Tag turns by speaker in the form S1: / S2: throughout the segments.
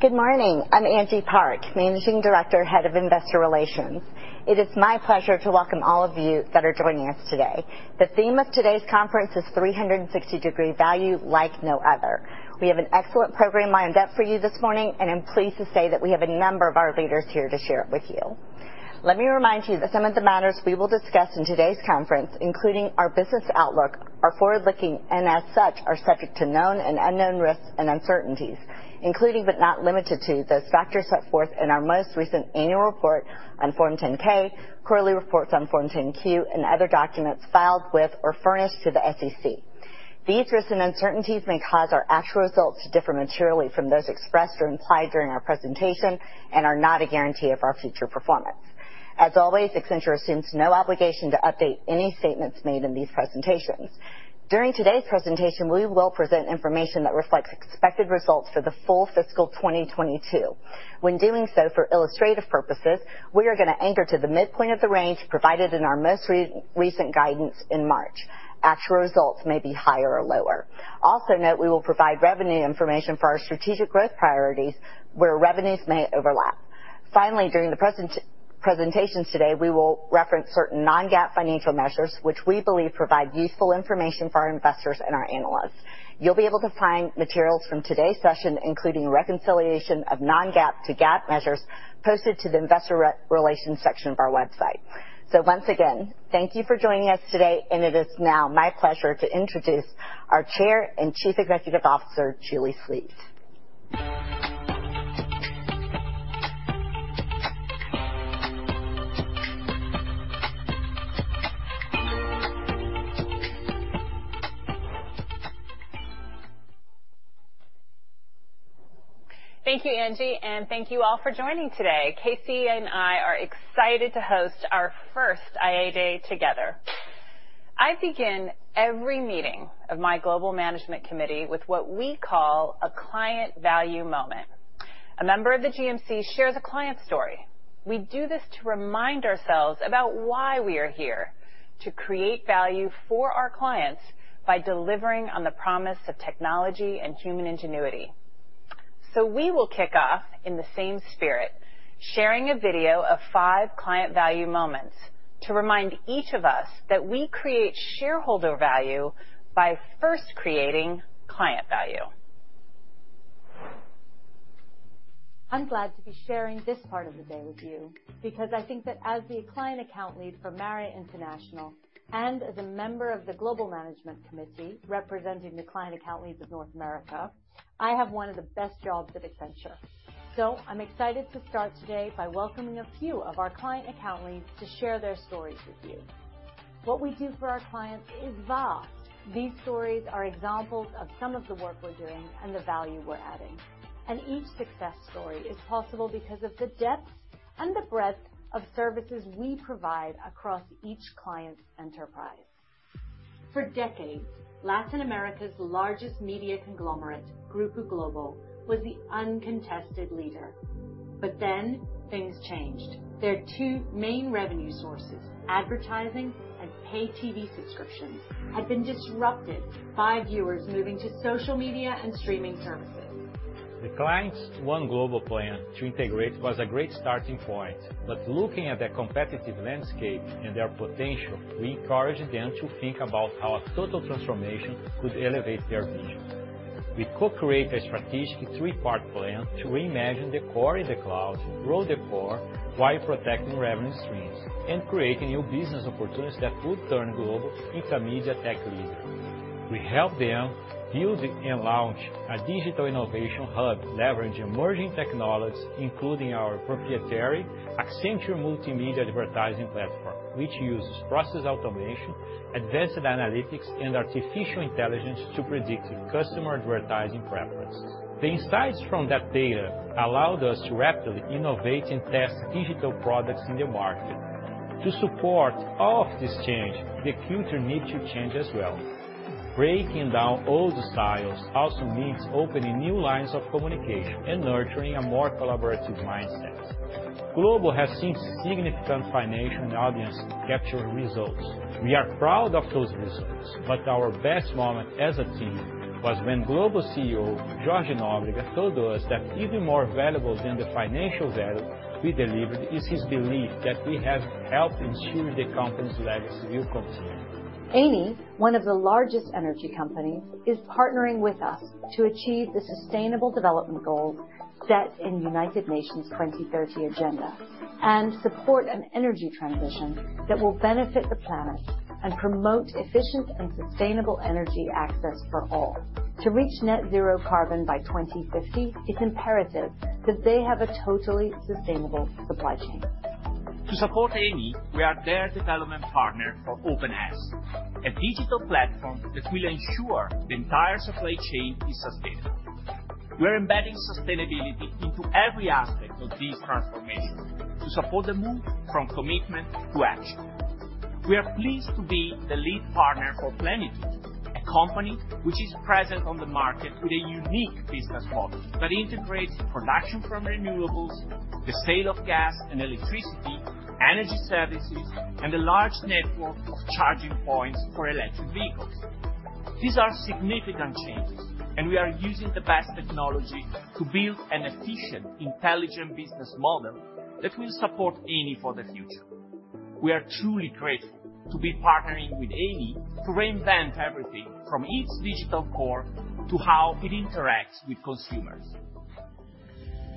S1: Good morning. I'm Angie Park, Managing Director, Head of Investor Relations. It is my pleasure to welcome all of you that are joining us today. The theme of today's conference is 360° Value, Like No Other. We have an excellent program lined up for you this morning, and I'm pleased to say that we have a number of our leaders here to share it with you. Let me remind you that some of the matters we will discuss in today's conference, including our business outlook, are forward-looking, and as such, are subject to known and unknown risks and uncertainties, including but not limited to those factors set forth in our most recent annual report on Form 10-K, quarterly reports on Form 10-Q, and other documents filed with or furnished to the SEC. These risks and uncertainties may cause our actual results to differ materially from those expressed or implied during our presentation and are not a guarantee of our future performance. As always, Accenture assumes no obligation to update any statements made in these presentations. During today's presentation, we will present information that reflects expected results for the full fiscal 2022. When doing so, for illustrative purposes, we are gonna anchor to the midpoint of the range provided in our most recent guidance in March. Actual results may be higher or lower. Also note we will provide revenue information for our strategic growth priorities where revenues may overlap. Finally, during the presentations today, we will reference certain non-GAAP financial measures which we believe provide useful information for our investors and our analysts. You'll be able to find materials from today's session, including reconciliation of non-GAAP to GAAP measures, posted to the investor relations section of our website. Once again, thank you for joining us today, and it is now my pleasure to introduce our Chair and Chief Executive Officer, Julie Sweet.
S2: Thank you, Angie, and thank you all for joining today. KC and I are excited to host our first IA day together. I begin every meeting of my Global Management Committee with what we call a client value moment. A member of the GMC shares a client story. We do this to remind ourselves about why we are here, to create value for our clients by delivering on the promise of technology and human ingenuity. We will kick off in the same spirit, sharing a video of five client value moments to remind each of us that we create shareholder value by first creating client value.
S3: I'm glad to be sharing this part of the day with you because I think that as the client account lead for Marriott International and as a member of the Global Management Committee representing the client account leads of North America, I have one of the best jobs at Accenture. I'm excited to start today by welcoming a few of our client account leads to share their stories with you. What we do for our clients is vast. These stories are examples of some of the work we're doing and the value we're adding. Each success story is possible because of the depth and the breadth of services we provide across each client's enterprise.
S4: For decades, Latin America's largest media conglomerate, Grupo Globo, was the uncontested leader. Things changed. Their two main revenue sources, advertising and paid TV subscriptions, had been disrupted by viewers moving to social media and streaming services.
S5: The client's one global plan to integrate was a great starting point. Looking at their competitive landscape and their potential, we encouraged them to think about how a total transformation could elevate their vision. We co-create a strategic three-part plan to reimagine the core in the cloud, grow the core while protecting revenue streams, and creating new business opportunities that would turn Globo into a media tech leader. We help them build and launch a digital innovation hub, leveraging emerging technologies, including our proprietary Accenture Multimedia Advertising Platform, which uses process automation, advanced analytics, and artificial intelligence to predict customer advertising preferences. The insights from that data allowed us to rapidly innovate and test digital products in the market. To support all of this change, the culture needs to change as well. Breaking down old silos also means opening new lines of communication and nurturing a more collaborative mindset. Globo has seen significant financial and audience capture results. We are proud of those results, but our best moment as a team was when Globo CEO, Jorge Nóbrega, told us that even more valuable than the financial value we delivered is his belief that we have helped ensure the company's legacy will continue.
S6: Eni, one of the largest energy companies, is partnering with us to achieve the sustainable development goals set in United Nations 2030 agenda and support an energy transition that will benefit the planet and promote efficient and sustainable energy access for all. To reach net zero carbon by 2050, it's imperative that they have a totally sustainable supply chain. To support Eni, we are their development partner for Open-es, a digital platform that will ensure the entire supply chain is sustainable. We're embedding sustainability into every aspect of this transformation to support the move from commitment to action. We are pleased to be the lead partner for Plenitude, a company which is present on the market with a unique business model that integrates production from renewables, the sale of gas and electricity, energy services, and a large network of charging points for electric vehicles. These are significant changes, and we are using the best technology to build an efficient, intelligent business model that will support Eni for the future. We are truly grateful to be partnering with Eni to reinvent everything from its digital core to how it interacts with consumers.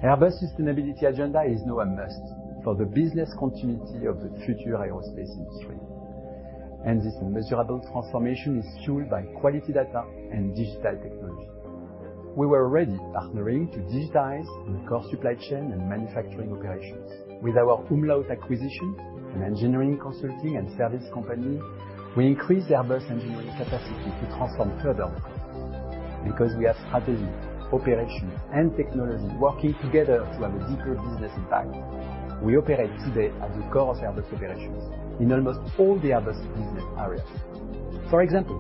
S7: Airbus sustainability agenda is now a must for the business continuity of the future aerospace industry. This measurable transformation is fueled by quality data and digital technology. We were already partnering to digitize the core supply chain and manufacturing operations. With our umlaut acquisition and engineering consulting and services company, we increased the Airbus engineering capacity to transform further. Because we have strategy, operations, and technology working together to have a deeper business impact, we operate today at the core of Airbus operations in almost all the Airbus business areas. For example,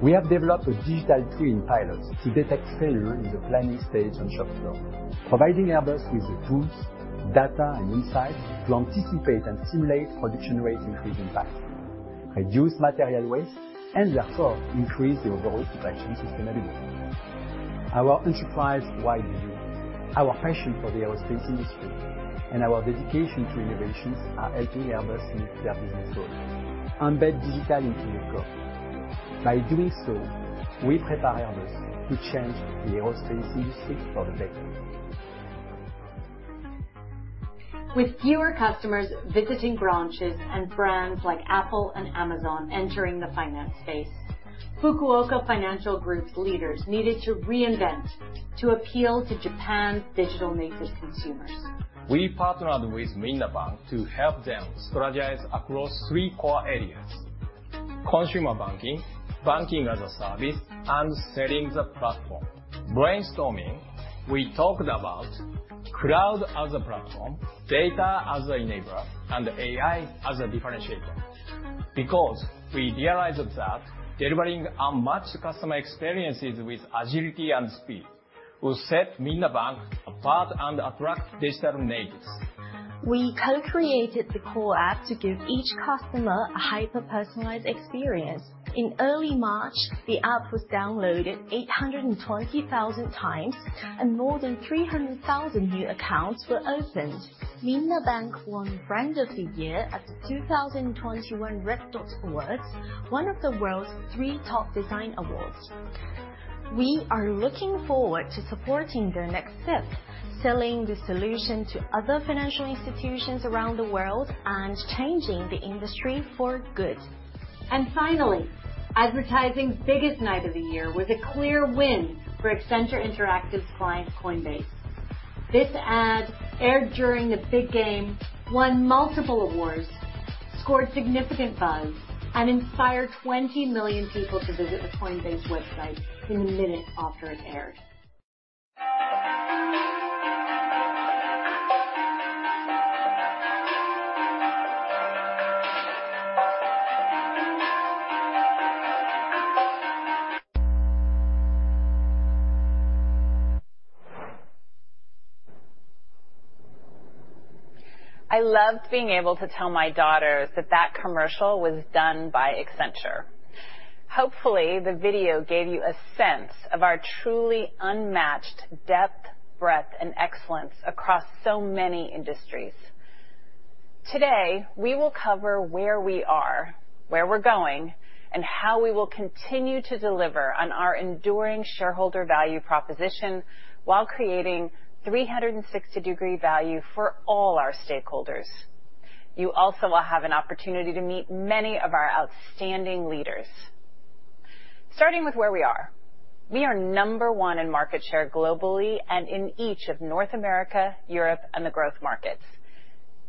S7: we have developed a digital twin pilot to detect failure in the planning stage on shop floor, providing Airbus with the tools, data, and insight to anticipate and simulate production rates increase impact, reduce material waste, and therefore, increase the overall supply chain sustainability. Our enterprise-wide view, our passion for the aerospace industry, and our dedication to innovations are helping Airbus meet their business goals. Embed digital into your core. By doing so, we prepare others to change the aerospace industry for the better.
S8: With fewer customers visiting branches and brands like Apple and Amazon entering the finance space, Fukuoka Financial Group's leaders needed to reinvent to appeal to Japan's digital native consumers.
S9: We partnered with Minna Bank to help them strategize across three core areas, consumer banking-as-a-service, and selling the platform. Brainstorming, we talked about cloud as a platform, data as the enabler, and AI as a differentiator. Because we realized that delivering unmatched customer experiences with agility and speed will set Minna Bank apart and attract digital natives.
S10: We co-created the core app to give each customer a hyper-personalized experience. In early March, the app was downloaded 820,000 times, and more than 300,000 new accounts were opened. Minna Bank won Brand of the Year at the 2021 Red Dot Awards, one of the world's three top design awards. We are looking forward to supporting their next step, selling the solution to other financial institutions around the world and changing the industry for good.
S11: Finally, advertising's biggest night of the year was a clear win for Accenture Interactive's client, Coinbase. This ad aired during the big game, won multiple awards, scored significant buzz, and inspired 20 million people to visit the Coinbase website in the minutes after it aired.
S2: I loved being able to tell my daughters that that commercial was done by Accenture. Hopefully, the video gave you a sense of our truly unmatched depth, breadth, and excellence across so many industries. Today, we will cover where we are, where we're going, and how we will continue to deliver on our enduring shareholder value proposition while creating 360° Value for all our stakeholders. You also will have an opportunity to meet many of our outstanding leaders. Starting with where we are. We are number one in market share globally and in each of North America, Europe, and the growth markets.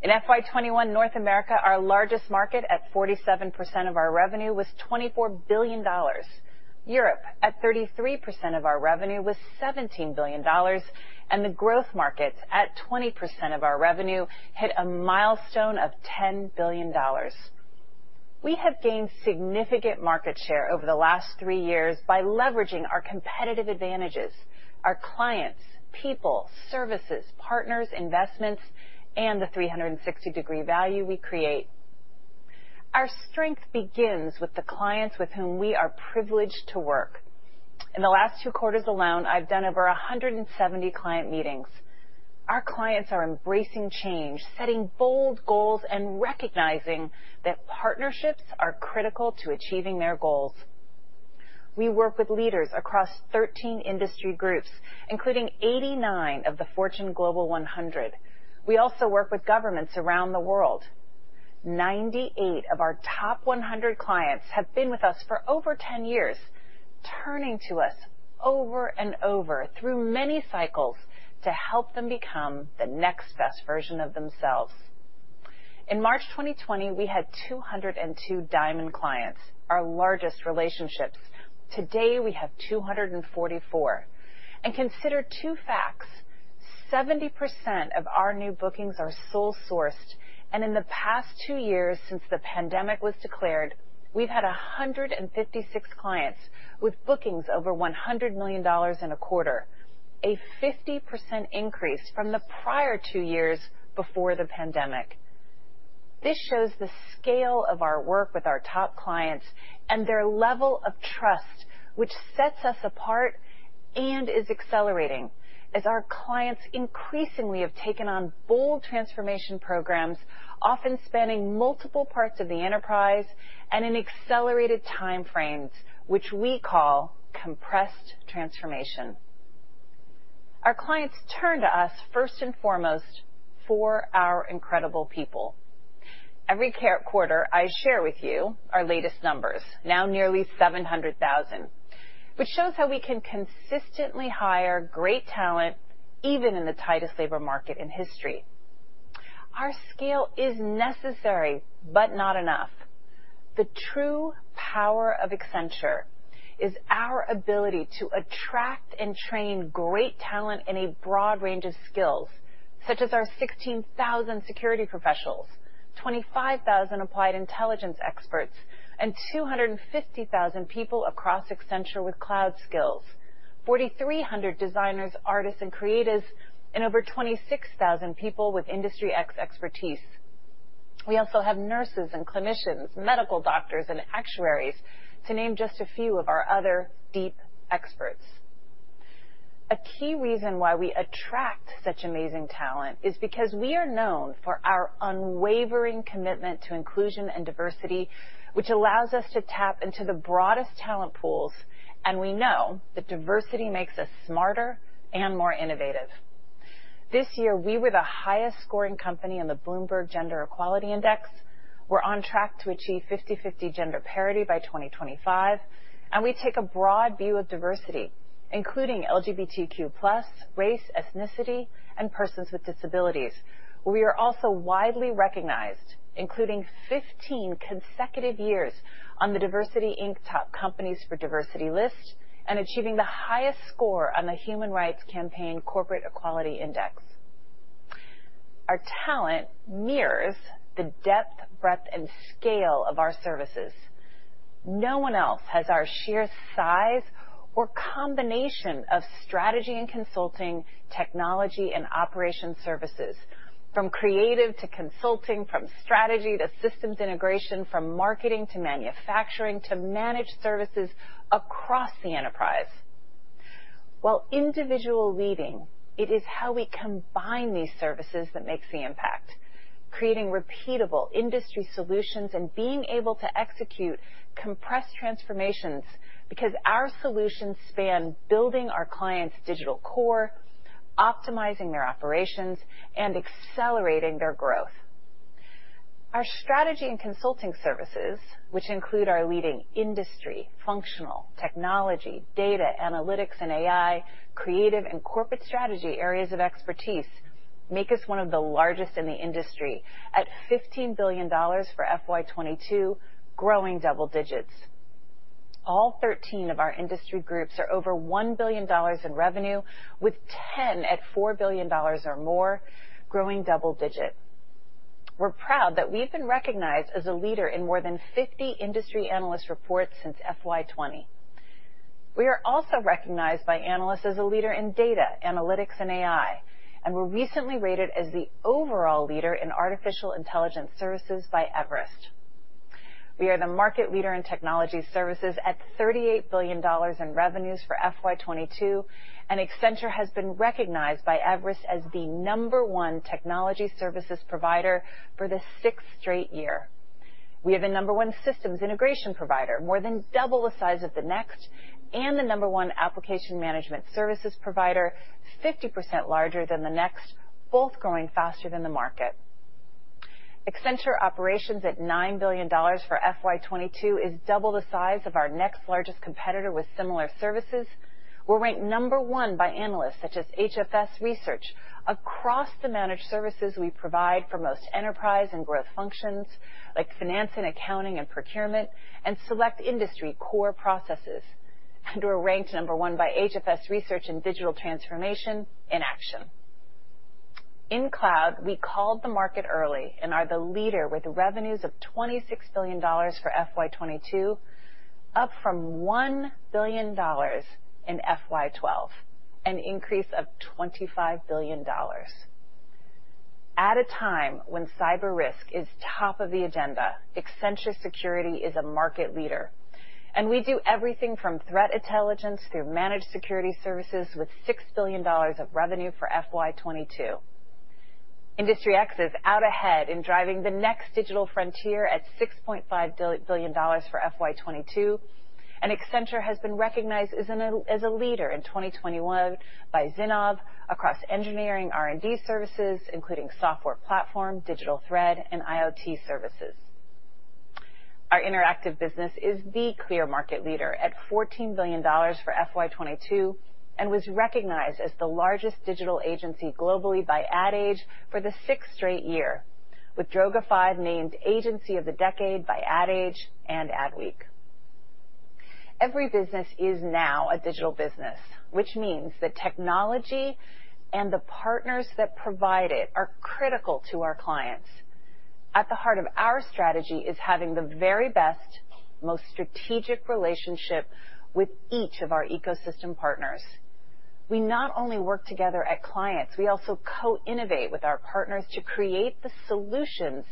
S2: In FY 2021, North America, our largest market at 47% of our revenue, was $24 billion. Europe, at 33% of our revenue, was $17 billion. The Growth Markets, at 20% of our revenue, hit a milestone of $10 billion. We have gained significant market share over the last three years by leveraging our competitive advantages, our clients, people, services, partners, investments, and the 360° Value we create. Our strength begins with the clients with whom we are privileged to work. In the last two quarters alone, I've done over 170 client meetings. Our clients are embracing change, setting bold goals, and recognizing that partnerships are critical to achieving their goals. We work with leaders across 13 industry groups, including 89 of the Fortune Global 100. We also work with governments around the world. 98 of our top 100 clients have been with us for over 10 years, turning to us over and over through many cycles to help them become the next best version of themselves. In March 2020, we had 202 Diamond clients, our largest relationships. Today, we have 244. Consider two facts: 70% of our new bookings are sole sourced. In the past two years since the pandemic was declared, we've had 156 clients with bookings over $100 million in a quarter, a 50% increase from the prior two years before the pandemic. This shows the scale of our work with our top clients and their level of trust, which sets us apart and is accelerating as our clients increasingly have taken on bold transformation programs, often spanning multiple parts of the enterprise and in accelerated time frames, which we call compressed transformation. Our clients turn to us first and foremost for our incredible people. Every quarter, I share with you our latest numbers, now nearly 700,000, which shows how we can consistently hire great talent even in the tightest labor market in history. Our scale is necessary but not enough. The true power of Accenture is our ability to attract and train great talent in a broad range of skills, such as our 16,000 security professionals, 25,000 Applied Intelligence experts, and 250,000 people across Accenture with cloud skills, 4,300 designers, artists and creatives, and over 26,000 people with Industry X expertise. We also have nurses and clinicians, medical doctors and actuaries to name just a few of our other deep experts. A key reason why we attract such amazing talent is because we are known for our unwavering commitment to inclusion and diversity, which allows us to tap into the broadest talent pools, and we know that diversity makes us smarter and more innovative. This year, we were the highest-scoring company on the Bloomberg Gender-Equality Index. We're on track to achieve 50/50 gender parity by 2025, and we take a broad view of diversity, including LGBTQ+, race, ethnicity, and persons with disabilities. We are also widely recognized, including 15 consecutive years on the DiversityInc Top Companies for Diversity list and achieving the highest score on the Human Rights Campaign Corporate Equality Index. Our talent mirrors the depth, breadth, and scale of our services. No one else has our sheer size or combination of strategy and consulting, technology and operations services, from creative to consulting, from strategy to systems integration, from marketing to manufacturing to managed services across the enterprise. While individually leading, it is how we combine these services that makes the impact, creating repeatable industry solutions and being able to execute compressed transformations because our solutions span building our clients' digital core, optimizing their operations, and accelerating their growth. Our strategy and consulting services, which include our leading industry, functional, technology, data, analytics and AI, creative and corporate strategy areas of expertise, make us one of the largest in the industry at $15 billion for FY 2022, growing double digits. All 13 of our industry groups are over $1 billion in revenue, with 10 at $4 billion or more, growing double digit. We're proud that we've been recognized as a leader in more than 50 industry analyst reports since FY 2020. We are also recognized by analysts as a leader in data, analytics, and AI, and we're recently rated as the overall leader in artificial intelligence services by Everest. We are the market leader in technology services at $38 billion in revenues for FY 2022, and Accenture has been recognized by Everest as the number one technology services provider for the sixth straight year. We are the number one systems integration provider, more than double the size of the next, and the number one application management services provider, 50% larger than the next, both growing faster than the market. Accenture Operations at $9 billion for FY 2022 is double the size of our next largest competitor with similar services. We're ranked number one by analysts such as HFS Research across the managed services we provide for most enterprise and growth functions like finance & accounting and procurement and select industry core processes. We're ranked number one by HFS Research in digital transformation in action. In cloud, we called the market early and are the leader with revenues of $26 billion for FY 2022, up from $1 billion in FY 2012, an increase of $25 billion. At a time when cyber risk is top of the agenda, Accenture Security is a market leader, and we do everything from threat intelligence through managed security services with $6 billion of revenue for FY 2022. Industry X is out ahead in driving the next digital frontier at $6.5 billion for FY 2022, and Accenture has been recognized as a leader in 2021 by Zinnov across engineering R&D services, including software platform, digital thread, and IoT services. Our interactive business is the clear market leader at $14 billion for FY 2022 and was recognized as the largest digital agency globally by Ad Age for the sixth straight year, with Droga5 named Agency of the Decade by Ad Age and Adweek. Every business is now a digital business, which means that technology and the partners that provide it are critical to our clients. At the heart of our strategy is having the very best, most strategic relationship with each of our ecosystem partners. We not only work together at clients, we also co-innovate with our partners to create the solutions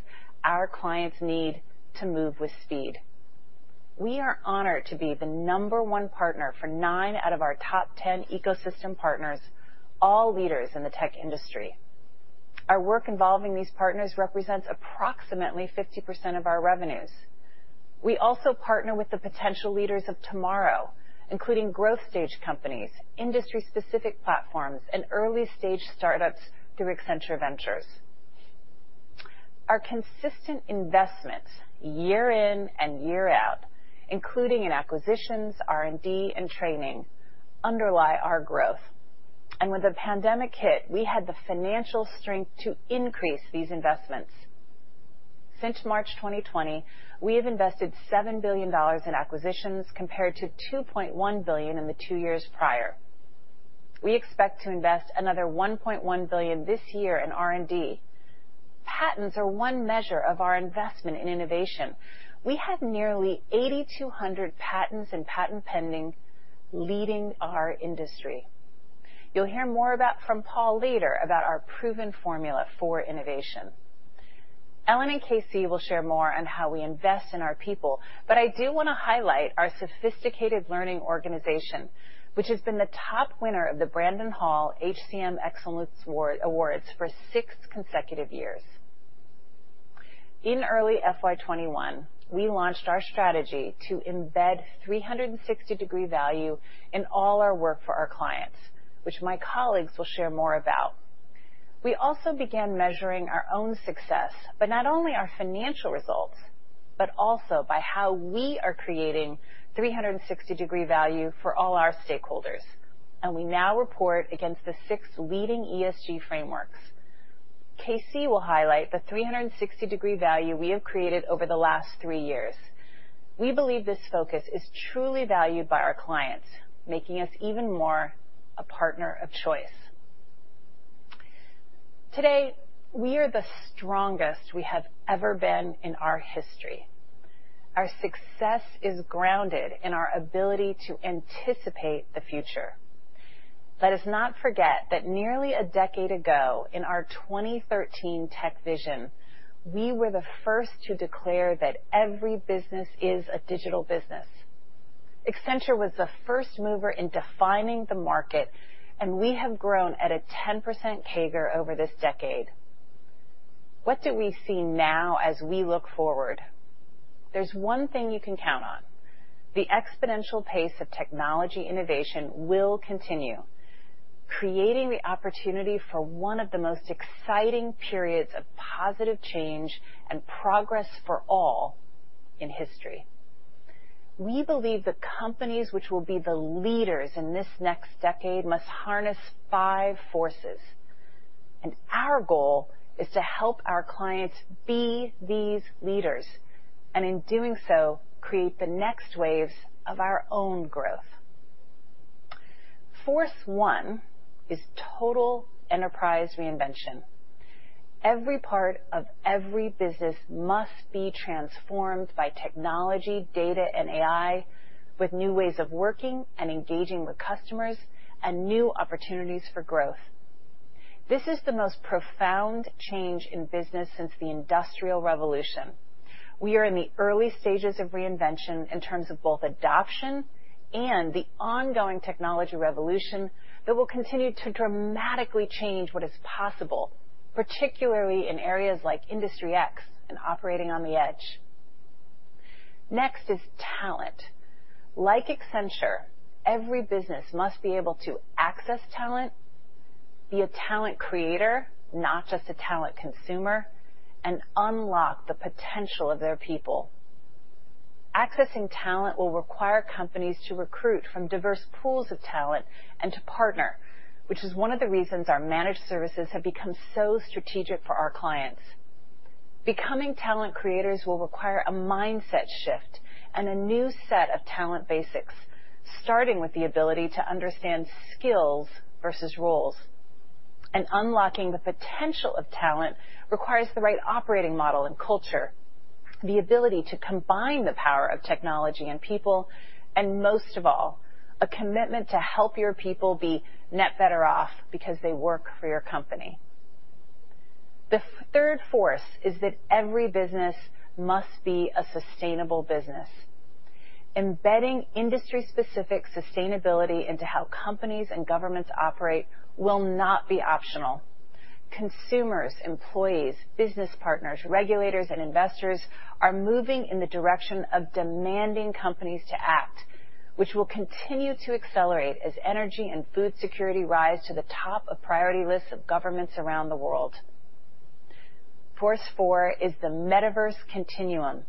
S2: our clients need to move with speed. We are honored to be the number one partner for nine out of our top 10 ecosystem partners, all leaders in the tech industry. Our work involving these partners represents approximately 50% of our revenues. We also partner with the potential leaders of tomorrow, including growth stage companies, industry specific platforms, and early-stage startups through Accenture Ventures. Our consistent investments year in and year out, including in acquisitions, R&D, and training, underlie our growth. When the pandemic hit, we had the financial strength to increase these investments. Since March 2020, we have invested $7 billion in acquisitions compared to $2.1 billion in the two years prior. We expect to invest another $1.1 billion this year in R&D. Patents are one measure of our investment in innovation. We have nearly 8,200 patents and patent-pending leading our industry. You'll hear more about from Paul later about our proven formula for innovation. Ellyn and KC will share more on how we invest in our people, but I do wanna highlight our sophisticated learning organization, which has been the top winner of the Brandon Hall Group HCM Excellence Awards for six consecutive years. In early FY 2021, we launched our strategy to embed 360° Value in all our work for our clients, which my colleagues will share more about. We also began measuring our own success, but not only our financial results, but also by how we are creating 360° Value for all our stakeholders, and we now report against the six leading ESG frameworks. KC will highlight the 360° Value we have created over the last three years. We believe this focus is truly valued by our clients, making us even more a partner of choice. Today, we are the strongest we have ever been in our history. Our success is grounded in our ability to anticipate the future. Let us not forget that nearly a decade ago, in our 2013 Tech Vision, we were the first to declare that every business is a digital business. Accenture was the first mover in defining the market, and we have grown at a 10% CAGR over this decade. What do we see now as we look forward? There's one thing you can count on. The exponential pace of technology innovation will continue, creating the opportunity for one of the most exciting periods of positive change and progress for all in history. We believe the companies which will be the leaders in this next decade must harness five forces, and our goal is to help our clients be these leaders, and in doing so, create the next waves of our own growth. Force one is total enterprise reinvention. Every part of every business must be transformed by technology, data, and AI with new ways of working and engaging with customers and new opportunities for growth. This is the most profound change in business since the Industrial Revolution. We are in the early stages of reinvention in terms of both adoption and the ongoing technology revolution that will continue to dramatically change what is possible, particularly in areas like Industry X and operating on the edge. Next is talent. Like Accenture, every business must be able to access talent, be a talent creator, not just a talent consumer, and unlock the potential of their people. Accessing talent will require companies to recruit from diverse pools of talent and to partner, which is one of the reasons our managed services have become so strategic for our clients. Becoming talent creators will require a mindset shift and a new set of talent basics, starting with the ability to understand skills versus roles. Unlocking the potential of talent requires the right operating model and culture, the ability to combine the power of technology and people, and most of all, a commitment to help your people be net better off because they work for your company. The third force is that every business must be a sustainable business. Embedding industry-specific sustainability into how companies and governments operate will not be optional. Consumers, employees, business partners, regulators, and investors are moving in the direction of demanding companies to act, which will continue to accelerate as energy and food security rise to the top of priority lists of governments around the world. Force four is the Metaverse Continuum,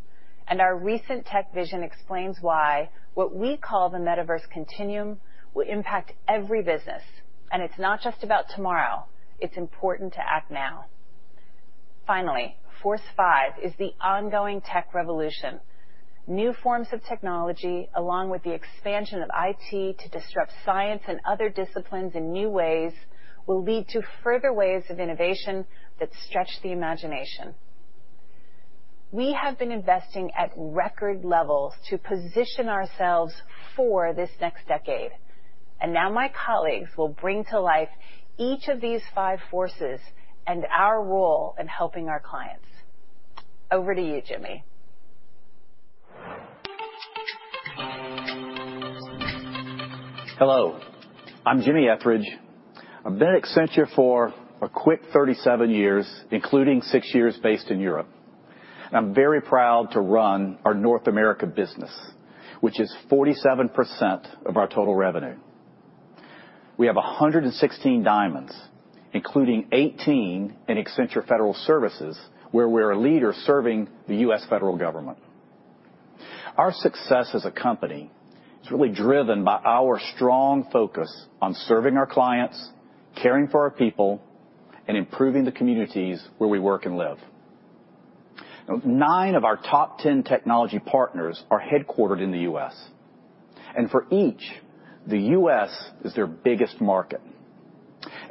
S2: and our recent Tech Vision explains why what we call the Metaverse Continuum will impact every business. It's not just about tomorrow, it's important to act now. Finally, force five is the ongoing tech revolution. New forms of technology, along with the expansion of IT to disrupt science and other disciplines in new ways, will lead to further waves of innovation that stretch the imagination. We have been investing at record levels to position ourselves for this next decade. Now my colleagues will bring to life each of these five forces and our role in helping our clients. Over to you, Jimmy.
S12: Hello, I'm James Etheredge. I've been at Accenture for a quick 37 years, including 6 years based in Europe. I'm very proud to run our North America business, which is 47% of our total revenue. We have 116 Diamonds, including 18 in Accenture Federal Services, where we're a leader serving the U.S. federal government. Our success as a company is really driven by our strong focus on serving our clients, caring for our people, and improving the communities where we work and live. Nine of our top 10 technology partners are headquartered in the U.S. For each, the U.S. is their biggest market.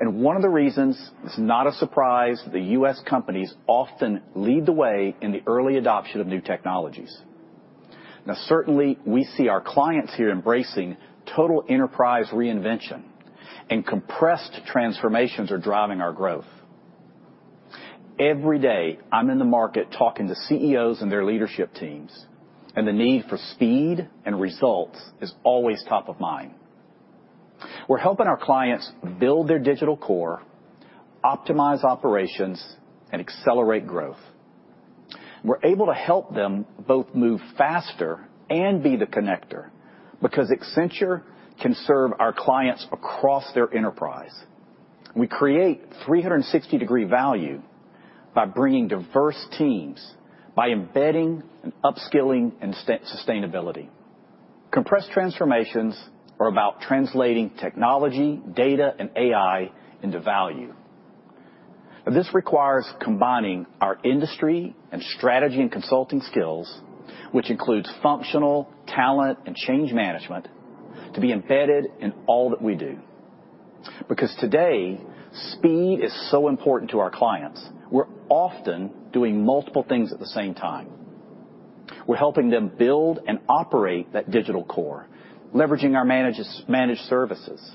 S12: One of the reasons it's not a surprise the U.S. companies often lead the way in the early adoption of new technologies. Now, certainly, we see our clients here embracing total enterprise reinvention, and compressed transformations are driving our growth. Every day, I'm in the market talking to CEOs and their leadership teams, and the need for speed and results is always top of mind. We're helping our clients build their digital core, optimize operations, and accelerate growth. We're able to help them both move faster and be the connector because Accenture can serve our clients across their enterprise. We create 360° Value by bringing diverse teams, by embedding and upskilling and sustainability. Compressed transformations are about translating technology, data, and AI into value. This requires combining our industry and strategy and consulting skills, which includes functional talent and change management, to be embedded in all that we do. Because today, speed is so important to our clients, we're often doing multiple things at the same time. We're helping them build and operate that digital core, leveraging our managed services.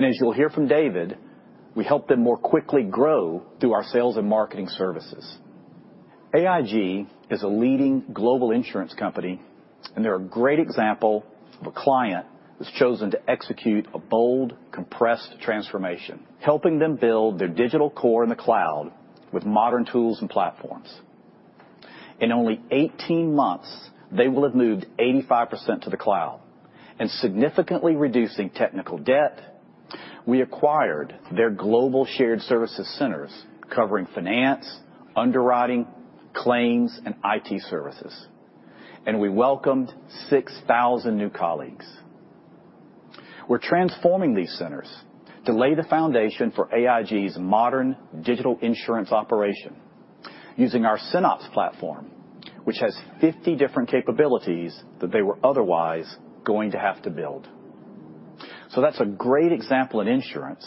S12: As you'll hear from David, we help them more quickly grow through our sales and marketing services. AIG is a leading global insurance company, and they're a great example of a client that's chosen to execute a bold, compressed transformation, helping them build their digital core in the cloud with modern tools and platforms. In only 18 months, they will have moved 85% to the cloud. Significantly reducing technical debt, we acquired their global shared services centers covering finance, underwriting, claims, and IT services. We welcomed 6,000 new colleagues. We're transforming these centers to lay the foundation for AIG's modern digital insurance operation using our SynOps platform, which has 50 different capabilities that they were otherwise going to have to build. That's a great example in insurance.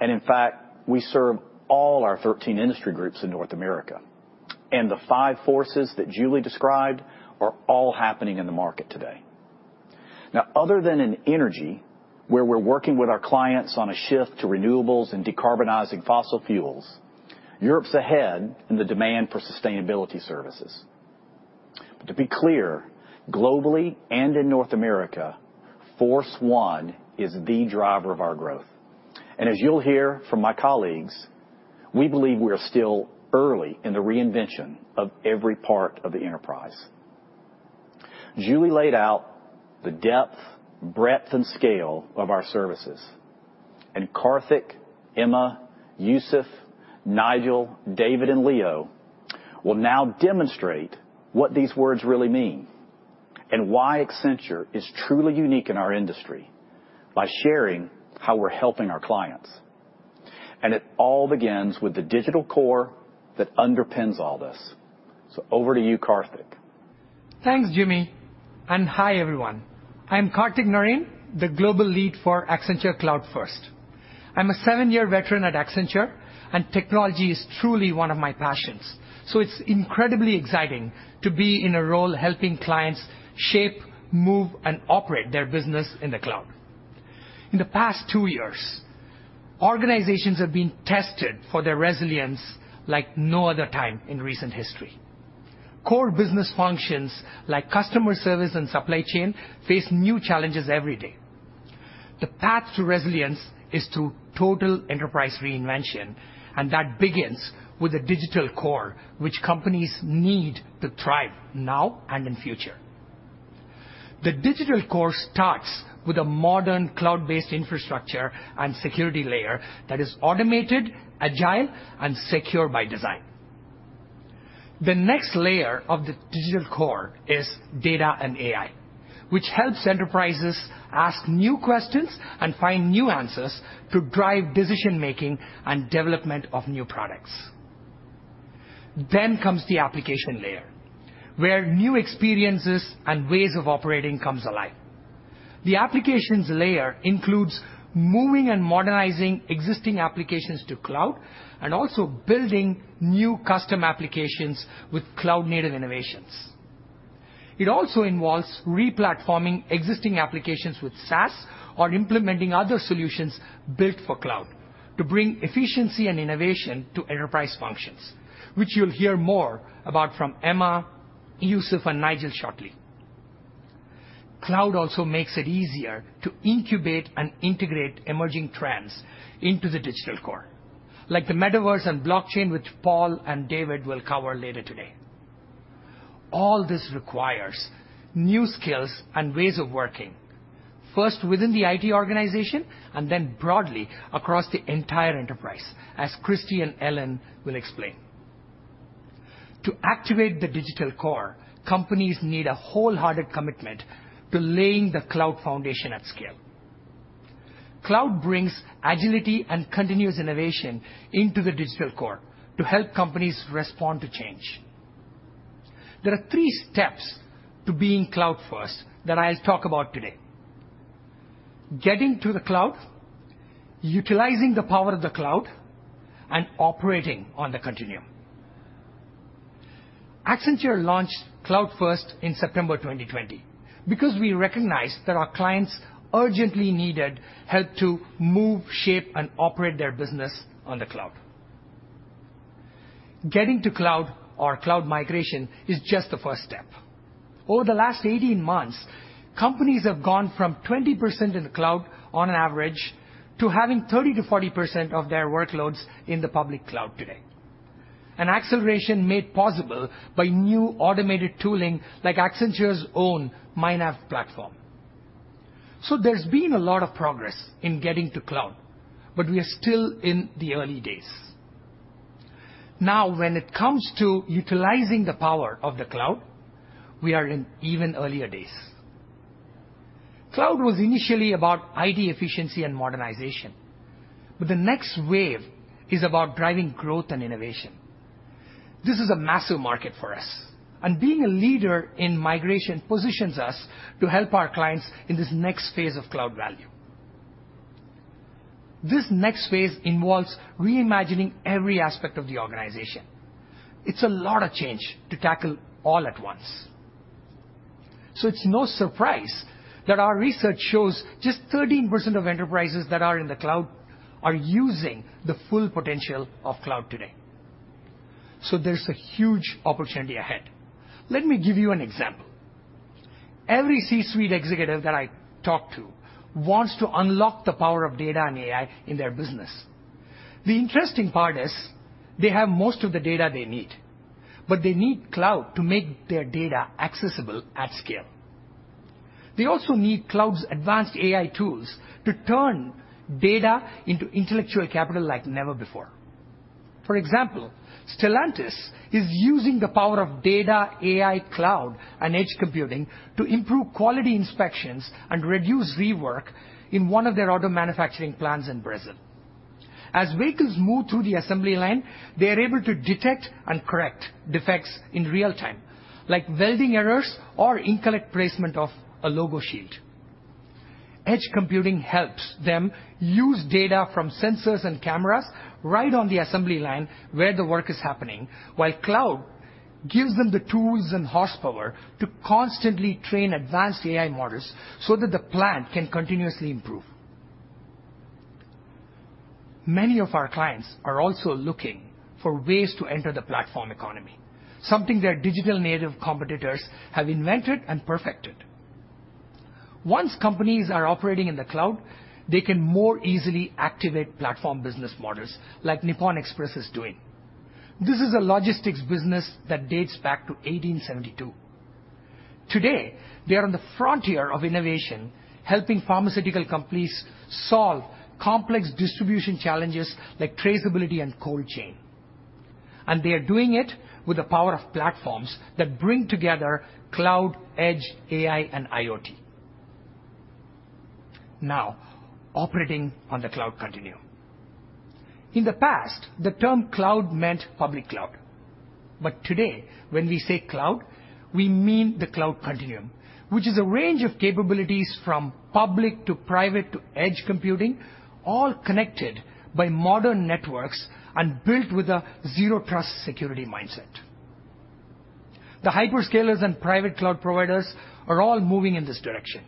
S12: In fact, we serve all our 13 industry groups in North America. The five forces that Julie described are all happening in the market today. Now, other than in energy, where we're working with our clients on a shift to renewables and decarbonizing fossil fuels, Europe's ahead in the demand for sustainability services. To be clear, globally and in North America, force one is the driver of our growth. As you'll hear from my colleagues, we believe we are still early in the reinvention of every part of the enterprise. Julie laid out the depth, breadth, and scale of our services. Karthik, Emma, Yusuf, Nigel, David, and Leo will now demonstrate what these words really mean and why Accenture is truly unique in our industry by sharing how we're helping our clients. It all begins with the digital core that underpins all this. Over to you, Karthik.
S13: Thanks, Jimmy. Hi, everyone. I'm Karthik Narain, the Global Lead for Accenture Cloud First. I'm a seven-year veteran at Accenture, technology is truly one of my passions. It's incredibly exciting to be in a role helping clients shape, move, and operate their business in the cloud. In the past two years, organizations have been tested for their resilience like no other time in recent history. Core business functions like customer service and supply chain face new challenges every day. The path to resilience is through total enterprise reinvention, that begins with a digital core which companies need to thrive now and in future. The digital core starts with a modern cloud-based infrastructure and security layer that is automated, agile, and secure by design. The next layer of the digital core is data and AI, which helps enterprises ask new questions and find new answers to drive decision-making and development of new products. The application layer, where new experiences and ways of operating comes alive. The applications layer includes moving and modernizing existing applications to cloud and also building new custom applications with cloud-native innovations. It also involves re-platforming existing applications with SaaS or implementing other solutions built for cloud to bring efficiency and innovation to enterprise functions, which you'll hear more about from Emma, Yusuf, and Nigel shortly. Cloud also makes it easier to incubate and integrate emerging trends into the digital core, like the metaverse and blockchain, which Paul and David will cover later today. All this requires new skills and ways of working, first within the IT organization and then broadly across the entire enterprise, as Christie and Ellyn will explain. To activate the digital core, companies need a wholehearted commitment to laying the cloud foundation at scale. Cloud brings agility and continuous innovation into the digital core to help companies respond to change. There are three steps to being Cloud First that I'll talk about today. Getting to the cloud, utilizing the power of the cloud, and operating on the continuum. Accenture launched Cloud First in September 2020 because we recognized that our clients urgently needed help to move, shape, and operate their business on the cloud. Getting to cloud or cloud migration is just the first step. Over the last 18 months, companies have gone from 20% in the cloud on an average to having 30%-40% of their workloads in the public cloud today. An acceleration made possible by new automated tooling like Accenture's own myNav platform. There's been a lot of progress in getting to cloud, but we are still in the early days. Now, when it comes to utilizing the power of the cloud, we are in even earlier days. Cloud was initially about IT efficiency and modernization, but the next wave is about driving growth and innovation. This is a massive market for us, and being a leader in migration positions us to help our clients in this next phase of cloud value. This next phase involves reimagining every aspect of the organization. It's a lot of change to tackle all at once. It's no surprise that our research shows just 13% of enterprises that are in the cloud are using the full potential of cloud today. There's a huge opportunity ahead. Let me give you an example. Every C-suite executive that I talk to wants to unlock the power of data and AI in their business. The interesting part is they have most of the data they need, but they need cloud to make their data accessible at scale. They also need cloud's advanced AI tools to turn data into intellectual capital like never before. For example, Stellantis is using the power of data, AI, cloud, and edge computing to improve quality inspections and reduce rework in one of their auto manufacturing plants in Brazil. As vehicles move through the assembly line, they are able to detect and correct defects in real time, like welding errors or incorrect placement of a logo sheet. Edge computing helps them use data from sensors and cameras right on the assembly line where the work is happening, while cloud gives them the tools and horsepower to constantly train advanced AI models so that the plant can continuously improve. Many of our clients are also looking for ways to enter the platform economy, something their digital-native competitors have invented and perfected. Once companies are operating in the cloud, they can more easily activate platform business models like Nippon Express is doing. This is a logistics business that dates back to 1872. Today, they are on the frontier of innovation, helping pharmaceutical companies solve complex distribution challenges like traceability and cold chain. They are doing it with the power of platforms that bring together cloud, edge, AI, and IoT. Now, operating on the Cloud Continuum. In the past, the term cloud meant public cloud. Today, when we say cloud, we mean the Cloud Continuum, which is a range of capabilities from public to private to edge computing, all connected by modern networks and built with a zero-trust security mindset. The hyperscalers and private cloud providers are all moving in this direction.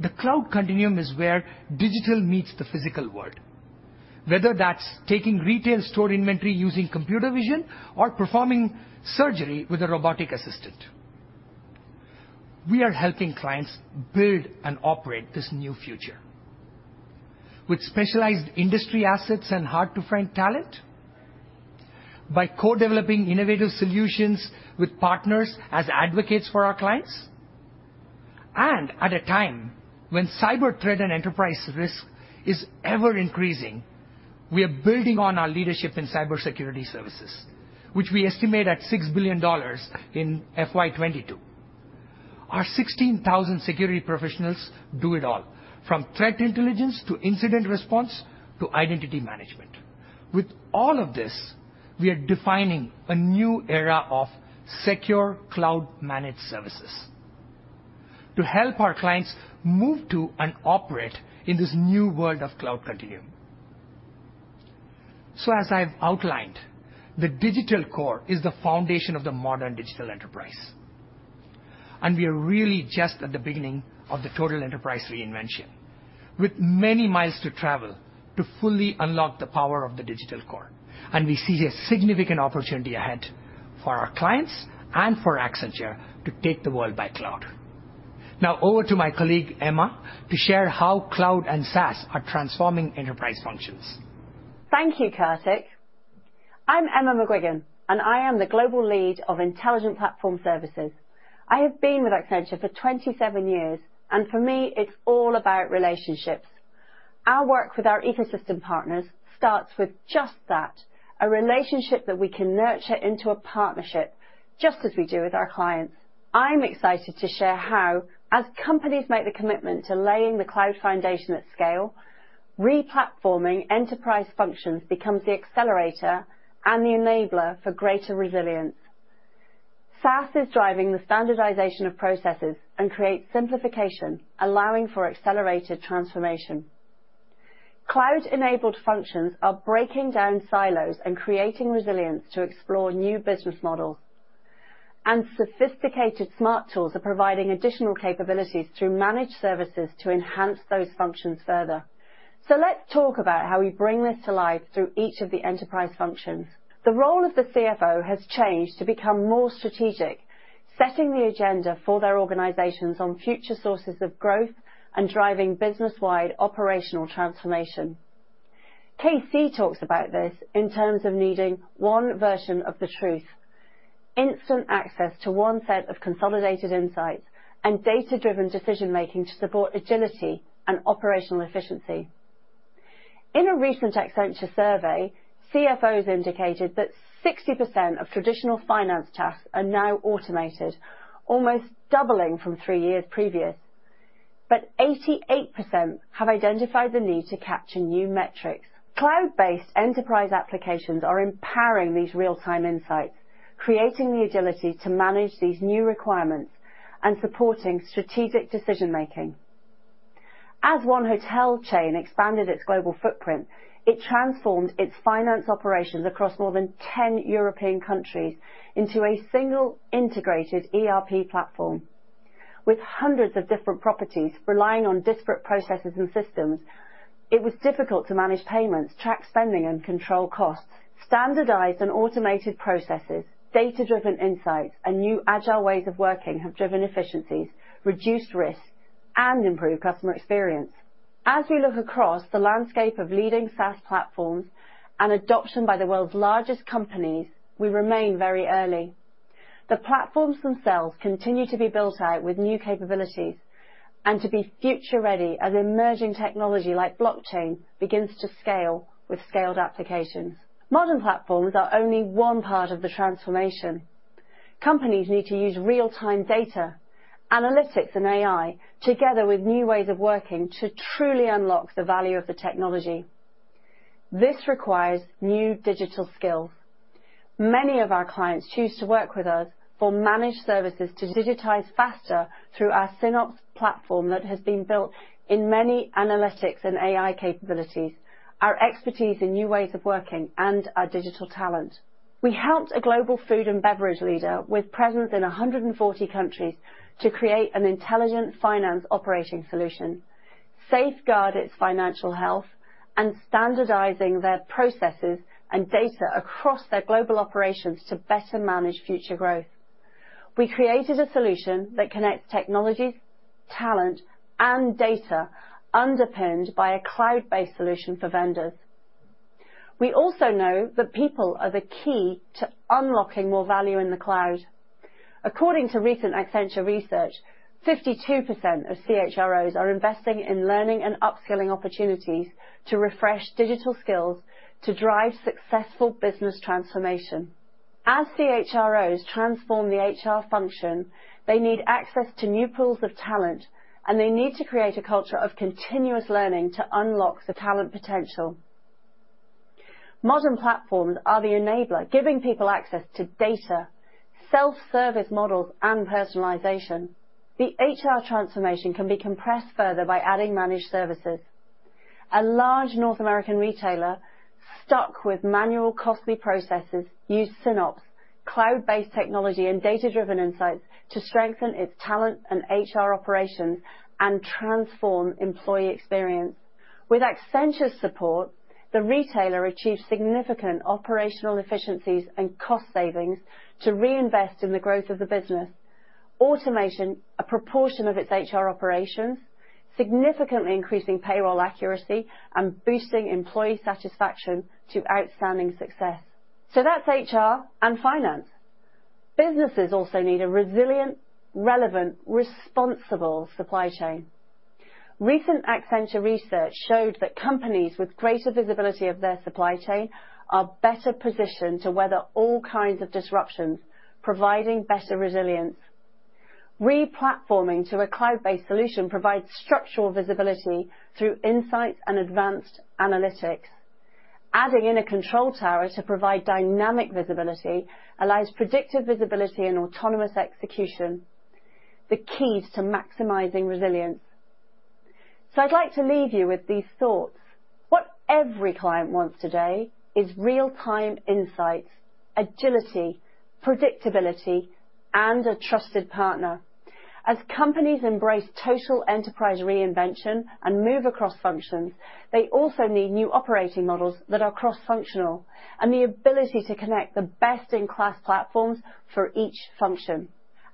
S13: The Cloud Continuum is where digital meets the physical world, whether that's taking retail store inventory using computer vision or performing surgery with a robotic assistant. We are helping clients build and operate this new future with specialized industry assets and hard-to-find talent, by co-developing innovative solutions with partners as advocates for our clients, and at a time when cyber threat and enterprise risk is ever-increasing, we are building on our leadership in cybersecurity services, which we estimate at $6 billion in FY 2022. Our 16,000 security professionals do it all, from threat intelligence to incident response to identity management. With all of this, we are defining a new era of secure cloud-managed services to help our clients move to and operate in this new world of Cloud Continuum. As I've outlined, the digital core is the foundation of the modern digital enterprise, and we are really just at the beginning of the total enterprise reinvention, with many miles to travel to fully unlock the power of the digital core. We see a significant opportunity ahead for our clients and for Accenture to take the world by cloud. Now over to my colleague, Emma, to share how cloud and SaaS are transforming enterprise functions.
S14: Thank you, Karthik. I'm Emma McGuigan, and I am the Global Lead of Intelligent Platform Services. I have been with Accenture for 27 years, and for me, it's all about relationships. Our work with our ecosystem partners starts with just that, a relationship that we can nurture into a partnership, just as we do with our clients. I'm excited to share how, as companies make the commitment to laying the cloud foundation at scale, re-platforming enterprise functions becomes the accelerator and the enabler for greater resilience. SaaS is driving the standardization of processes and creates simplification, allowing for accelerated transformation. Cloud-enabled functions are breaking down silos and creating resilience to explore new business models. And sophisticated smart tools are providing additional capabilities through managed services to enhance those functions further. Let's talk about how we bring this to life through each of the enterprise functions. The role of the CFO has changed to become more strategic, setting the agenda for their organizations on future sources of growth and driving business-wide operational transformation. KC talks about this in terms of needing one version of the truth, instant access to one set of consolidated insights, and data-driven decision-making to support agility and operational efficiency. In a recent Accenture survey, CFOs indicated that 60% of traditional finance tasks are now automated, almost doubling from three years previous. 88% have identified the need to capture new metrics. Cloud-based enterprise applications are empowering these real-time insights, creating the agility to manage these new requirements and supporting strategic decision-making. As one hotel chain expanded its global footprint, it transformed its finance operations across more than 10 European countries into a single integrated ERP platform. With hundreds of different properties relying on disparate processes and systems, it was difficult to manage payments, track spending, and control costs. Standardized and automated processes, data-driven insights, and new agile ways of working have driven efficiencies, reduced risks, and improved customer experience. As we look across the landscape of leading SaaS platforms and adoption by the world's largest companies, we remain very early. The platforms themselves continue to be built out with new capabilities and to be future-ready as emerging technology like blockchain begins to scale with scaled applications. Modern platforms are only one part of the transformation. Companies need to use real-time data, analytics, and AI together with new ways of working to truly unlock the value of the technology. This requires new digital skills. Many of our clients choose to work with us for managed services to digitize faster through our SynOps platform that has been built in many analytics and AI capabilities, our expertise in new ways of working, and our digital talent. We helped a global food and beverage leader with presence in 140 countries to create an intelligent finance operating solution, safeguard its financial health, and standardizing their processes and data across their global operations to better manage future growth. We created a solution that connects technologies, talent, and data underpinned by a cloud-based solution for vendors. We also know that people are the key to unlocking more value in the cloud. According to recent Accenture research, 52% of CHROs are investing in learning and upskilling opportunities to refresh digital skills to drive successful business transformation. As CHROs transform the HR function, they need access to new pools of talent, and they need to create a culture of continuous learning to unlock the talent potential. Modern platforms are the enabler, giving people access to data, self-service models, and personalization. The HR transformation can be compressed further by adding managed services. A large North American retailer stuck with manual costly processes used SynOps cloud-based technology and data-driven insights to strengthen its talent and HR operations and transform employee experience. With Accenture's support, the retailer achieved significant operational efficiencies and cost savings to reinvest in the growth of the business, automation, a proportion of its HR operations, significantly increasing payroll accuracy, and boosting employee satisfaction to outstanding success. That's HR and finance. Businesses also need a resilient, relevant, responsible supply chain. Recent Accenture research showed that companies with greater visibility of their supply chain are better positioned to weather all kinds of disruptions, providing better resilience. Replatforming to a cloud-based solution provides structural visibility through insights and advanced analytics. Adding in a control tower to provide dynamic visibility allows predictive visibility and autonomous execution, the keys to maximizing resilience. I'd like to leave you with these thoughts. What every client wants today is real-time insights, agility, predictability, and a trusted partner. As companies embrace total enterprise reinvention and move across functions, they also need new operating models that are cross-functional, and the ability to connect the best-in-class platforms for each function.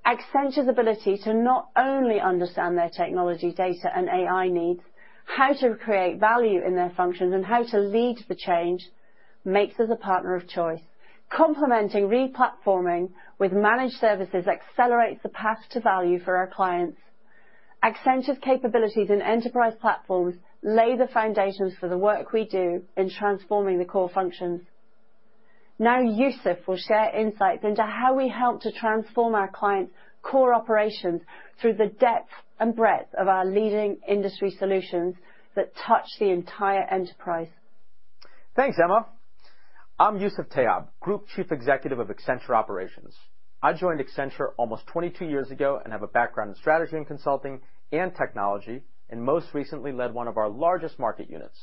S14: Accenture's ability to not only understand their technology data and AI needs, how to create value in their functions, and how to lead the change, makes us a partner of choice. Complementing replatforming with managed services accelerates the path to value for our clients. Accenture's capabilities in enterprise platforms lay the foundations for the work we do in transforming the core functions. Now Yusuf will share insights into how we help to transform our clients' core operations through the depth and breadth of our leading industry solutions that touch the entire enterprise.
S15: Thanks, Emma. I'm Yusuf Tayob, Group Chief Executive of Accenture Operations. I joined Accenture almost 22 years ago and have a background in strategy and consulting and technology, and most recently led one of our largest market units.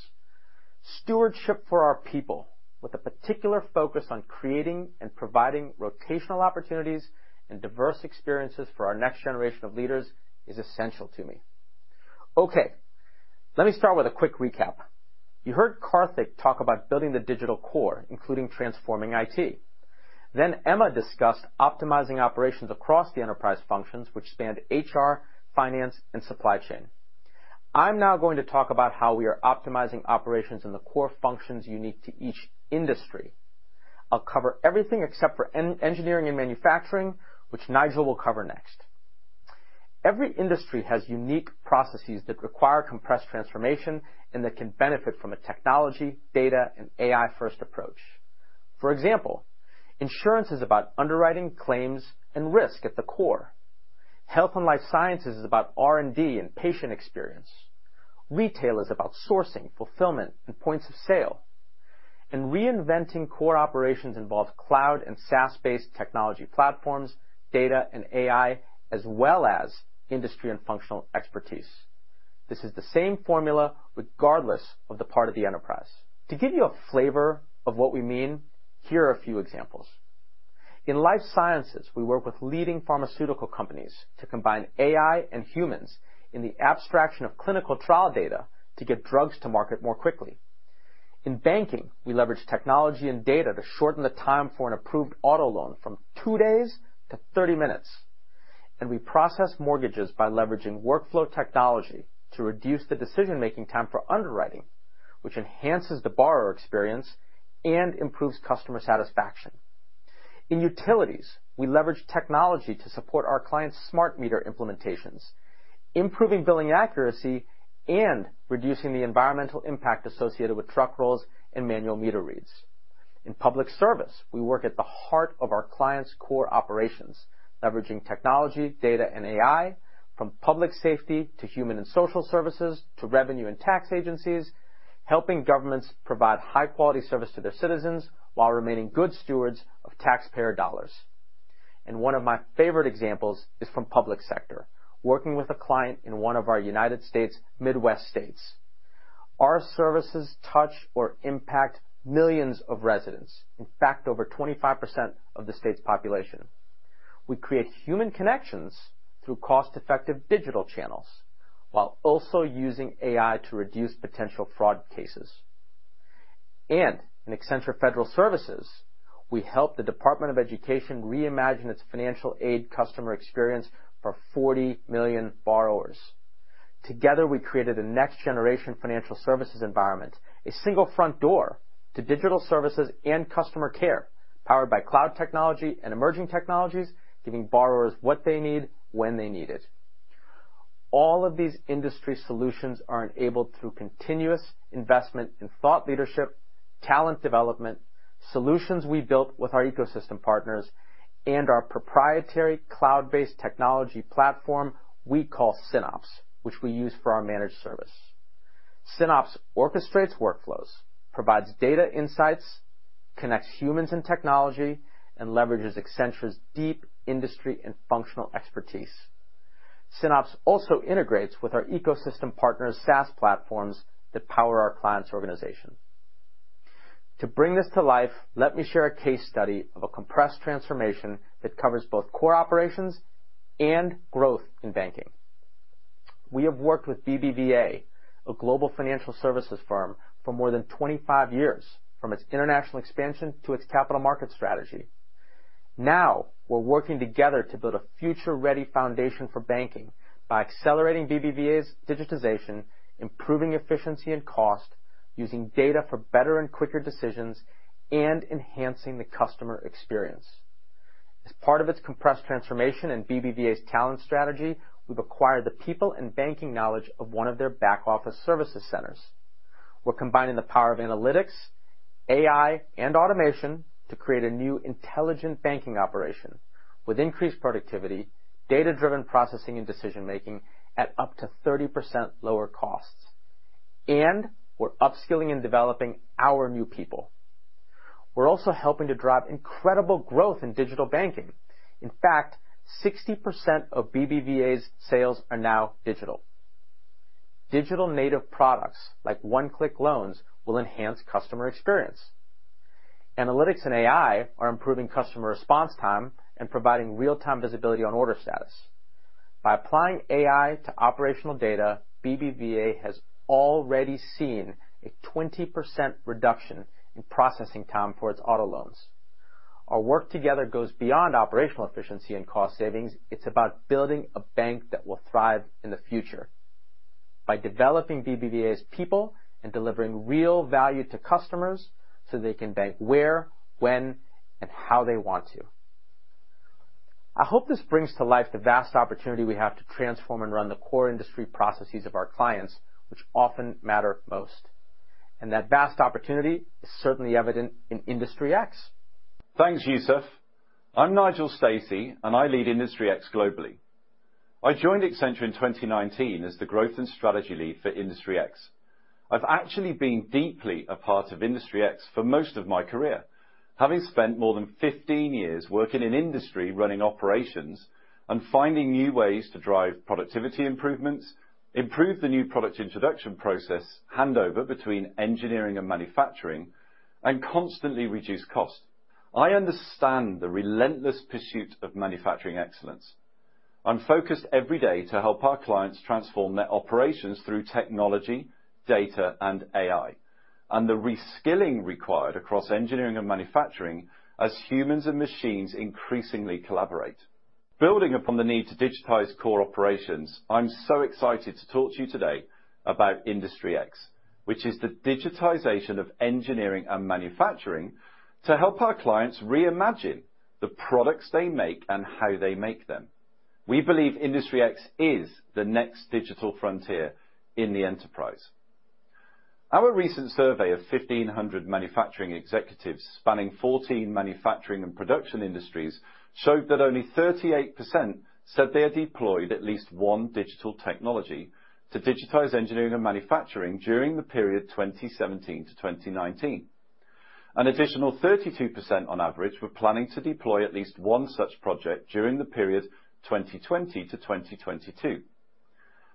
S15: Stewardship for our people with a particular focus on creating and providing rotational opportunities and diverse experiences for our next generation of leaders is essential to me. Okay. Let me start with a quick recap. You heard Karthik talk about building the digital core, including transforming IT. Then Emma discussed optimizing operations across the enterprise functions which spanned HR, finance, and supply chain. I'm now going to talk about how we are optimizing operations in the core functions unique to each industry. I'll cover everything except for engineering and manufacturing, which Nigel will cover next. Every industry has unique processes that require compressed transformation and that can benefit from a technology, data, and AI-first approach. For example, insurance is about underwriting claims and risk at the core. Health and life sciences is about R&D and patient experience. Retail is about sourcing, fulfillment, and points of sale. Reinventing core operations involves cloud and SaaS-based technology platforms, data and AI, as well as industry and functional expertise. This is the same formula regardless of the part of the enterprise. To give you a flavor of what we mean, here are a few examples. In Life Sciences, we work with leading pharmaceutical companies to combine AI and humans in the abstraction of clinical trial data to get drugs to market more quickly. In banking, we leverage technology and data to shorten the time for an approved auto loan from two days to 30 minutes. We process mortgages by leveraging workflow technology to reduce the decision-making time for underwriting, which enhances the borrower experience and improves customer satisfaction. In Utilities, we leverage technology to support our clients' smart meter implementations, improving billing accuracy, and reducing the environmental impact associated with truck rolls and manual meter reads. In public service, we work at the heart of our clients' core operations, leveraging technology, data, and AI from public safety to human and social services to revenue and tax agencies, helping governments provide high quality service to their citizens while remaining good stewards of taxpayer dollars. One of my favorite examples is from public sector, working with a client in one of our United States Midwest states. Our services touch or impact millions of residents. In fact, over 25% of the state's population. We create human connections through cost-effective digital channels while also using AI to reduce potential fraud cases. In Accenture Federal Services, we help the U.S. Department of Education reimagine its financial aid customer experience for 40 million borrowers. Together, we created a next-generation financial services environment, a single front door to digital services and customer care powered by cloud technology and emerging technologies, giving borrowers what they need when they need it. All of these industry solutions are enabled through continuous investment in thought leadership, talent development, solutions we built with our ecosystem partners, and our proprietary cloud-based technology platform we call SynOps, which we use for our managed service. SynOps orchestrates workflows, provides data insights, connects humans and technology, and leverages Accenture's deep industry and functional expertise. SynOps also integrates with our ecosystem partners' SaaS platforms that power our clients' organization. To bring this to life, let me share a case study of a compressed transformation that covers both core operations and growth in banking. We have worked with BBVA, a global financial services firm, for more than 25 years, from its international expansion to its capital market strategy. Now, we're working together to build a future-ready foundation for banking by accelerating BBVA's digitization, improving efficiency and cost, using data for better and quicker decisions, and enhancing the customer experience. As part of its compressed transformation and BBVA's talent strategy, we've acquired the people and banking knowledge of one of their back office services centers. We're combining the power of analytics, AI, and automation to create a new intelligent banking operation with increased productivity, data-driven processing and decision-making at up to 30% lower costs. We're upskilling and developing our new people. We're also helping to drive incredible growth in digital banking. In fact, 60% of BBVA's sales are now digital. Digital native products like one-click loans will enhance customer experience. Analytics and AI are improving customer response time and providing real-time visibility on order status. By applying AI to operational data, BBVA has already seen a 20% reduction in processing time for its auto loans. Our work together goes beyond operational efficiency and cost savings. It's about building a bank that will thrive in the future by developing BBVA's people and delivering real value to customers, so they can bank where, when, and how they want to. I hope this brings to life the vast opportunity we have to transform and run the core industry processes of our clients, which often matter most. That vast opportunity is certainly evident in Industry X.
S16: Thanks, Yusuf. I'm Nigel Stacey, and I lead Industry X globally. I joined Accenture in 2019 as the growth and strategy lead for Industry X. I've actually been deeply a part of Industry X for most of my career, having spent more than 15 years working in industry, running operations, and finding new ways to drive productivity improvements, improve the new product introduction process, handover between engineering and manufacturing, and constantly reduce cost. I understand the relentless pursuit of manufacturing excellence. I'm focused every day to help our clients transform their operations through technology, data, and AI, and the reskilling required across engineering and manufacturing as humans and machines increasingly collaborate. Building upon the need to digitize core operations, I'm so excited to talk to you today about Industry X, which is the digitization of engineering and manufacturing to help our clients reimagine the products they make and how they make them. We believe Industry X is the next digital frontier in the enterprise. Our recent survey of 1,500 manufacturing executives spanning 14 manufacturing and production industries showed that only 38% said they had deployed at least one digital technology to digitize engineering and manufacturing during the period 2017 to 2019. An additional 32% on average were planning to deploy at least one such project during the period 2020 to 2022.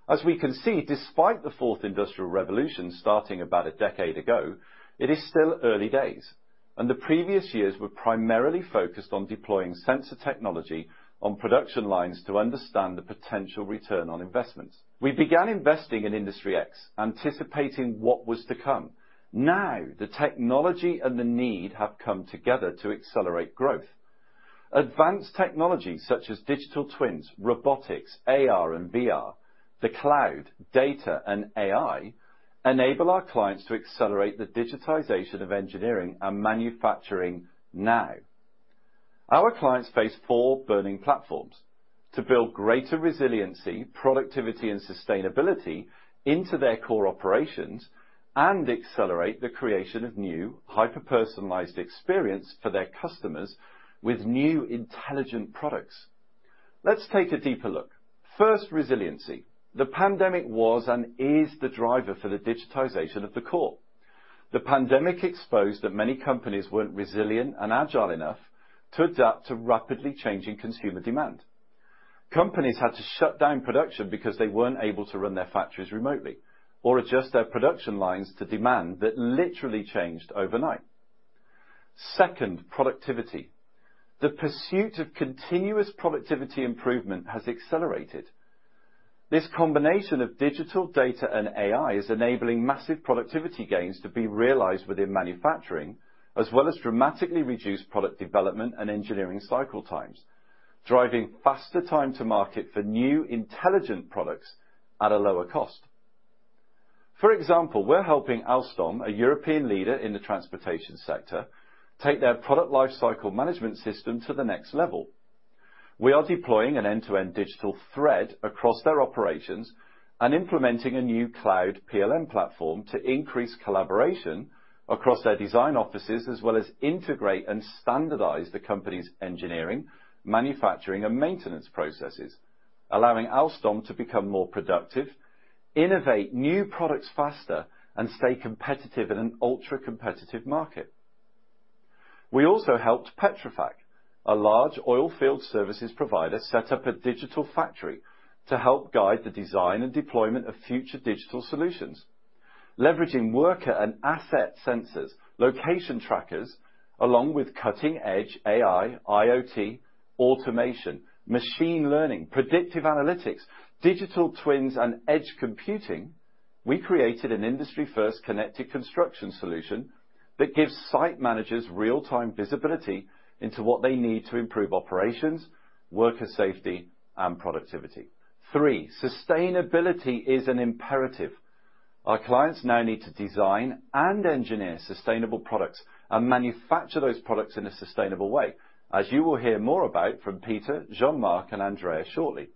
S16: As we can see, despite the Fourth Industrial Revolution starting about a decade ago, it is still early days, and the previous years were primarily focused on deploying sensor technology on production lines to understand the potential return on investments. We began investing in Industry X, anticipating what was to come. Now, the technology and the need have come together to accelerate growth. Advanced technologies such as digital twins, robotics, AR and VR, the cloud, data, and AI enable our clients to accelerate the digitization of engineering and manufacturing now. Our clients face four burning platforms to build greater resiliency, productivity, and sustainability into their core operations and accelerate the creation of new hyper-personalized experience for their customers with new intelligent products. Let's take a deeper look. First, resiliency. The pandemic was and is the driver for the digitization of the core. The pandemic exposed that many companies weren't resilient and agile enough to adapt to rapidly changing consumer demand. Companies had to shut down production because they weren't able to run their factories remotely or adjust their production lines to demand that literally changed overnight. Second, productivity. The pursuit of continuous productivity improvement has accelerated. This combination of digital data and AI is enabling massive productivity gains to be realized within manufacturing, as well as dramatically reduce product development and engineering cycle times, driving faster time to market for new intelligent products at a lower cost. For example, we're helping Alstom, a European leader in the transportation sector, take their product lifecycle management system to the next level. We are deploying an end-to-end digital thread across their operations and implementing a new cloud PLM platform to increase collaboration across their design offices, as well as integrate and standardize the company's engineering, manufacturing, and maintenance processes, allowing Alstom to become more productive, innovate new products faster, and stay competitive in an ultra-competitive market. We also helped Petrofac, a large oil field services provider, set up a digital factory to help guide the design and deployment of future digital solutions. Leveraging worker and asset sensors, location trackers, along with cutting-edge AI, IoT, automation, machine learning, predictive analytics, digital twins, and edge computing, we created an industry-first connected construction solution that gives site managers real-time visibility into what they need to improve operations, worker safety, and productivity. Three, sustainability is an imperative. Our clients now need to design and engineer sustainable products and manufacture those products in a sustainable way, as you will hear more about from Peter, Jean-Marc, and Andrea shortly.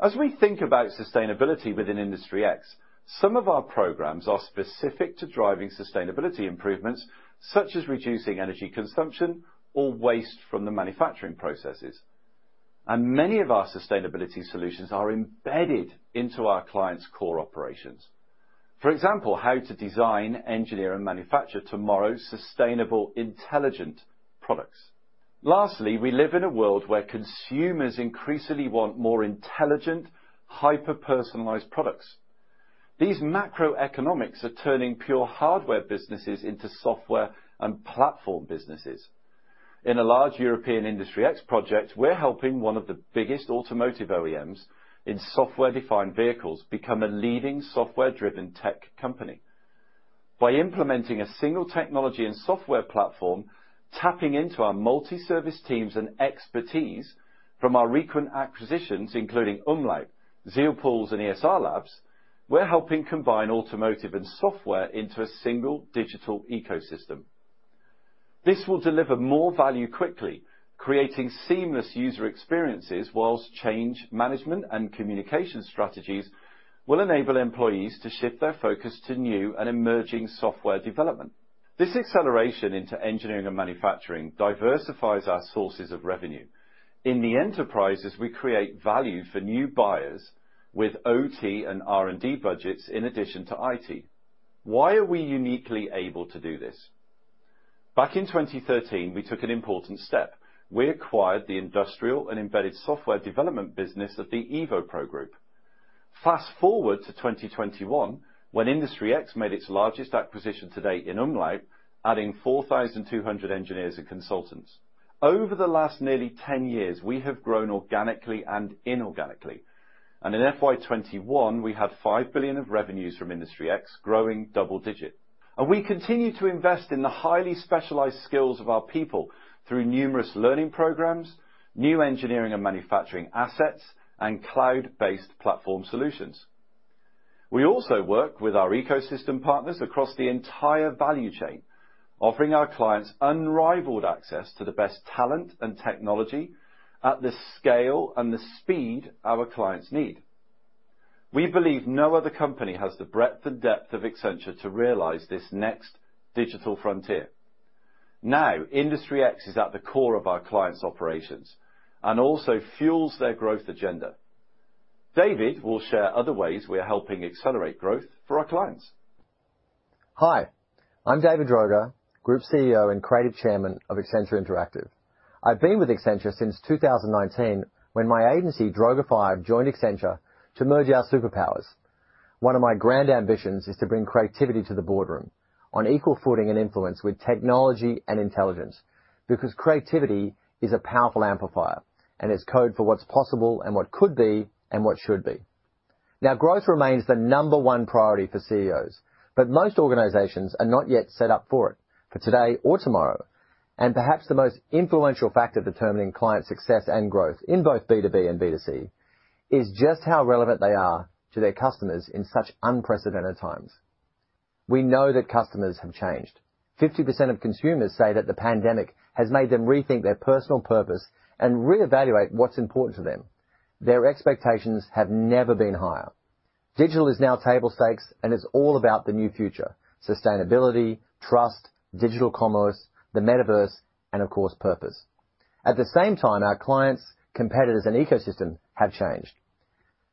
S16: As we think about sustainability within Industry X, some of our programs are specific to driving sustainability improvements, such as reducing energy consumption or waste from the manufacturing processes. Many of our sustainability solutions are embedded into our clients' core operations. For example, how to design, engineer, and manufacture tomorrow's sustainable intelligent products. Lastly, we live in a world where consumers increasingly want more intelligent, hyper-personalized products. These macroeconomics are turning pure hardware businesses into software and platform businesses. In a large European Industry X project, we're helping one of the biggest automotive OEMs in software-defined vehicles become a leading software-driven tech company. By implementing a single technology and software platform, tapping into our multi-service teams and expertise from our recent acquisitions, including umlaut, Zielpuls, and ESR Labs, we're helping combine automotive and software into a single digital ecosystem. This will deliver more value quickly, creating seamless user experiences, while change management and communication strategies will enable employees to shift their focus to new and emerging software development. This acceleration into engineering and manufacturing diversifies our sources of revenue. In the enterprises, we create value for new buyers with OT and R&D budgets in addition to IT. Why are we uniquely able to do this? Back in 2013, we took an important step. We acquired the industrial and embedded software development business of the evopro group. Fast-forward to 2021, when Industry X made its largest acquisition to date in umlaut, adding 4,200 engineers and consultants. Over the last nearly 10 years, we have grown organically and inorganically. In FY 2021, we had $5 billion of revenues from Industry X growing double-digit. We continue to invest in the highly specialized skills of our people through numerous learning programs, new engineering and manufacturing assets, and cloud-based platform solutions. We also work with our ecosystem partners across the entire value chain, offering our clients unrivaled access to the best talent and technology at the scale and the speed our clients need. We believe no other company has the breadth and depth of Accenture to realize this next digital frontier. Now, Industry X is at the core of our clients' operations and also fuels their growth agenda. David will share other ways we are helping accelerate growth for our clients.
S17: Hi, I'm David Droga, Group CEO and Creative Chairman of Accenture Interactive. I've been with Accenture since 2019, when my agency, Droga5, joined Accenture to merge our superpowers. One of my grand ambitions is to bring creativity to the boardroom on equal footing and influence with technology and intelligence. Because creativity is a powerful amplifier and is code for what's possible and what could be and what should be. Now, growth remains the number one priority for CEOs, but most organizations are not yet set up for it, for today or tomorrow. Perhaps the most influential factor determining client success and growth in both B2B and B2C is just how relevant they are to their customers in such unprecedented times. We know that customers have changed. 50% of consumers say that the pandemic has made them rethink their personal purpose and reevaluate what's important to them. Their expectations have never been higher. Digital is now table stakes, and it's all about the new future, sustainability, trust, digital commerce, the metaverse, and of course, purpose. At the same time, our clients, competitors, and ecosystem have changed.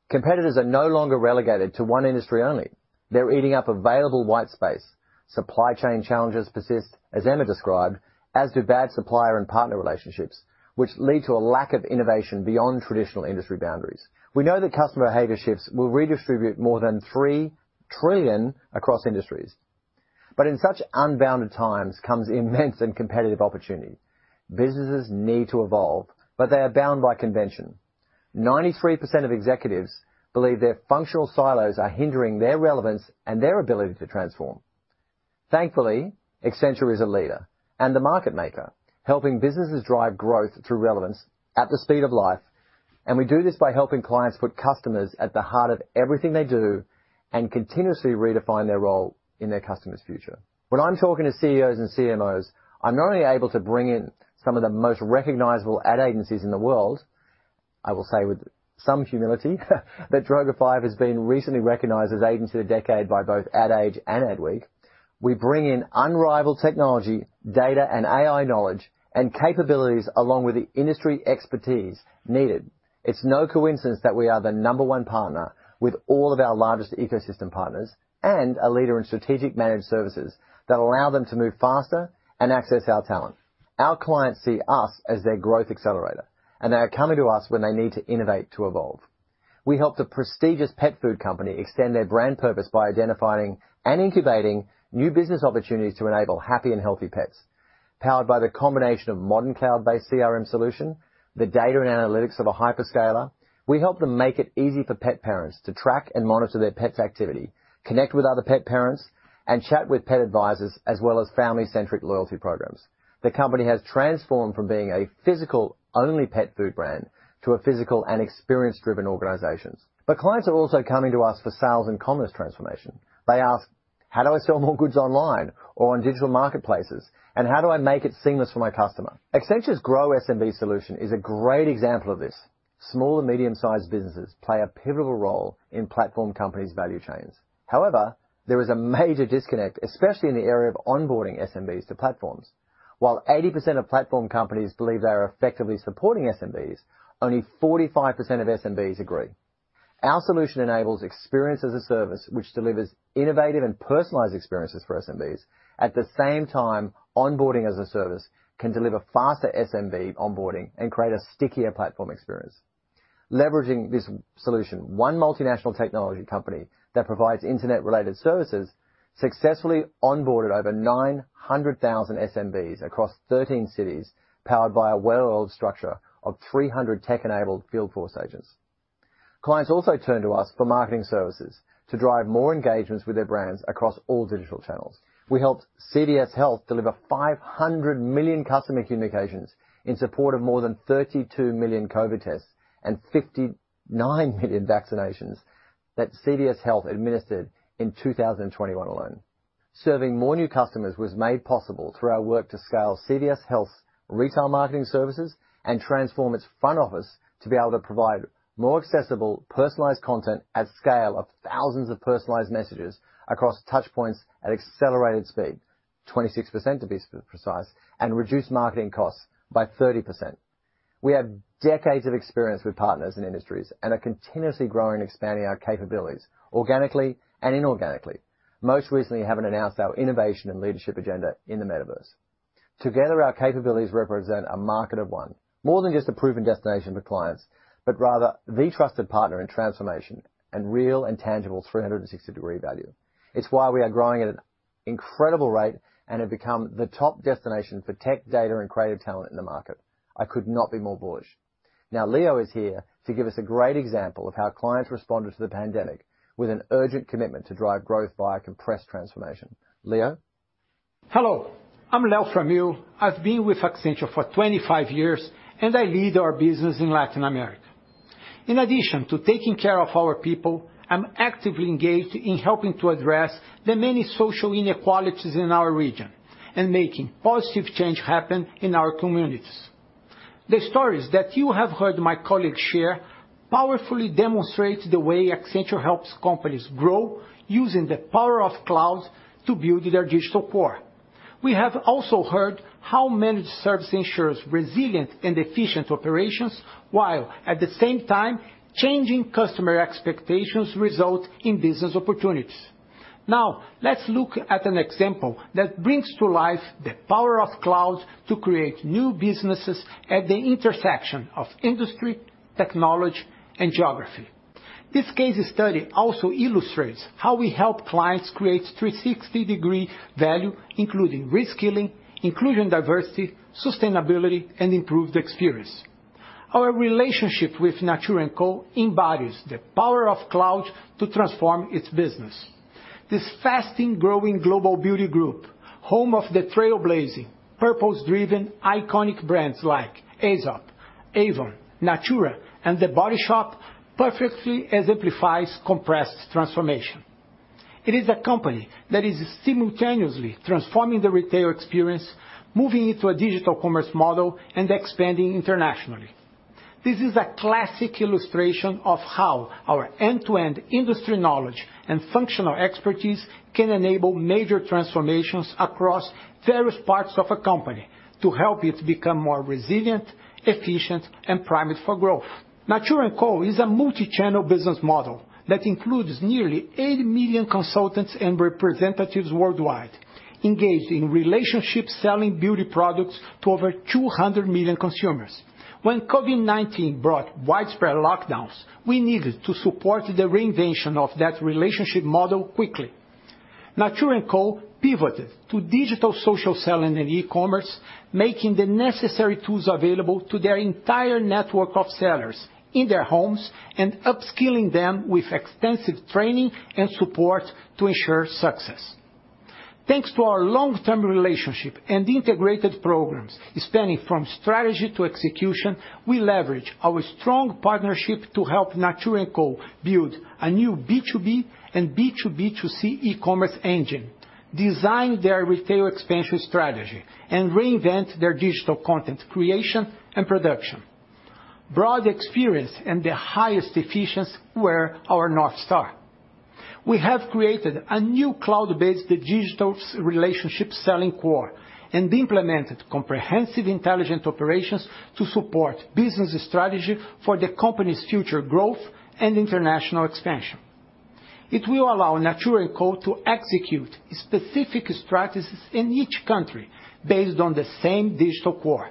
S17: Competitors are no longer relegated to one industry only. They're eating up available white space. Supply chain challenges persist, as Emma described, as do bad supplier and partner relationships, which lead to a lack of innovation beyond traditional industry boundaries. We know that customer behavior shifts will redistribute more than $3 trillion across industries. In such unbounded times comes immense and competitive opportunity. Businesses need to evolve, but they are bound by convention. 93% of executives believe their functional silos are hindering their relevance and their ability to transform. Thankfully, Accenture is a leader and the market maker, helping businesses drive growth through relevance at the speed of life. We do this by helping clients put customers at the heart of everything they do and continuously redefine their role in their customers' future. When I'm talking to CEOs and CMOs, I'm not only able to bring in some of the most recognizable ad agencies in the world, I will say with some humility that Droga5 has been recently recognized as Agency of the Decade by both Ad Age and Adweek. We bring in unrivaled technology, data and AI knowledge and capabilities along with the industry expertise needed. It's no coincidence that we are the number one partner with all of our largest ecosystem partners and a leader in strategic managed services that allow them to move faster and access our talent. Our clients see us as their growth accelerator, and they are coming to us when they need to innovate to evolve. We helped a prestigious pet food company extend their brand purpose by identifying and incubating new business opportunities to enable happy and healthy pets. Powered by the combination of modern cloud-based CRM solution, the data and analytics of a hyperscaler, we help them make it easy for pet parents to track and monitor their pets' activity, connect with other pet parents, and chat with pet advisors, as well as family-centric loyalty programs. The company has transformed from being a physical-only pet food brand to a physical and experience-driven organization. Clients are also coming to us for sales and commerce transformation. They ask, How do I sell more goods online or on digital marketplaces? How do I make it seamless for my customer? Accenture's Grow SMB solution is a great example of this. Small and medium-sized businesses play a pivotal role in platform companies' value chains. However, there is a major disconnect, especially in the area of onboarding SMBs to platforms. While 80% of platform companies believe they are effectively supporting SMBs, only 45% of SMBs agree. Our solution enables experience-as-a-service, which delivers innovative and personalized experiences for SMBs. At the same time, onboarding as a service can deliver faster SMB onboarding and create a stickier platform experience. Leveraging this solution, one multinational technology company that provides Internet-related services successfully onboarded over 900,000 SMBs across 13 cities, powered by a well-oiled structure of 300 tech-enabled field force agents. Clients also turn to us for marketing services to drive more engagements with their brands across all digital channels. We helped CVS Health deliver 500 million customer communications in support of more than 32 million COVID tests and 59 million vaccinations that CVS Health administered in 2021 alone. Serving more new customers was made possible through our work to scale CVS Health's retail marketing services and transform its front office to be able to provide more accessible, personalized content at scale of thousands of personalized messages across touch points at accelerated speed, 26% to be precise, and reduce marketing costs by 30%. We have decades of experience with partners in industries and are continuously growing and expanding our capabilities organically and inorganically. Most recently, having announced our innovation and leadership agenda in the Metaverse. Together, our capabilities represent a market of one. More than just a proven destination for clients, but rather the trusted partner in transformation and real and tangible 360° Value. It's why we are growing at an incredible rate and have become the top destination for tech data and creative talent in the market. I could not be more bullish. Now, Leo is here to give us a great example of how clients responded to the pandemic with an urgent commitment to drive growth via compressed transformation. Leo.
S18: Hello, I'm Leo Framil. I've been with Accenture for 25 years, and I lead our business in Latin America. In addition to taking care of our people, I'm actively engaged in helping to address the many social inequalities in our region and making positive change happen in our communities. The stories that you have heard my colleagues share powerfully demonstrate the way Accenture helps companies grow using the power of cloud to build their digital core. We have also heard how managed service ensures resilient and efficient operations, while at the same time changing customer expectations result in business opportunities. Now, let's look at an example that brings to life the power of cloud to create new businesses at the intersection of industry, technology, and geography. This case study also illustrates how we help clients create 360° Value, including reskilling, inclusion & diversity, sustainability, and improved experience. Our relationship with Natura &Co embodies the power of cloud to transform its business. This fastest growing global beauty group, home of the trailblazing, purpose-driven, iconic brands like Aesop, Avon, Natura, and The Body Shop, perfectly exemplifies compressed transformation. It is a company that is simultaneously transforming the retail experience, moving into a digital commerce model and expanding internationally. This is a classic illustration of how our end-to-end industry knowledge and functional expertise can enable major transformations across various parts of a company to help it become more resilient, efficient, and primed for growth. Natura &Co is a multi-channel business model that includes nearly 80 million consultants and representatives worldwide, engaged in relationship-selling beauty products to over 200 million consumers. When COVID-19 brought widespread lockdowns, we needed to support the reinvention of that relationship model quickly. Natura &Co pivoted to digital social selling and e-commerce, making the necessary tools available to their entire network of sellers in their homes and upskilling them with extensive training and support to ensure success. Thanks to our long-term relationship and integrated programs spanning from strategy to execution, we leverage our strong partnership to help Natura &Co build a new B2B and B2B2C e-commerce engine, design their retail expansion strategy, and reinvent their digital content creation and production. Broad experience and the highest efficiency were our North Star. We have created a new cloud-based digital relationship selling core and implemented comprehensive intelligent operations to support business strategy for the company's future growth and international expansion. It will allow Natura &Co to execute specific strategies in each country based on the same digital core.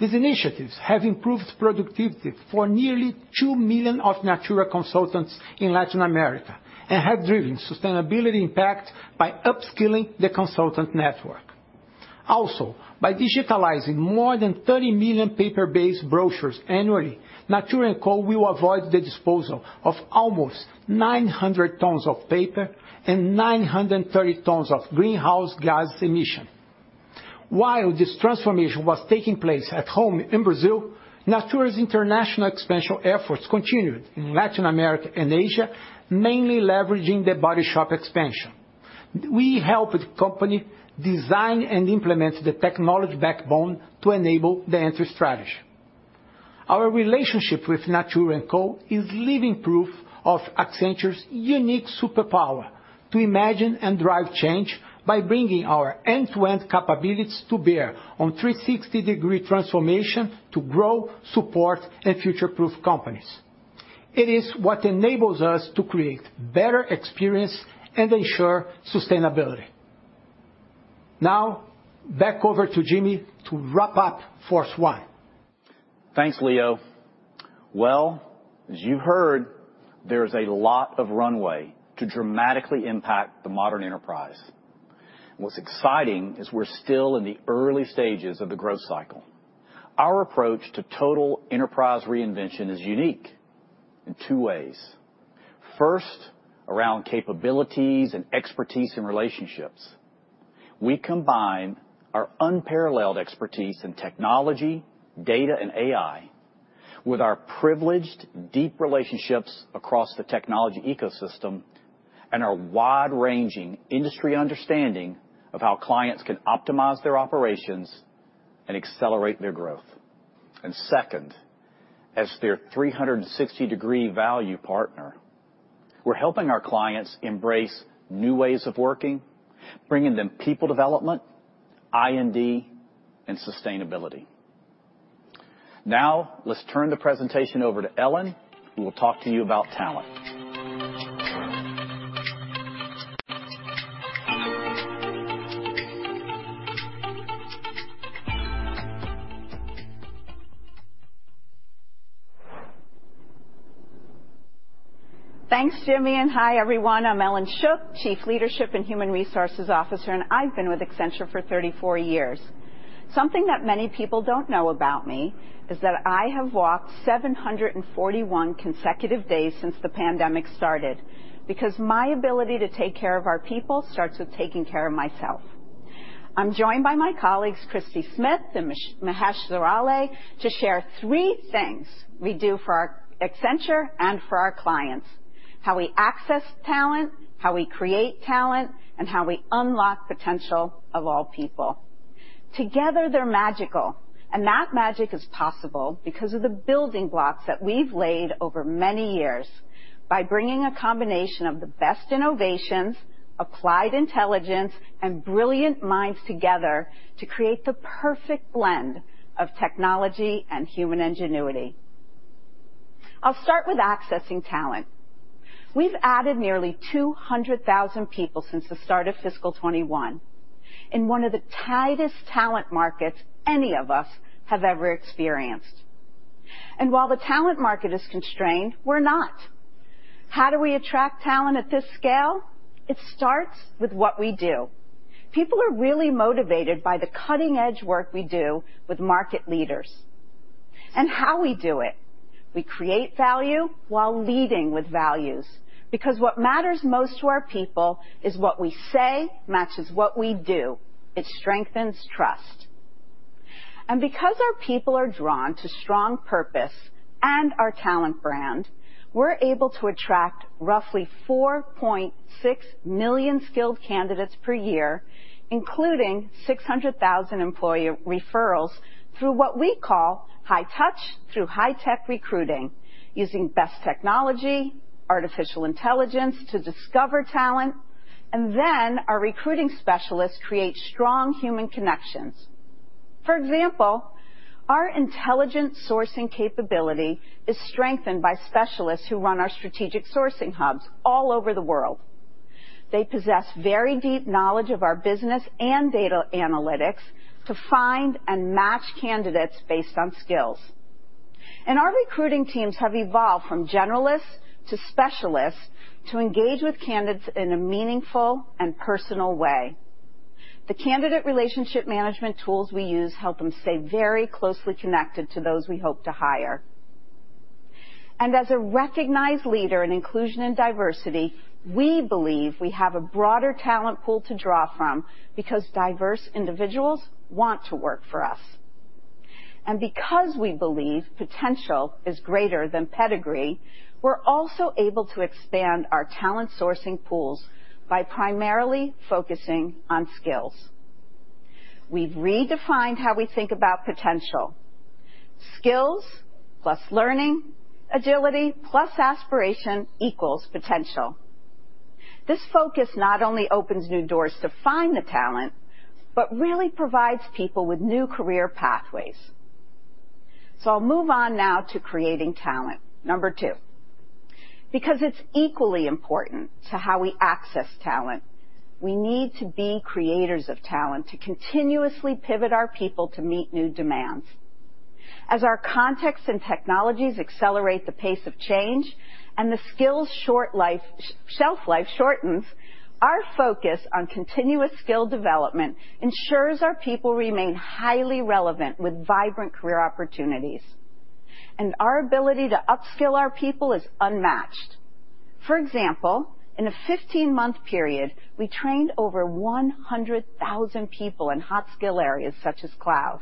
S18: These initiatives have improved productivity for nearly 2 million of Natura consultants in Latin America and have driven sustainability impact by upskilling the consultant network. Also, by digitalizing more than 30 million paper-based brochures annually, Natura &Co will avoid the disposal of almost 900 tons of paper and 930 tons of greenhouse gas emission. While this transformation was taking place at home in Brazil, Natura's international expansion efforts continued in Latin America and Asia, mainly leveraging The Body Shop expansion. We helped the company design and implement the technology backbone to enable the entry strategy. Our relationship with Natura &Co is living proof of Accenture's unique superpower to imagine and drive change by bringing our end-to-end capabilities to bear on 360° transformation to grow, support, and future-proof companies. It is what enables us to create better experience and ensure sustainability. Now, back over to Jimmy to wrap up force one.
S12: Thanks, Leo. Well, as you heard, there's a lot of runway to dramatically impact the modern enterprise. What's exciting is we're still in the early stages of the growth cycle. Our approach to total enterprise reinvention is unique in two ways. First, around capabilities and expertise in relationships. We combine our unparalleled expertise in technology, data, and AI with our privileged, deep relationships across the technology ecosystem and our wide-ranging industry understanding of how clients can optimize their operations and accelerate their growth. Second, as their 360° Value Partner, we're helping our clients embrace new ways of working, bringing them people development, I&D, and sustainability. Now, let's turn the presentation over to Ellyn, who will talk to you about talent.
S19: Thanks, Jimmy, and hi, everyone. I'm Ellyn Shook, Chief Leadership and Human Resources Officer, and I've been with Accenture for 34 years. Something that many people don't know about me is that I have walked 741 consecutive days since the pandemic started, because my ability to take care of our people starts with taking care of myself. I'm joined by my colleagues, Christie Smith and Mahesh Zurale, to share three things we do for our Accenture and for our clients. How we access talent, how we create talent, and how we unlock potential of all people. Together, they're magical, and that magic is possible because of the building blocks that we've laid over many years by bringing a combination of the best innovations, applied intelligence, and brilliant minds together to create the perfect blend of technology and human ingenuity. I'll start with accessing talent. We've added nearly 200,000 people since the start of fiscal 2021 in one of the tightest talent markets any of us have ever experienced. While the talent market is constrained, we're not. How do we attract talent at this scale? It starts with what we do. People are really motivated by the cutting-edge work we do with market leaders. How we do it, we create value while leading with values, because what matters most to our people is what we say matches what we do. It strengthens trust. Because our people are drawn to strong purpose and our talent brand, we're able to attract roughly 4.6 million skilled candidates per year, including 600,000 employee referrals through what we call high touch through high tech recruiting, using best technology, artificial intelligence to discover talent, and then our recruiting specialists create strong human connections. For example, our intelligent sourcing capability is strengthened by specialists who run our strategic sourcing hubs all over the world. They possess very deep knowledge of our business and data analytics to find and match candidates based on skills. Our recruiting teams have evolved from generalists to specialists to engage with candidates in a meaningful and personal way. The candidate relationship management tools we use help them stay very closely connected to those we hope to hire. As a recognized leader in Inclusion and Diversity, we believe we have a broader talent pool to draw from because diverse individuals want to work for us. Because we believe potential is greater than pedigree, we're also able to expand our talent sourcing pools by primarily focusing on skills. We've redefined how we think about potential. Skills plus learning, agility plus aspiration equals potential. This focus not only opens new doors to find the talent, but really provides people with new career pathways. I'll move on now to creating talent. Number two, because it's equally important to how we access talent, we need to be creators of talent to continuously pivot our people to meet new demands. As our context and technologies accelerate the pace of change and the skills' shelf life shortens, our focus on continuous skill development ensures our people remain highly relevant with vibrant career opportunities. Our ability to upskill our people is unmatched. For example, in a 15-month period, we trained over 100,000 people in hot skill areas such as cloud.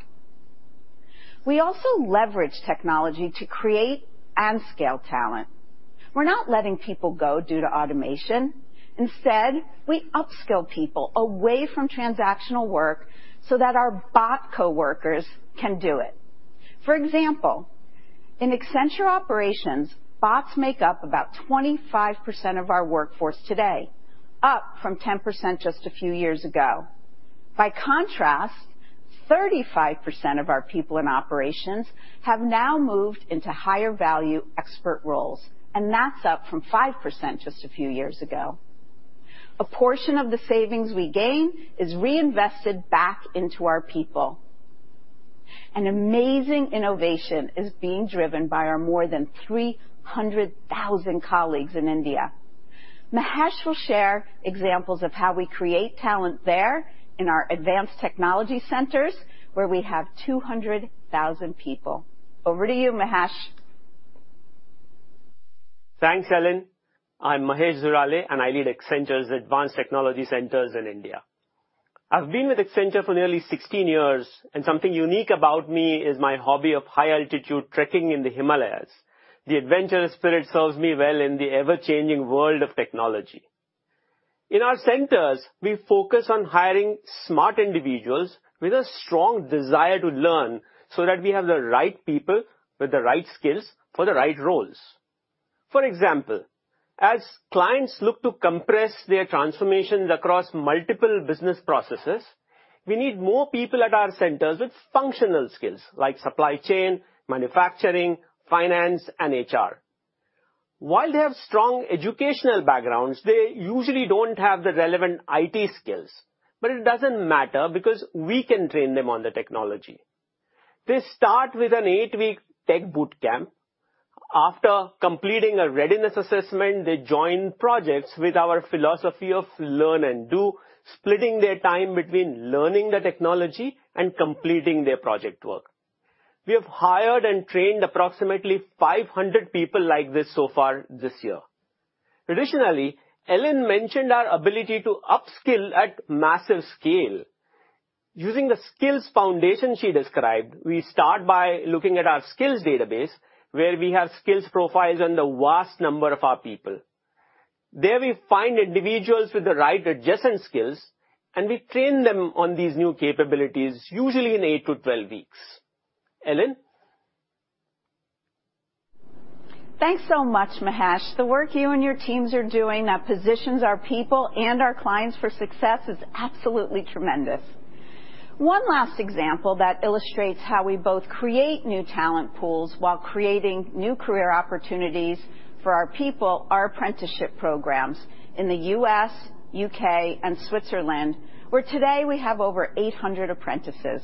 S19: We also leverage technology to create and scale talent. We're not letting people go due to automation. Instead, we upskill people away from transactional work so that our bot coworkers can do it. For example, in Accenture Operations, bots make up about 25% of our workforce today, up from 10% just a few years ago. By contrast, 35% of our people in operations have now moved into higher value expert roles, and that's up from 5% just a few years ago. A portion of the savings we gain is reinvested back into our people. An amazing innovation is being driven by our more than 300,000 colleagues in India. Mahesh will share examples of how we create talent there in our advanced technology centers where we have 200,000 people. Over to you, Mahesh.
S20: Thanks, Ellyn. I'm Mahesh Zurale, and I lead Accenture's Advanced Technology Centers in India. I've been with Accenture for nearly 16 years, and something unique about me is my hobby of high-altitude trekking in the Himalayas. The adventurous spirit serves me well in the ever-changing world of technology. In our centers, we focus on hiring smart individuals with a strong desire to learn so that we have the right people with the right skills for the right roles. For example, as clients look to compress their transformations across multiple business processes, we need more people at our centers with functional skills like supply chain, manufacturing, finance, and HR. While they have strong educational backgrounds, they usually don't have the relevant IT skills, but it doesn't matter because we can train them on the technology. They start with an eight-week tech boot camp. After completing a readiness assessment, they join projects with our philosophy of learn and do, splitting their time between learning the technology and completing their project work. We have hired and trained approximately 500 people like this so far this year. Additionally, Ellyn mentioned our ability to upskill at massive scale. Using the skills foundation she described, we start by looking at our skills database where we have skills profiles on the vast number of our people. There we find individuals with the right adjacent skills, and we train them on these new capabilities usually in eight to 12 weeks. Ellyn.
S19: Thanks so much, Mahesh. The work you and your teams are doing that positions our people and our clients for success is absolutely tremendous. One last example that illustrates how we both create new talent pools while creating new career opportunities for our people are apprenticeship programs in the U.S., U.K., and Switzerland, where today we have over 800 apprentices.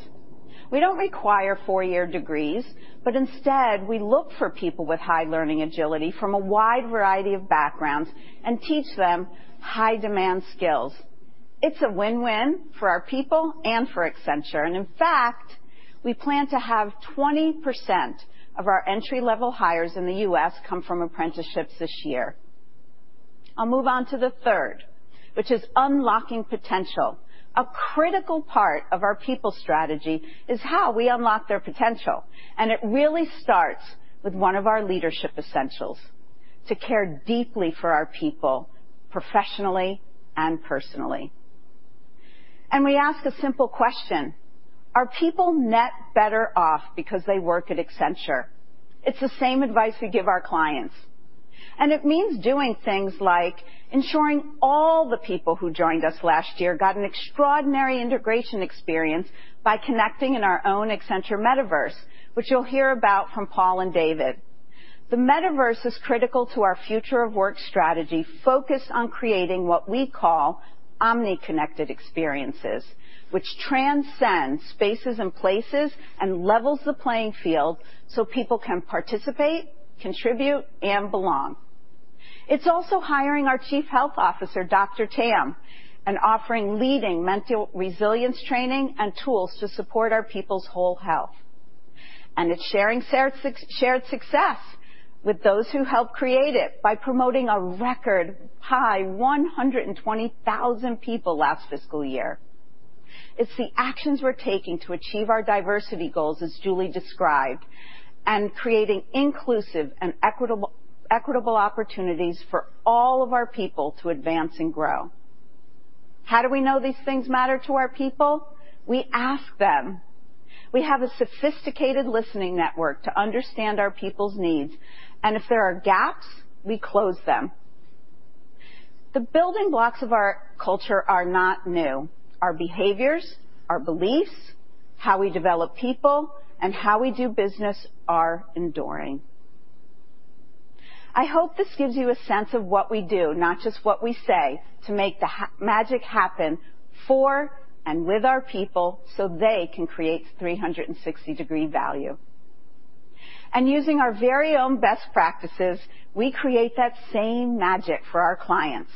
S19: We don't require four-year degrees, but instead we look for people with high learning agility from a wide variety of backgrounds and teach them high-demand skills. It's a win-win for our people and for Accenture, and in fact, we plan to have 20% of our entry-level hires in the U.S. come from apprenticeships this year. I'll move on to the third, which is unlocking potential. A critical part of our people strategy is how we unlock their potential, and it really starts with one of our leadership essentials, to care deeply for our people professionally and personally. We ask a simple question, are people net better off because they work at Accenture? It's the same advice we give our clients, and it means doing things like ensuring all the people who joined us last year got an extraordinary integration experience by connecting in our own Accenture Metaverse, which you'll hear about from Paul and David. The Metaverse is critical to our future of work strategy focused on creating what we call omni-connected experiences, which transcends spaces and places and levels the playing field so people can participate, contribute, and belong. It's also hiring our Chief Health Officer, Dr. Tam, and offering leading mental resilience training and tools to support our people's whole health. It's sharing shared success with those who help create it by promoting a record high 120,000 people last fiscal year. It's the actions we're taking to achieve our diversity goals, as Julie described, and creating inclusive and equitable opportunities for all of our people to advance and grow. How do we know these things matter to our people? We ask them. We have a sophisticated listening network to understand our people's needs, and if there are gaps, we close them. The building blocks of our culture are not new. Our behaviors, our beliefs, how we develop people, and how we do business are enduring. I hope this gives you a sense of what we do, not just what we say, to make the magic happen for and with our people so they can create 360° Value. Using our very own best practices, we create that same magic for our clients.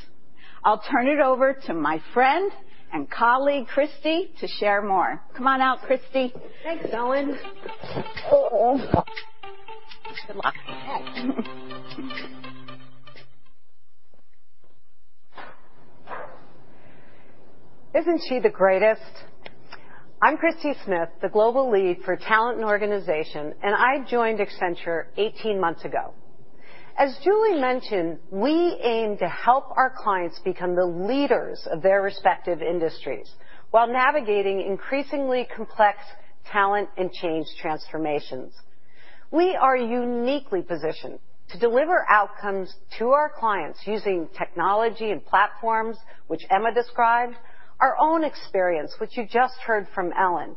S19: I'll turn it over to my friend and colleague, Christie, to share more. Come on out, Christie.
S21: Thanks, Ellyn. Oh.
S19: Good luck.
S21: Isn't she the greatest? I'm Christie Smith, the Global Lead for Talent & Organization, and I joined Accenture 18 months ago. As Julie mentioned, we aim to help our clients become the leaders of their respective industries while navigating increasingly complex talent and change transformations. We are uniquely positioned to deliver outcomes to our clients using technology and platforms, which Emma described, our own experience, which you just heard from Ellyn,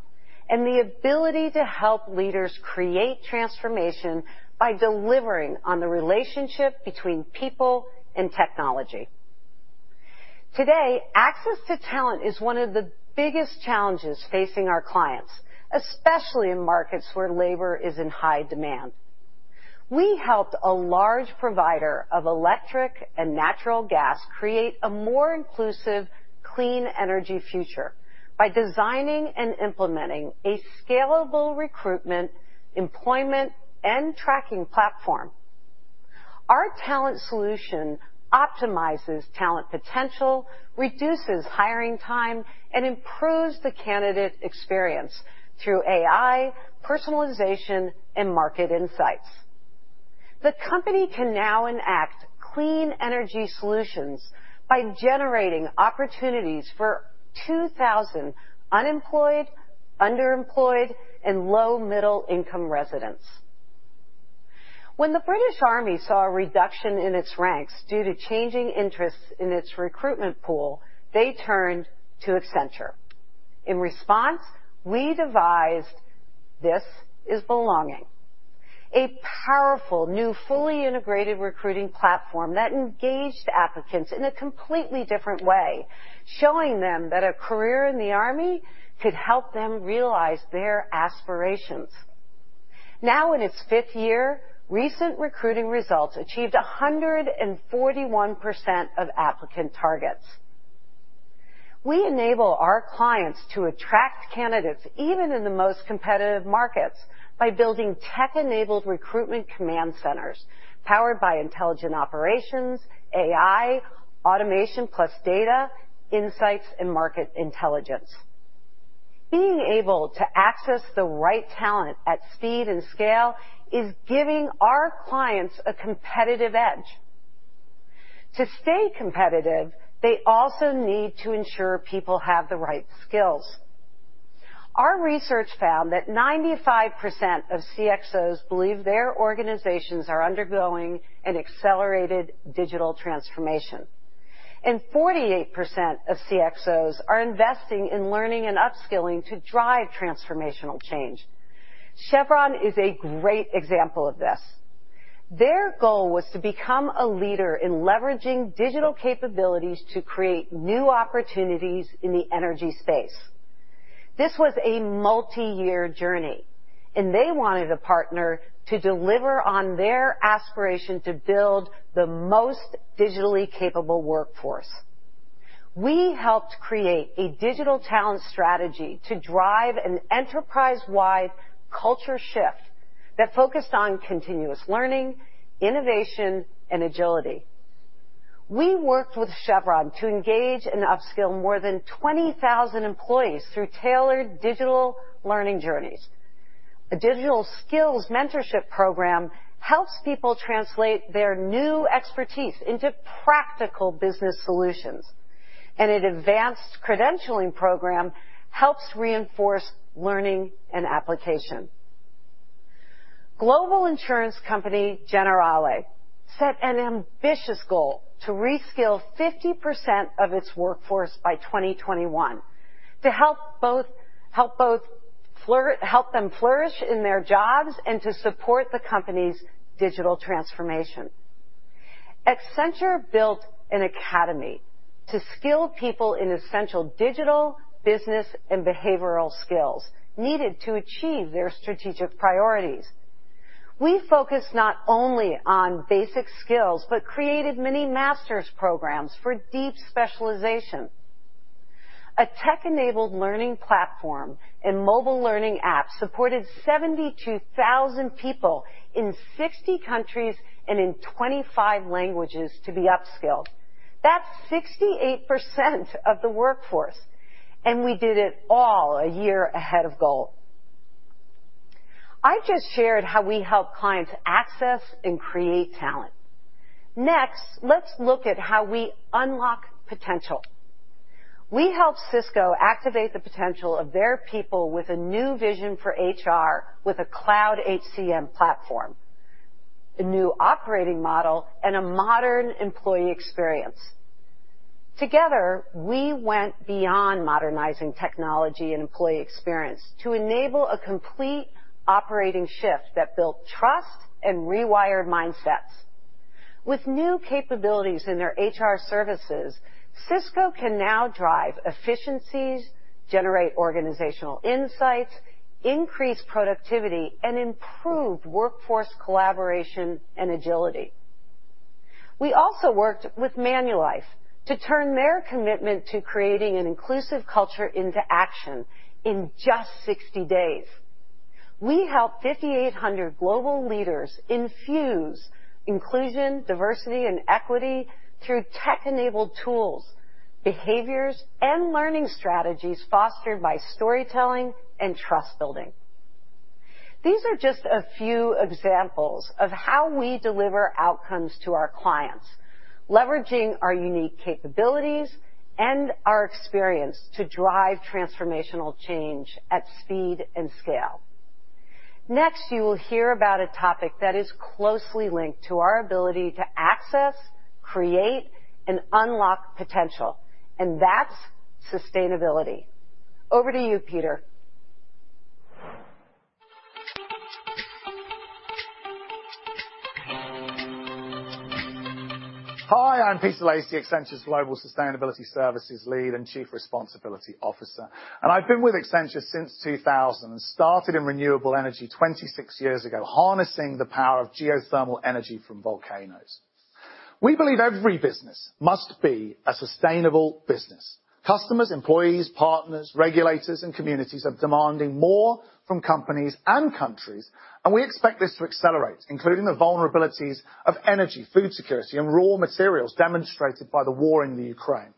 S21: and the ability to help leaders create transformation by delivering on the relationship between people and technology. Today, access to talent is one of the biggest challenges facing our clients, especially in markets where labor is in high demand. We helped a large provider of electric and natural gas create a more inclusive, clean energy future by designing and implementing a scalable recruitment, employment and tracking platform. Our talent solution optimizes talent potential, reduces hiring time, and improves the candidate experience through AI, personalization, and market insights. The company can now enact clean energy solutions by generating opportunities for 2,000 unemployed, underemployed, and low-middle income residents. When the British Army saw a reduction in its ranks due to changing interests in its recruitment pool, they turned to Accenture. In response, we devised This Is Belonging, a powerful, new, fully integrated recruiting platform that engaged applicants in a completely different way, showing them that a career in the Army could help them realize their aspirations. Now in its fifth year, recent recruiting results achieved 141% of applicant targets. We enable our clients to attract candidates, even in the most competitive markets, by building tech-enabled recruitment command centers powered by intelligent operations, AI, automation plus data, insights and market intelligence. Being able to access the right talent at speed and scale is giving our clients a competitive edge. To stay competitive, they also need to ensure people have the right skills. Our research found that 95% of CXOs believe their organizations are undergoing an accelerated digital transformation, and 48% of CXOs are investing in learning and upskilling to drive transformational change. Chevron is a great example of this. Their goal was to become a leader in leveraging digital capabilities to create new opportunities in the energy space. This was a multi-year journey, and they wanted a partner to deliver on their aspiration to build the most digitally capable workforce. We helped create a digital talent strategy to drive an enterprise-wide culture shift that focused on continuous learning, innovation, and agility. We worked with Chevron to engage and upskill more than 20,000 employees through tailored digital learning journeys. A digital skills mentorship program helps people translate their new expertise into practical business solutions, and an advanced credentialing program helps reinforce learning and application. Global insurance company Generali set an ambitious goal to reskill 50% of its workforce by 2021 to help them flourish in their jobs and to support the company's digital transformation. Accenture built an academy to skill people in essential digital, business, and behavioral skills needed to achieve their strategic priorities. We focused not only on basic skills, but created many masters programs for deep specialization. A tech-enabled learning platform and mobile learning app supported 72,000 people in 60 countries and in 25 languages to be upskilled. That's 68% of the workforce, and we did it all a year ahead of goal. I just shared how we help clients access and create talent. Next, let's look at how we unlock potential. We helped Cisco activate the potential of their people with a new vision for HR with a cloud HCM platform, a new operating model, and a modern employee experience. Together, we went beyond modernizing technology and employee experience to enable a complete operating shift that built trust and rewired mindsets. With new capabilities in their HR services, Cisco can now drive efficiencies, generate organizational insights, increase productivity, and improve workforce collaboration and agility. We also worked with Manulife to turn their commitment to creating an inclusive culture into action in just 60 days. We help 5,800 global leaders infuse inclusion, diversity, and equity through tech-enabled tools, behaviors, and learning strategies fostered by storytelling and trust building. These are just a few examples of how we deliver outcomes to our clients, leveraging our unique capabilities and our experience to drive transformational change at speed and scale. Next, you will hear about a topic that is closely linked to our ability to access, create, and unlock potential, and that's sustainability. Over to you, Peter.
S22: Hi, I'm Peter Lacy, Accenture's Global Sustainability Services Lead and Chief Responsibility Officer. I've been with Accenture since 2000. Started in renewable energy 26 years ago, harnessing the power of geothermal energy from volcanoes. We believe every business must be a sustainable business. Customers, employees, partners, regulators, and communities are demanding more from companies and countries, and we expect this to accelerate, including the vulnerabilities of energy, food security, and raw materials demonstrated by the war in the Ukraine.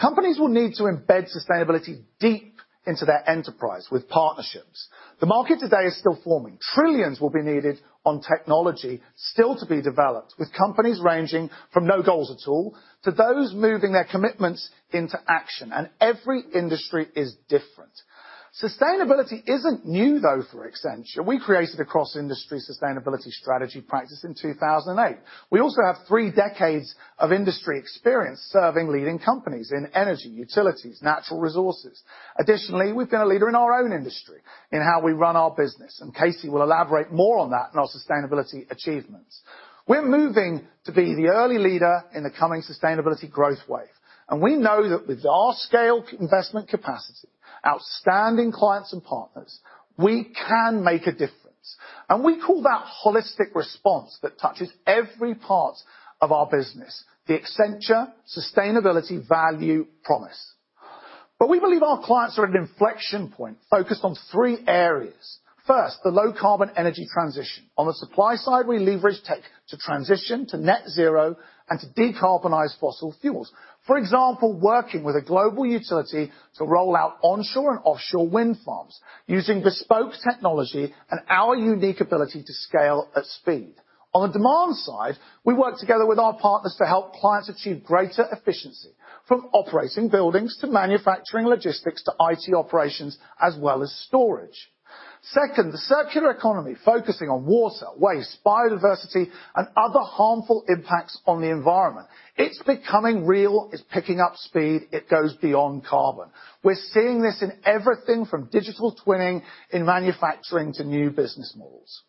S22: Companies will need to embed sustainability deep into their enterprise with partnerships. The market today is still forming. Trillions will be needed on technology still to be developed, with companies ranging from no goals at all to those moving their commitments into action, and every industry is different. Sustainability isn't new, though, for Accenture. We created a cross-industry sustainability strategy practice in 2008. We also have three decades of industry experience serving leading companies in energy, utilities, natural resources. Additionally, we've been a leader in our own industry in how we run our business, and KC will elaborate more on that and our sustainability achievements. We're moving to be the early leader in the coming sustainability growth wave, and we know that with our scale, investment capacity, outstanding clients and partners, we can make a difference. We call that holistic response that touches every part of our business, the Accenture Sustainability Value Promise. We believe our clients are at an inflection point focused on three areas. First, the low carbon energy transition. On the supply side, we leverage tech to transition to net zero and to decarbonize fossil fuels. For example, working with a global utility to roll out onshore and offshore wind farms using bespoke technology and our unique ability to scale at speed. On the demand side, we work together with our partners to help clients achieve greater efficiency, from operating buildings to manufacturing logistics to IT operations, as well as storage. Second, the circular economy focusing on water, waste, biodiversity, and other harmful impacts on the environment. It's becoming real. It's picking up speed. It goes beyond carbon. We're seeing this in everything from digital twinning in manufacturing to new business models.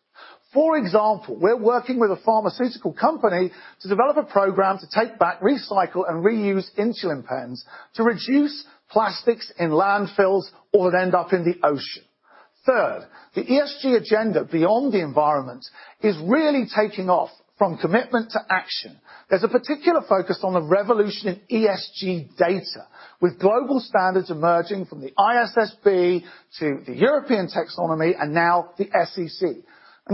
S22: For example, we're working with a pharmaceutical company to develop a program to take back, recycle, and reuse insulin pens to reduce plastics in landfills or that end up in the ocean. Third, the ESG agenda beyond the environment is really taking off from commitment to action. There's a particular focus on the revolution in ESG data, with global standards emerging from the ISSB to the EU Taxonomy and now the SEC.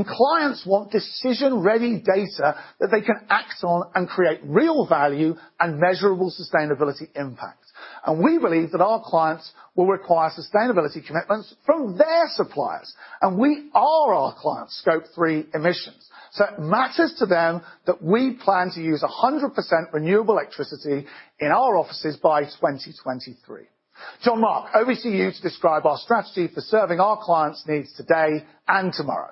S22: Clients want decision-ready data that they can act on and create real value and measurable sustainability impact. We believe that our clients will require sustainability commitments from their suppliers, and we are our clients' Scope 3 emissions. It matters to them that we plan to use 100% renewable electricity in our offices by 2023. Jean-Marc, over to you to describe our strategy for serving our clients' needs today and tomorrow.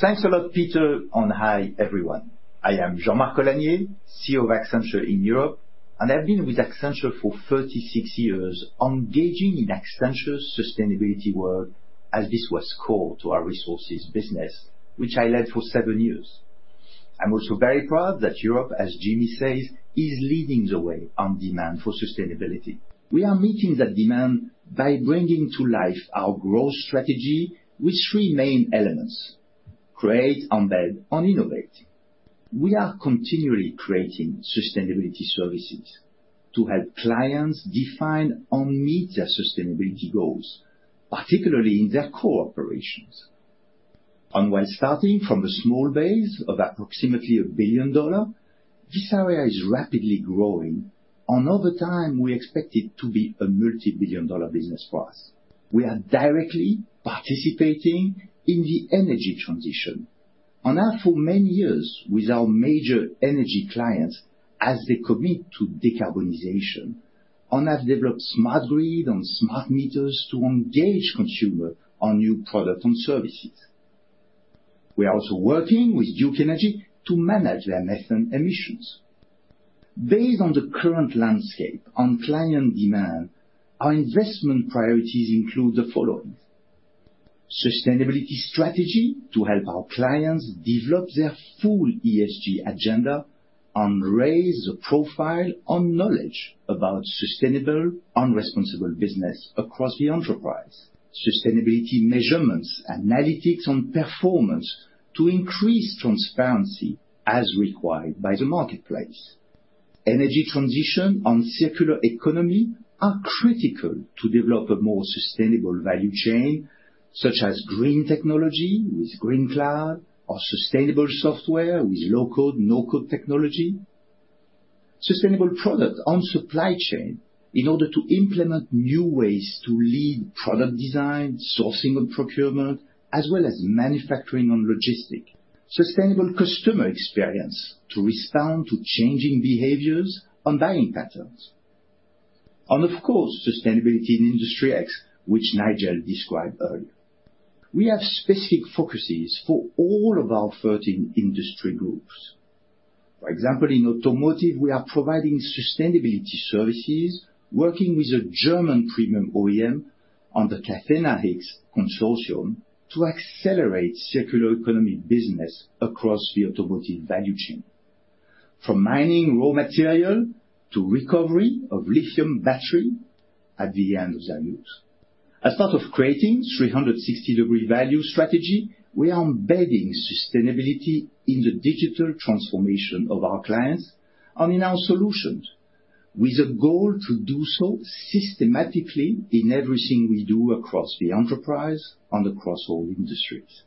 S23: Thanks a lot, Peter, and hi, everyone. I am Jean-Marc Ollagnier, CEO of Accenture in Europe, and I've been with Accenture for 36 years, engaging in Accenture's sustainability work as this was core to our resources business, which I led for seven years. I'm also very proud that Europe, as Jimmy says, is leading the way on demand for sustainability. We are meeting that demand by bringing to life our growth strategy with three main elements, create, embed and innovate. We are continually creating sustainability services to help clients define and meet their sustainability goals, particularly in their core operations. While starting from a small base of approximately $1 billion, this area is rapidly growing, and over time, we expect it to be a multibillion-dollar business for us. We are directly participating in the energy transition and have for many years with our major energy clients as they commit to decarbonization and have developed smart grid and smart meters to engage consumer on new product and services. We are also working with Duke Energy to manage their methane emissions. Based on the current landscape on client demand, our investment priorities include the following. Sustainability strategy to help our clients develop their full ESG agenda and raise the profile on knowledge about sustainable and responsible business across the enterprise. Sustainability measurements, analytics, and performance to increase transparency as required by the marketplace. Energy transition and circular economy are critical to develop a more sustainable value chain, such as green technology with green cloud or sustainable software with low-code, no-code technology. Sustainable product and supply chain in order to implement new ways to lead product design, sourcing and procurement, as well as manufacturing and logistics. Sustainable customer experience to respond to changing behaviors and buying patterns. Of course, sustainability in Industry X, which Nigel described earlier. We have specific focuses for all of our 13 industry groups. For example, in automotive, we are providing sustainability services, working with a German premium OEM on the Catena-X consortium to accelerate circular economy business across the automotive value chain, from mining raw material to recovery of lithium battery at the end of their use. As part of creating 360° Value strategy, we are embedding sustainability in the digital transformation of our clients and in our solutions, with a goal to do so systematically in everything we do across the enterprise and across all industries.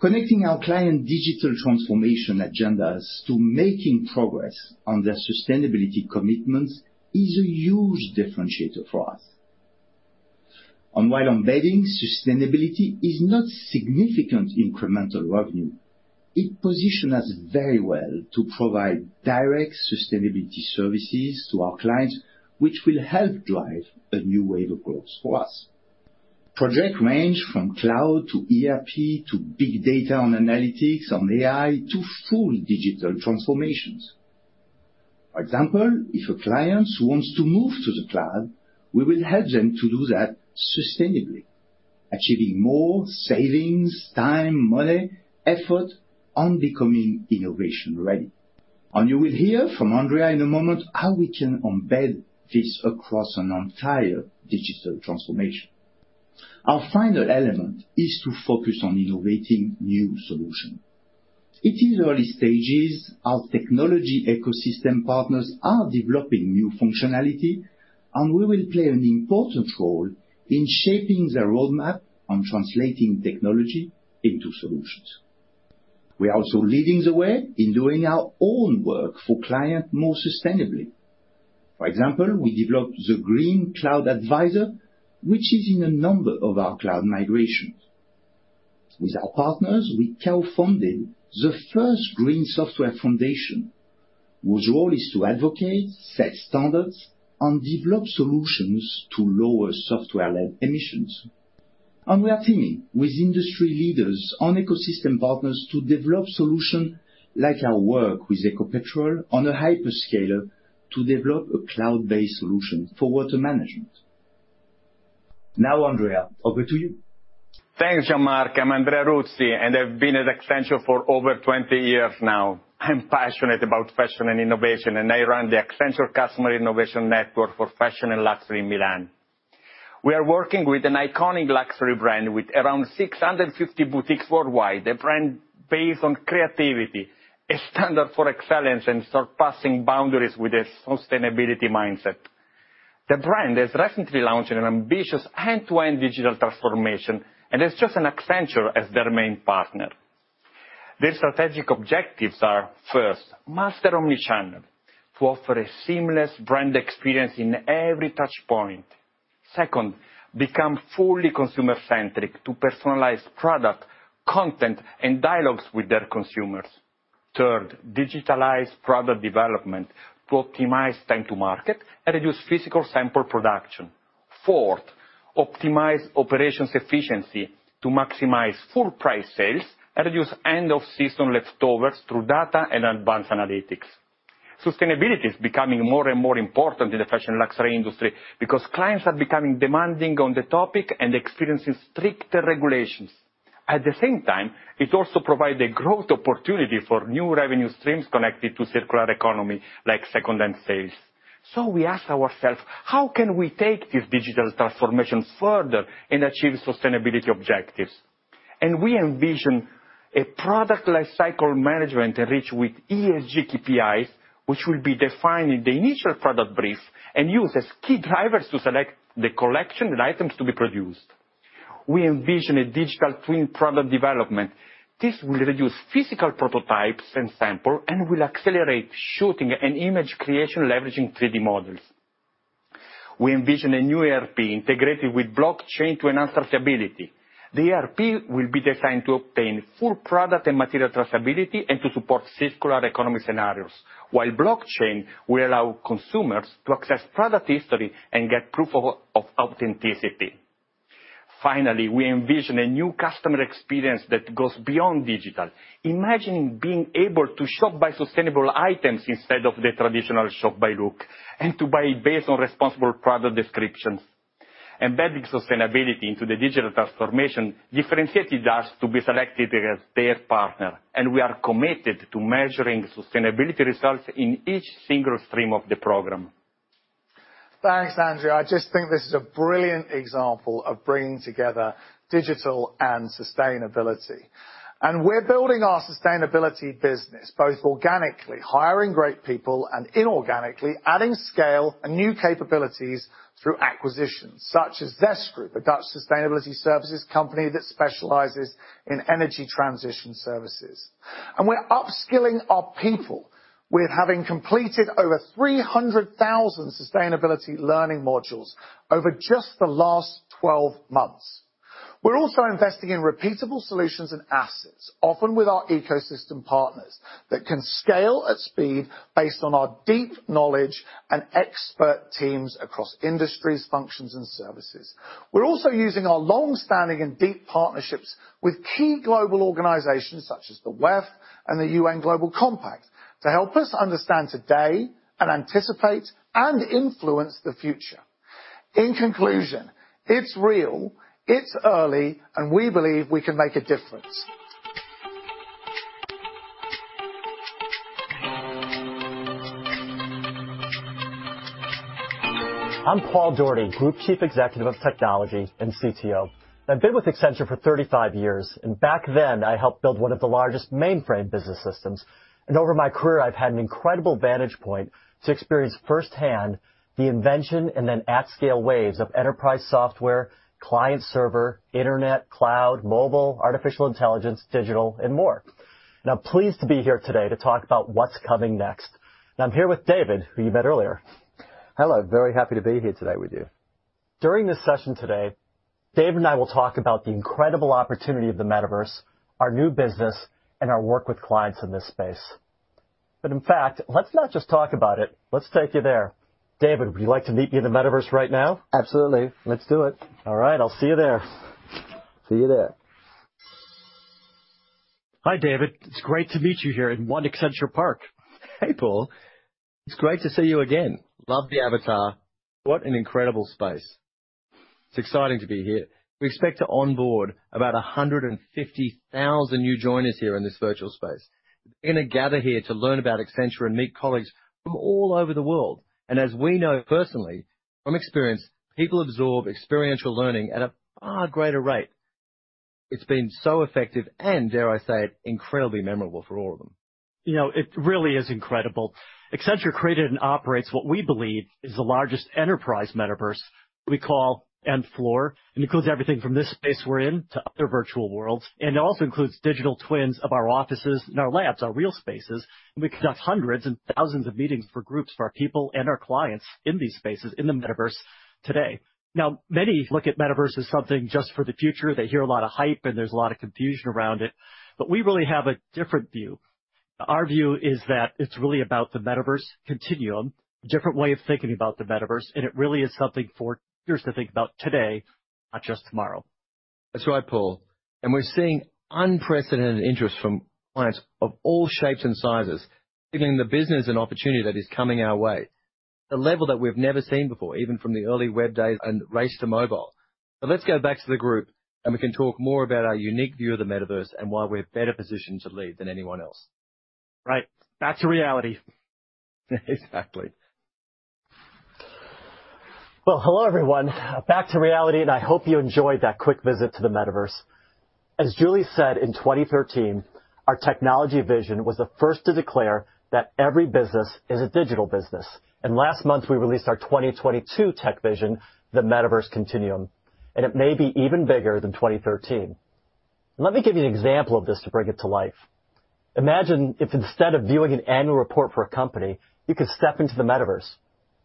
S23: Connecting our client digital transformation agendas to making progress on their sustainability commitments is a huge differentiator for us. While embedding sustainability is not significant incremental revenue, it positions us very well to provide direct sustainability services to our clients, which will help drive a new wave of growth for us. Projects range from cloud to ERP, to big data and analytics, and AI, to full digital transformations. For example, if a client wants to move to the cloud, we will help them to do that sustainably, achieving more savings, time, money, effort, and becoming innovation-ready. You will hear from Andrea in a moment how we can embed this across an entire digital transformation. Our final element is to focus on innovating new solutions. It is early stages. Our technology ecosystem partners are developing new functionality, and we will play an important role in shaping their roadmap on translating technology into solutions. We are also leading the way in doing our own work for clients more sustainably. For example, we developed the Green Cloud Advisor, which is in a number of our cloud migrations. With our partners, we co-funded the first Green Software Foundation, whose role is to advocate, set standards, and develop solutions to lower software-led emissions. We are teaming with industry leaders and ecosystem partners to develop solutions like our work with Ecopetrol on a hyperscaler to develop a cloud-based solution for water management. Now, Andrea, over to you.
S24: Thanks, Jean-Marc. I'm Andrea Ruzzi, and I've been at Accenture for over 20 years now. I'm passionate about fashion and innovation, and I run the Accenture Customer Innovation Network for Fashion and Luxury in Milan. We are working with an iconic luxury brand with around 650 boutiques worldwide. The brand is based on creativity, a standard for excellence, and surpassing boundaries with a sustainability mindset. The brand has recently launched an ambitious end-to-end digital transformation and has chosen Accenture as their main partner. Their strategic objectives are, first, master omnichannel, to offer a seamless brand experience in every touch point. Second, become fully consumer centric to personalize product, content, and dialogues with their consumers. Third, digitalize product development to optimize time to market and reduce physical sample production. Fourth, optimize operations efficiency to maximize full price sales and reduce end of season leftovers through data and advanced analytics. Sustainability is becoming more and more important in the fashion luxury industry because clients are becoming demanding on the topic and experiencing stricter regulations. At the same time, it also provide a growth opportunity for new revenue streams connected to circular economy, like second-hand sales. We ask ourselves, "How can we take this digital transformation further and achieve sustainability objectives?" We envision a product lifecycle management rich with ESG KPIs, which will be defined in the initial product brief and used as key drivers to select the collection and items to be produced. We envision a digital twin product development. This will reduce physical prototypes and sample and will accelerate shooting and image creation leveraging 3D models. We envision a new ERP integrated with blockchain to enhance traceability. The ERP will be designed to obtain full product and material traceability and to support circular economy scenarios, while blockchain will allow consumers to access product history and get proof of authenticity. Finally, we envision a new customer experience that goes beyond digital. Imagine being able to shop by sustainable items instead of the traditional shop by look, and to buy based on responsible product descriptions. Embedding sustainability into the digital transformation differentiated us to be selected as their partner, and we are committed to measuring sustainability results in each single stream of the program.
S22: Thanks, Andrea. I just think this is a brilliant example of bringing together digital and sustainability. We're building our sustainability business both organically, hiring great people, and inorganically, adding scale and new capabilities through acquisitions such as Zestgroup, a Dutch sustainability services company that specializes in energy transition services. We're upskilling our people. We've completed over 300,000 sustainability learning modules over just the last 12 months. We're also investing in repeatable solutions and assets, often with our ecosystem partners that can scale at speed based on our deep knowledge and expert teams across industries, functions, and services. We're also using our long-standing and deep partnerships with key global organizations such as the WEF and the UN Global Compact to help us understand today and anticipate and influence the future. In conclusion, it's real, it's early, and we believe we can make a difference.
S25: I'm Paul Daugherty, Group Chief Executive of Technology and CTO. I've been with Accenture for 35 years, and back then, I helped build one of the largest mainframe business systems. Over my career, I've had an incredible vantage point to experience firsthand the invention and then at scale, waves of enterprise software, client server, internet, cloud, mobile, artificial intelligence, digital, and more. I'm pleased to be here today to talk about what's coming next. I'm here with David, who you met earlier.
S17: Hello. Very happy to be here today with you.
S25: During this session today, David and I will talk about the incredible opportunity of the Metaverse, our new business, and our work with clients in this space. In fact, let's not just talk about it, let's take you there. David, would you like to meet me in the Metaverse right now?
S17: Absolutely. Let's do it.
S25: All right, I'll see you there.
S17: See you there.
S25: Hi, David. It's great to meet you here in One Accenture Park.
S17: Hey, Paul. It's great to see you again. Love the avatar. What an incredible space. It's exciting to be here. We expect to onboard about 150,000 new joiners here in this virtual space. They're gonna gather here to learn about Accenture and meet colleagues from all over the world. As we know personally from experience, people absorb experiential learning at a far greater rate. It's been so effective and, dare I say, incredibly memorable for all of them.
S25: You know, it really is incredible. Accenture created and operates what we believe is the largest enterprise metaverse we call Nth Floor. It includes everything from this space we're in to other virtual worlds. It also includes digital twins of our offices and our labs, our real spaces. We conduct hundreds and thousands of meetings for groups, for our people and our clients in these spaces in the metaverse today. Now, many look at metaverse as something just for the future. They hear a lot of hype, and there's a lot of confusion around it. We really have a different view. Our view is that it's really about the Metaverse Continuum, a different way of thinking about the metaverse, and it really is something for years to think about today, not just tomorrow.
S17: That's right, Paul. We're seeing unprecedented interest from clients of all shapes and sizes, giving the business an opportunity that is coming our way at a level that we've never seen before, even from the early web days and race to mobile. Let's go back to the group, and we can talk more about our unique view of the metaverse and why we're better positioned to lead than anyone else.
S25: Right. Back to reality.
S17: Exactly.
S25: Well, hello, everyone. Back to reality, and I hope you enjoyed that quick visit to the metaverse. As Julie said, in 2013, our Technology Vision was the first to declare that every business is a digital business. Last month, we released our 2022 Technology Vision, the Metaverse Continuum, and it may be even bigger than 2013. Let me give you an example of this to bring it to life. Imagine if instead of viewing an annual report for a company, you could step into the metaverse,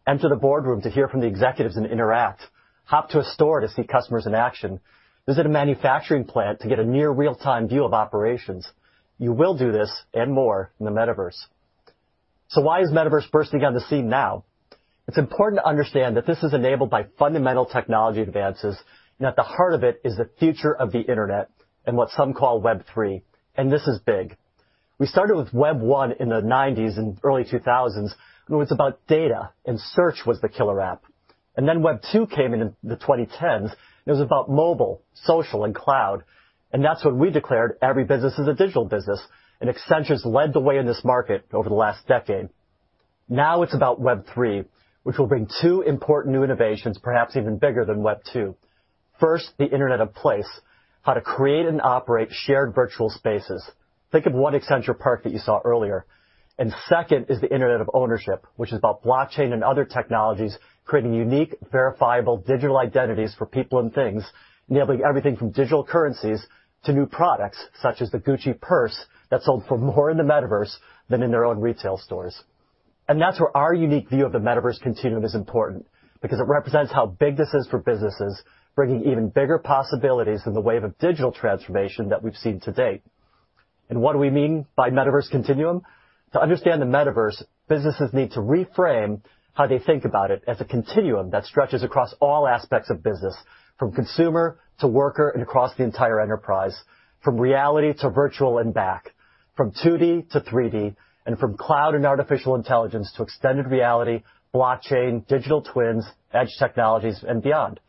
S25: enter the boardroom to hear from the executives and interact, hop to a store to see customers in action, visit a manufacturing plant to get a near real-time view of operations. You will do this and more in the metaverse. Why is metaverse bursting on the scene now? It's important to understand that this is enabled by fundamental technology advances, and at the heart of it is the future of the Internet and what some call Web3, and this is big. We started with Web1 In the 1990s and early 2000s, and it was about data, and search was the killer app. Web2 came in in the 2010s, and it was about mobile, social, and cloud. That's when we declared every business is a digital business. Accenture's led the way in this market over the last decade. Now it's about Web3, which will bring two important new innovations, perhaps even bigger than Web2. First, the Internet of Place, how to create and operate shared virtual spaces. Think of One Accenture Park that you saw earlier. Second is the Internet of Ownership, which is about blockchain and other technologies, creating unique, verifiable digital identities for people and things, enabling everything from digital currencies to new products, such as the Gucci purse that sold for more in the metaverse than in their own retail stores. That's where our unique view of the Metaverse Continuum is important because it represents how big this is for businesses, bringing even bigger possibilities in the wave of digital transformation that we've seen to date. What do we mean by Metaverse Continuum? To understand the metaverse, businesses need to reframe how they think about it as a continuum that stretches across all aspects of business, from consumer to worker and across the entire enterprise, from reality to virtual and back, from 2D to 3D, and from cloud and artificial intelligence to extended reality, blockchain, digital twins, edge technologies and beyond.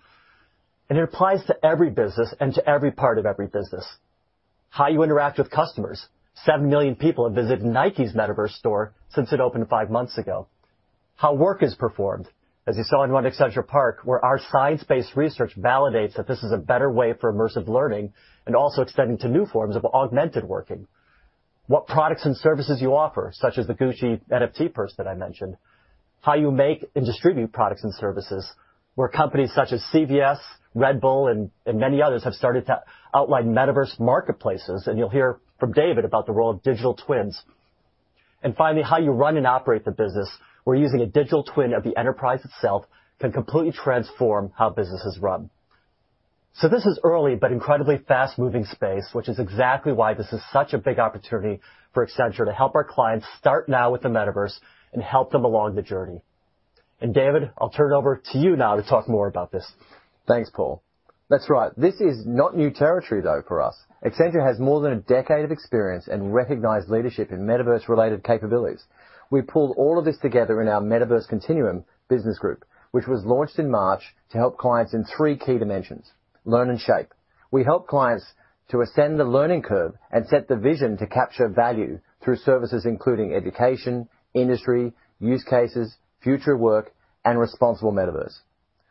S25: It applies to every business and to every part of every business. How you interact with customers. 7 million people have visited Nike's metaverse store since it opened five months ago. How work is performed, as you saw in One Accenture Park, where our science-based research validates that this is a better way for immersive learning and also extending to new forms of augmented working. What products and services you offer, such as the Gucci NFT purse that I mentioned. How you make and distribute products and services, where companies such as CVS, Red Bull, and many others have started to outline metaverse marketplaces, and you'll hear from David about the role of digital twins. Finally, how you run and operate the business. We're using a digital twin of the enterprise itself can completely transform how business is run. This is early but incredibly fast-moving space, which is exactly why this is such a big opportunity for Accenture to help our clients start now with the metaverse and help them along the journey. David, I'll turn it over to you now to talk more about this.
S17: Thanks, Paul. That's right. This is not new territory, though, for us. Accenture has more than a decade of experience and recognized leadership in metaverse-related capabilities. We pulled all of this together in our Metaverse Continuum business group, which was launched in March to help clients in three key dimensions. Learn and shape. We help clients to ascend the learning curve and set the vision to capture value through services including education, industry, use cases, future work, and responsible metaverse.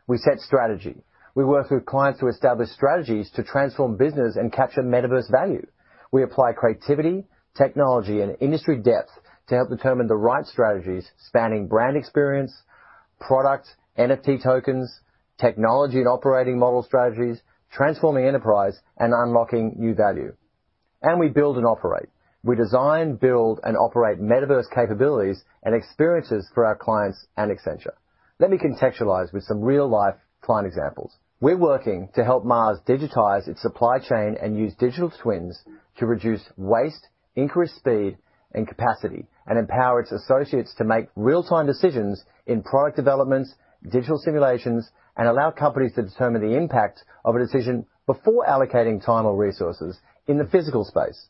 S17: We set strategy. We work with clients to establish strategies to transform business and capture metaverse value. We apply creativity, technology, and industry depth to help determine the right strategies, spanning brand experience, product, NFT tokens, technology and operating model strategies, transforming enterprise, and unlocking new value. We build and operate. We design, build, and operate metaverse capabilities and experiences for our clients and Accenture. Let me contextualize with some real-life client examples. We're working to help Mars digitize its supply chain and use digital twins to reduce waste, increase speed and capacity, and empower its associates to make real-time decisions in product developments, digital simulations, and allow companies to determine the impact of a decision before allocating time or resources in the physical space.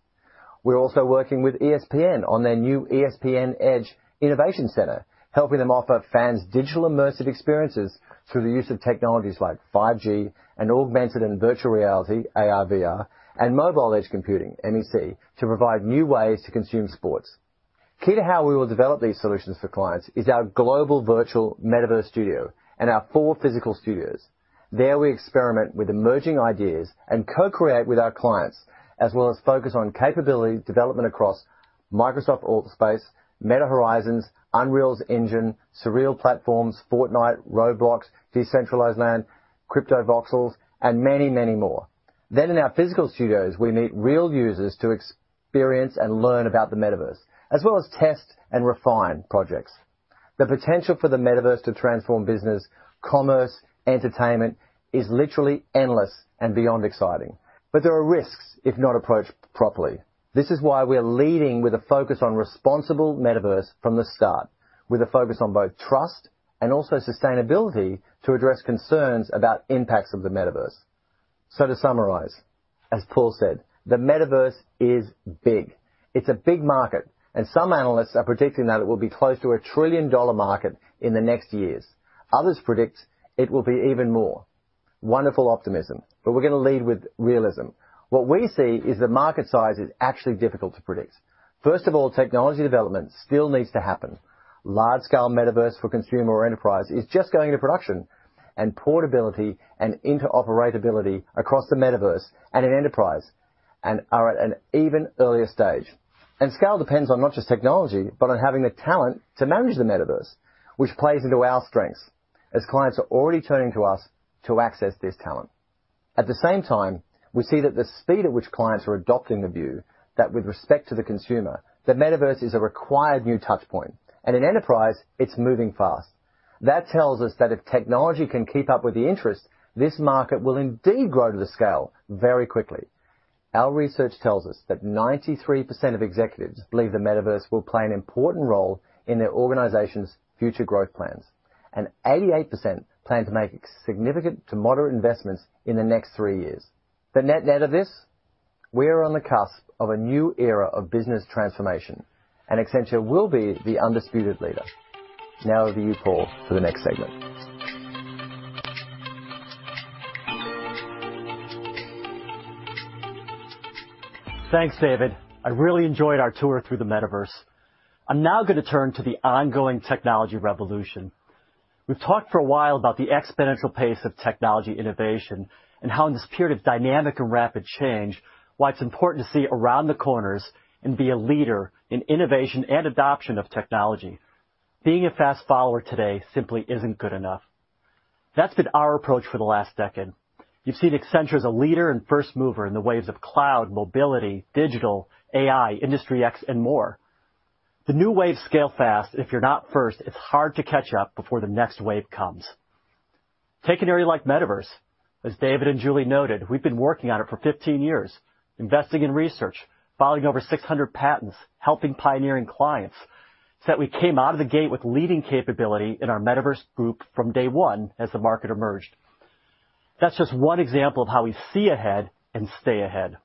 S17: We're also working with ESPN on their new ESPN Edge Innovation Center, helping them offer fans digital immersive experiences through the use of technologies like 5G and augmented and virtual reality, ARVR, and Mobile Edge Computing, MEC, to provide new ways to consume sports. Key to how we will develop these solutions for clients is our global virtual metaverse studio and our four physical studios. There we experiment with emerging ideas and co-create with our clients, as well as focus on capability development across Microsoft AltspaceVR, Meta Horizon Worlds, Unreal Engine, Surreal Platforms, Fortnite, Roblox, Decentraland, CryptoVoxels, and many, many more. In our physical studios, we meet real users to experience and learn about the metaverse, as well as test and refine projects. The potential for the metaverse to transform business, commerce, entertainment is literally endless and beyond exciting. There are risks if not approached properly. This is why we're leading with a focus on responsible metaverse from the start, with a focus on both trust and also sustainability to address concerns about impacts of the metaverse. To summarize, as Paul said, the metaverse is big. It's a big market, and some analysts are predicting that it will be close to a trillion-dollar market in the next years. Others predict it will be even more. Wonderful optimism, but we're gonna lead with realism. What we see is the market size is actually difficult to predict. First of all, technology development still needs to happen. Large-scale metaverse for consumer or enterprise is just going to production, and portability and interoperability across the metaverse and in enterprise and are at an even earlier stage. Scale depends on not just technology, but on having the talent to manage the metaverse, which plays into our strengths, as clients are already turning to us to access this talent. At the same time, we see that the speed at which clients are adopting the view that with respect to the consumer, the metaverse is a required new touch point, and in enterprise, it's moving fast. That tells us that if technology can keep up with the interest, this market will indeed grow to the scale very quickly. Our research tells us that 93% of executives believe the metaverse will play an important role in their organization's future growth plans, and 88% plan to make significant to moderate investments in the next three years. The net-net of this, we're on the cusp of a new era of business transformation, and Accenture will be the undisputed leader. Now over to you, Paul, for the next segment.
S25: Thanks, David. I really enjoyed our tour through the metaverse. I'm now gonna turn to the ongoing technology revolution. We've talked for a while about the exponential pace of technology innovation and how in this period of dynamic and rapid change, why it's important to see around the corners and be a leader in innovation and adoption of technology. Being a fast follower today simply isn't good enough. That's been our approach for the last decade. You've seen Accenture as a leader and first mover in the waves of cloud, mobility, digital, AI, Industry X, and more. The new waves scale fast. If you're not first, it's hard to catch up before the next wave comes. Take an area like metaverse. As David and Julie noted, we've been working on it for 15 years, investing in research, filing over 600 patents, helping pioneering clients, so that we came out of the gate with leading capability in our metaverse group from day one as the market emerged. That's just one example of how we see ahead and stay ahead.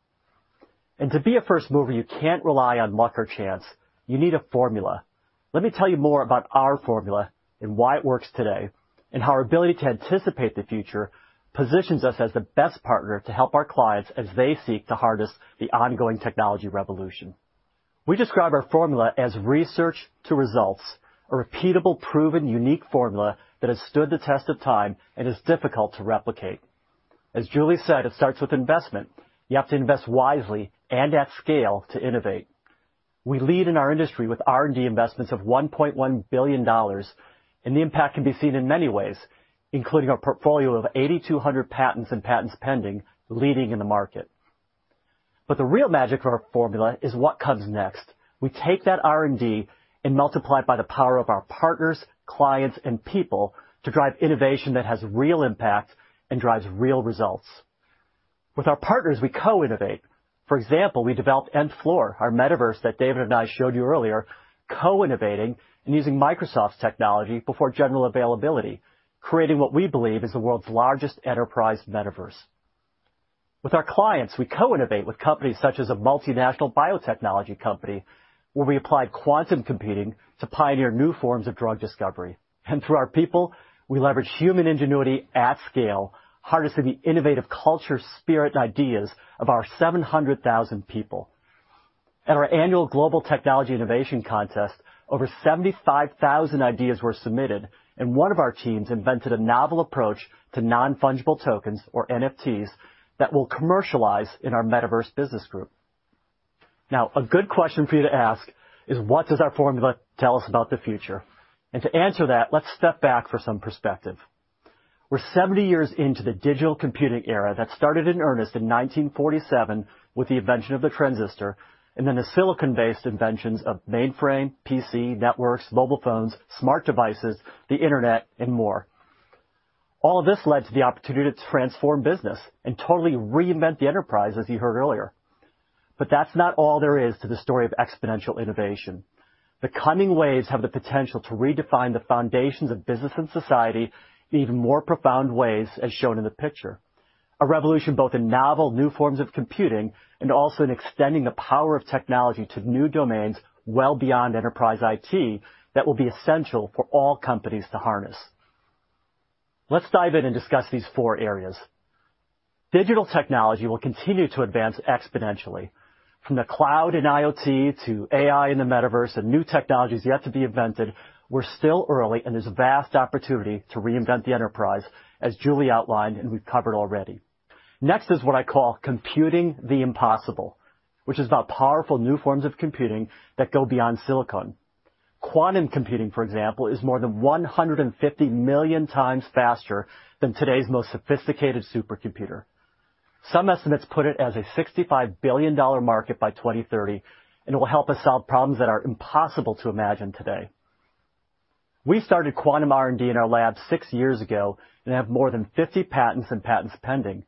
S25: To be a first mover, you can't rely on luck or chance. You need a formula. Let me tell you more about our formula and why it works today, and how our ability to anticipate the future positions us as the best partner to help our clients as they seek to harness the ongoing technology revolution. We describe our formula as research to results, a repeatable, proven, unique formula that has stood the test of time and is difficult to replicate. As Julie said, it starts with investment. You have to invest wisely and at scale to innovate. We lead in our industry with R&D investments of $1.1 billion, and the impact can be seen in many ways, including our portfolio of 8,200 patents and patents pending, leading in the market. The real magic of our formula is what comes next. We take that R&D and multiply it by the power of our partners, clients, and people to drive innovation that has real impact and drives real results. With our partners, we co-innovate. For example, we developed Nth Floor, our metaverse that David and I showed you earlier, co-innovating and using Microsoft's technology before general availability, creating what we believe is the world's largest enterprise metaverse. With our clients, we co-innovate with companies such as a multinational biotechnology company, where we applied quantum computing to pioneer new forms of drug discovery. Through our people, we leverage human ingenuity at scale, harnessing the innovative culture, spirit, and ideas of our 700,000 people. At our annual Global Technology Innovation Contest, over 75,000 ideas were submitted, and one of our teams invented a novel approach to non-fungible tokens, or NFTs, that we'll commercialize in our metaverse business group. Now, a good question for you to ask is what does our formula tell us about the future? To answer that, let's step back for some perspective. We're 70 years into the digital computing era that started in earnest in 1947 with the invention of the transistor and then the silicon-based inventions of mainframe, PC, networks, mobile phones, smart devices, the internet, and more. All of this led to the opportunity to transform business and totally reinvent the enterprise, as you heard earlier. That's not all there is to the story of exponential innovation. The coming waves have the potential to redefine the foundations of business and society in even more profound ways, as shown in the picture. A revolution both in novel new forms of computing and also in extending the power of technology to new domains well beyond enterprise IT that will be essential for all companies to harness. Let's dive in and discuss these four areas. Digital technology will continue to advance exponentially. From the cloud and IoT to AI and the metaverse and new technologies yet to be invented, we're still early, and there's vast opportunity to reinvent the enterprise, as Julie outlined and we've covered already. Next is what I call computing the impossible, which is about powerful new forms of computing that go beyond silicon. Quantum computing, for example, is more than 150 million times faster than today's most sophisticated supercomputer. Some estimates put it as a $65 billion market by 2030, and it will help us solve problems that are impossible to imagine today. We started quantum R&D in our labs six years ago and have more than 50 patents and patents-pending.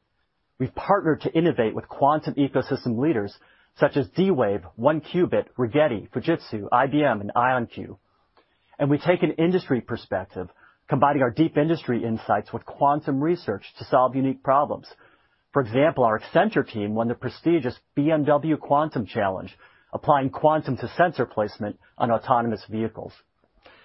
S25: We've partnered to innovate with quantum ecosystem leaders such as D-Wave, 1QBit, Rigetti, Fujitsu, IBM, and IonQ. We take an industry perspective, combining our deep industry insights with quantum research to solve unique problems. For example, our Accenture team won the prestigious BMW Quantum Challenge, applying quantum to sensor placement on autonomous vehicles.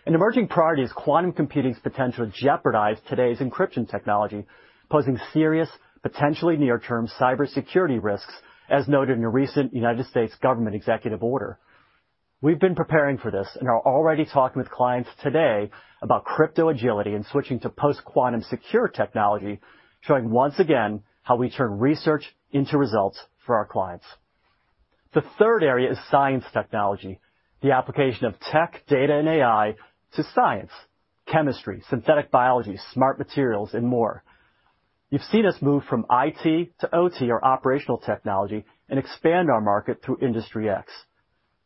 S25: An emerging priority is quantum computing's potential to jeopardize today's encryption technology, posing serious, potentially near-term cybersecurity risks, as noted in a recent United States government executive order. We've been preparing for this and are already talking with clients today about crypto agility and switching to post-quantum secure technology, showing once again how we turn research into results for our clients. The third area is science technology, the application of tech, data, and AI to science, chemistry, synthetic biology, smart materials, and more. You've seen us move from IT to OT, or operational technology, and expand our market through Industry X.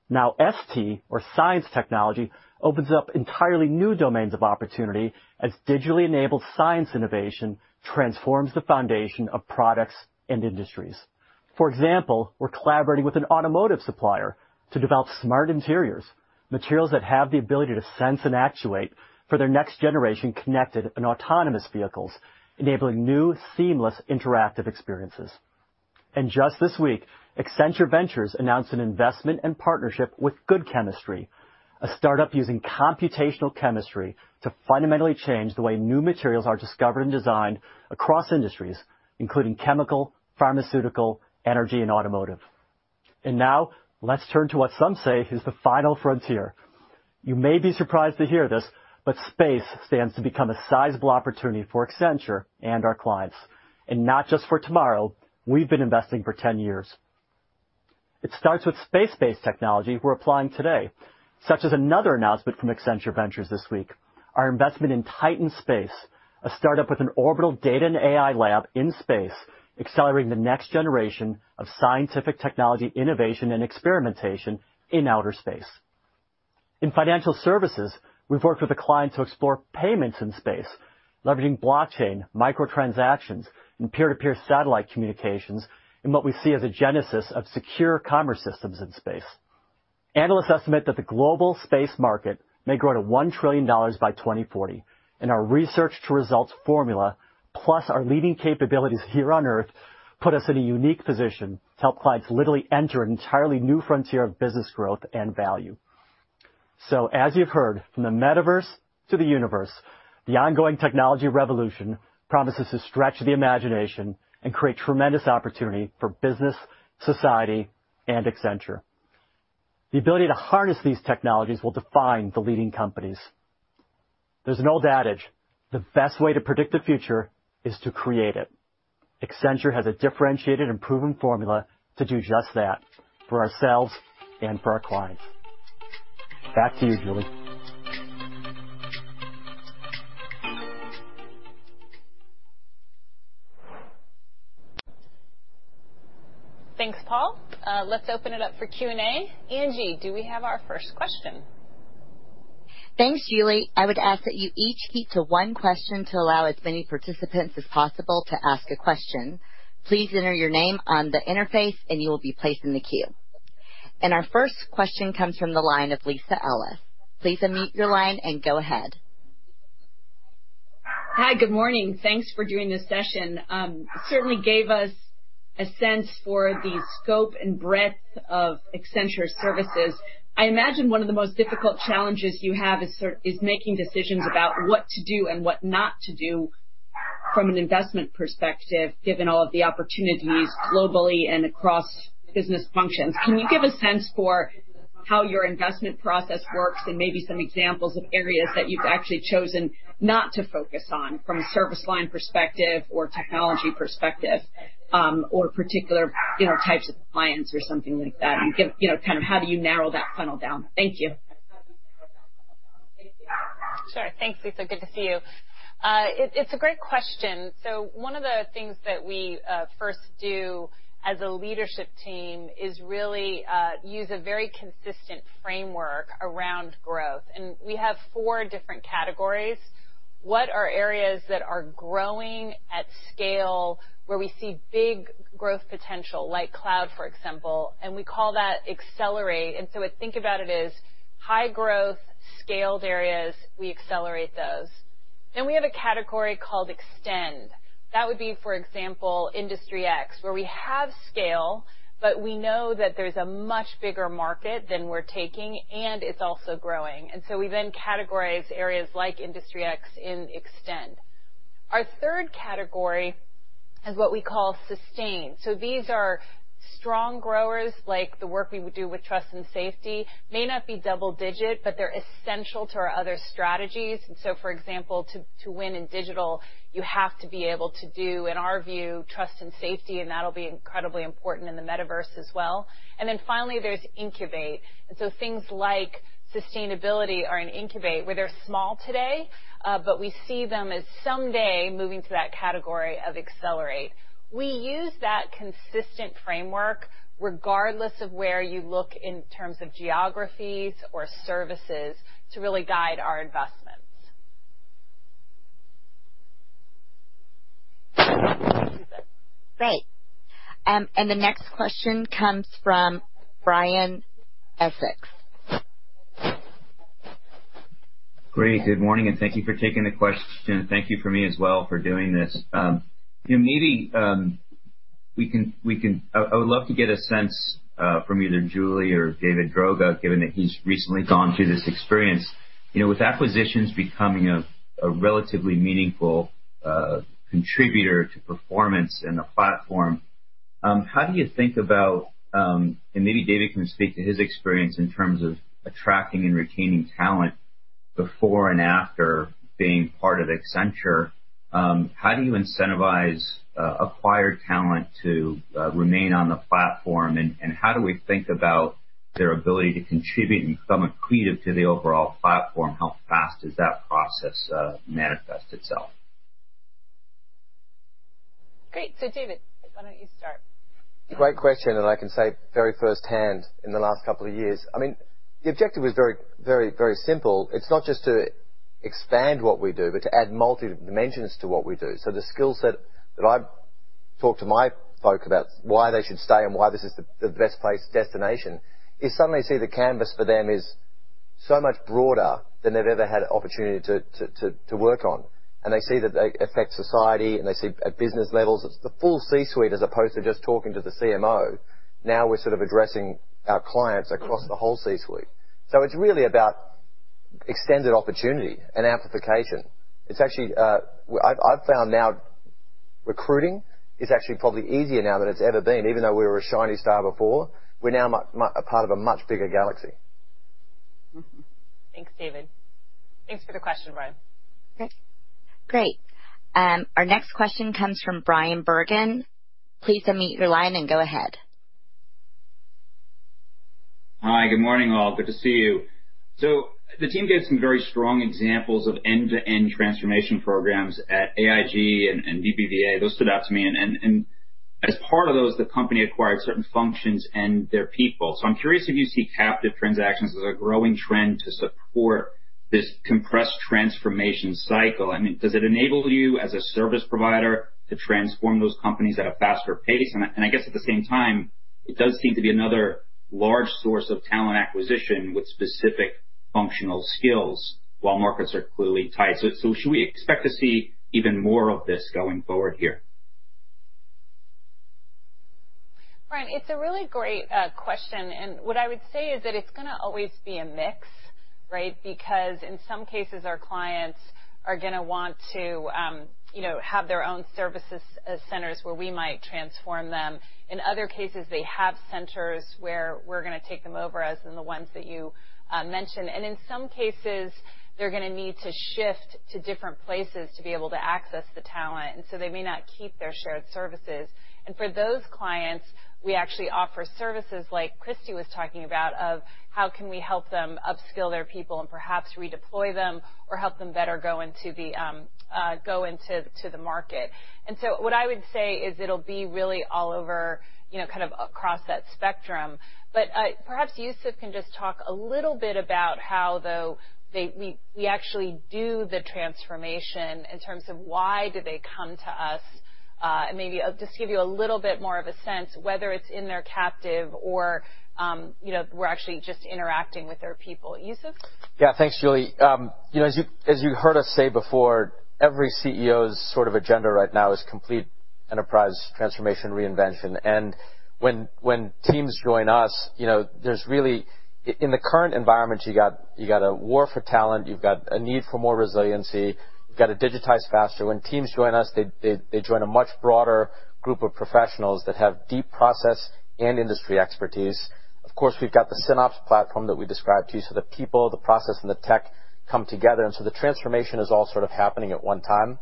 S25: Now, ST, or science technology, opens up entirely new domains of opportunity as digitally enabled science innovation transforms the foundation of products and industries. For example, we're collaborating with an automotive supplier to develop smart interiors, materials that have the ability to sense and actuate for their next generation connected and autonomous vehicles, enabling new, seamless interactive experiences. Just this week, Accenture Ventures announced an investment and partnership with Good Chemistry, a startup using computational chemistry to fundamentally change the way new materials are discovered and designed across industries, including chemical, pharmaceutical, energy, and automotive. Now, let's turn to what some say is the final frontier. You may be surprised to hear this, but space stands to become a sizable opportunity for Accenture and our clients. Not just for tomorrow, we've been investing for 10 years. It starts with space-based technology we're applying today, such as another announcement from Accenture Ventures this week, our investment in Titan Space, a startup with an orbital data and AI lab in space, accelerating the next generation of scientific technology innovation and experimentation in outer space. In financial services, we've worked with a client to explore payments in space, leveraging blockchain, micro-transactions, and peer-to-peer satellite communications in what we see as a genesis of secure commerce systems in space. Analysts estimate that the global space market may grow to $1 trillion by 2040. Our research to results formula, plus our leading capabilities here on Earth, put us in a unique position to help clients literally enter an entirely new frontier of business growth and value. As you've heard, from the Metaverse to the universe, the ongoing technology revolution promises to stretch the imagination and create tremendous opportunity for business, society, and Accenture. The ability to harness these technologies will define the leading companies. There's an old adage, the best way to predict the future is to create it. Accenture has a differentiated and proven formula to do just that for ourselves and for our clients. Back to you, Julie.
S2: Thanks, Paul. Let's open it up for Q&A. Angie, do we have our first question?
S1: Thanks, Julie. I would ask that you each keep to one question to allow as many participants as possible to ask a question. Please enter your name on the interface, and you will be placed in the queue. Our first question comes from the line of Lisa Ellis. Please unmute your line and go ahead.
S26: Hi, good morning. Thanks for doing this session. Certainly gave us a sense for the scope and breadth of Accenture services. I imagine one of the most difficult challenges you have is making decisions about what to do and what not to do from an investment perspective, given all of the opportunities globally and across business functions. Can you give a sense for how your investment process works and maybe some examples of areas that you've actually chosen not to focus on from a service line perspective or technology perspective, or particular, you know, types of clients or something like that and give, you know, kind of how do you narrow that funnel down? Thank you.
S2: Sure. Thanks, Lisa. Good to see you. It's a great question. One of the things that we first do as a leadership team is really use a very consistent framework around growth. We have four different categories. What are areas that are growing at scale, where we see big growth potential, like cloud, for example, and we call that Accelerate. Think about it as high growth, scaled areas, we accelerate those. We have a category called Extend. That would be, for example, Industry X, where we have scale, but we know that there's a much bigger market than we're taking, and it's also growing. We then categorize areas like Industry X in extend. Our third category is what we call Sustain. These are strong growers, like the work we would do with trust and safety. May not be double digit, but they're essential to our other strategies. For example, to win in digital, you have to be able to do, in our view, trust and safety, and that'll be incredibly important in the Metaverse as well. Finally, there's Incubate. Things like sustainability are in incubate, where they're small today, but we see them as someday moving to that category of accelerate. We use that consistent framework regardless of where you look in terms of geographies or services to really guide our investments.
S1: Great. The next question comes from Brian Essex.
S27: Great. Good morning, and thank you for taking the question. Thank you for me as well for doing this. You know, maybe we can. I would love to get a sense from either Julie or David Droga, given that he's recently gone through this experience. You know, with acquisitions becoming a relatively meaningful contributor to performance in the platform, how do you think about, and maybe David can speak to his experience in terms of attracting and retaining talent before and after being part of Accenture, how do you incentivize acquired talent to remain on the platform? And how do we think about their ability to contribute and become accretive to the overall platform? How fast does that process manifest itself?
S2: Great. David, why don't you start?
S17: Great question. I can say very firsthand in the last couple of years. I mean, the objective is very simple. It's not just to expand what we do, but to add multidimensions to what we do. The skill set that I talk to my folk about why they should stay and why this is the best place destination is suddenly see the canvas for them is so much broader than they've ever had opportunity to work on. They see that they affect society, and they see at business levels. It's the full C-suite, as opposed to just talking to the CMO. Now we're sort of addressing our clients across the whole C-suite. It's really about extended opportunity and amplification. It's actually, I've found now recruiting is actually probably easier now than it's ever been. Even though we were a shiny star before, we're now a part of a much bigger galaxy.
S2: Mm-hmm. Thanks, David. Thanks for the question, Brian.
S1: Okay, great. Our next question comes from Bryan Bergin. Please unmute your line and go ahead.
S28: Hi, good morning, all. Good to see you. The team gave some very strong examples of end-to-end transformation programs at AIG and BBVA. Those stood out to me. As part of those, the company acquired certain functions and their people. I'm curious if you see captive transactions as a growing trend to support this compressed transformation cycle. I mean, does it enable you as a service provider to transform those companies at a faster pace? I guess at the same time, it does seem to be another large source of talent acquisition with specific functional skills while markets are clearly tight. Should we expect to see even more of this going forward here?
S2: Bryan, it's a really great question. What I would say is that it's gonna always be a mix, right? Because in some cases, our clients are gonna want to, you know, have their own services centers where we might transform them. In other cases, they have centers where we're gonna take them over, as in the ones that you mentioned. In some cases, they're gonna need to shift to different places to be able to access the talent, and so they may not keep their shared services. For those clients, we actually offer services like Christie was talking about of how can we help them upskill their people and perhaps redeploy them or help them better go into the market. What I would say is it'll be really all over, you know, kind of across that spectrum. But perhaps Yusuf can just talk a little bit about how we actually do the transformation in terms of why do they come to us, and maybe just give you a little bit more of a sense, whether it's in their captive or, you know, we're actually just interacting with their people. Yusuf?
S15: Yeah. Thanks, Julie. As you heard us say before, every CEO's sort of agenda right now is complete enterprise transformation reinvention. When teams join us, there's really in the current environment, you got a war for talent, you've got a need for more resiliency, you've got to digitize faster. When teams join us, they join a much broader group of professionals that have deep process and industry expertise. Of course, we've got the SynOps platform that we described to you. The people, the process, and the tech come together, and so the transformation is all sort of happening at one time.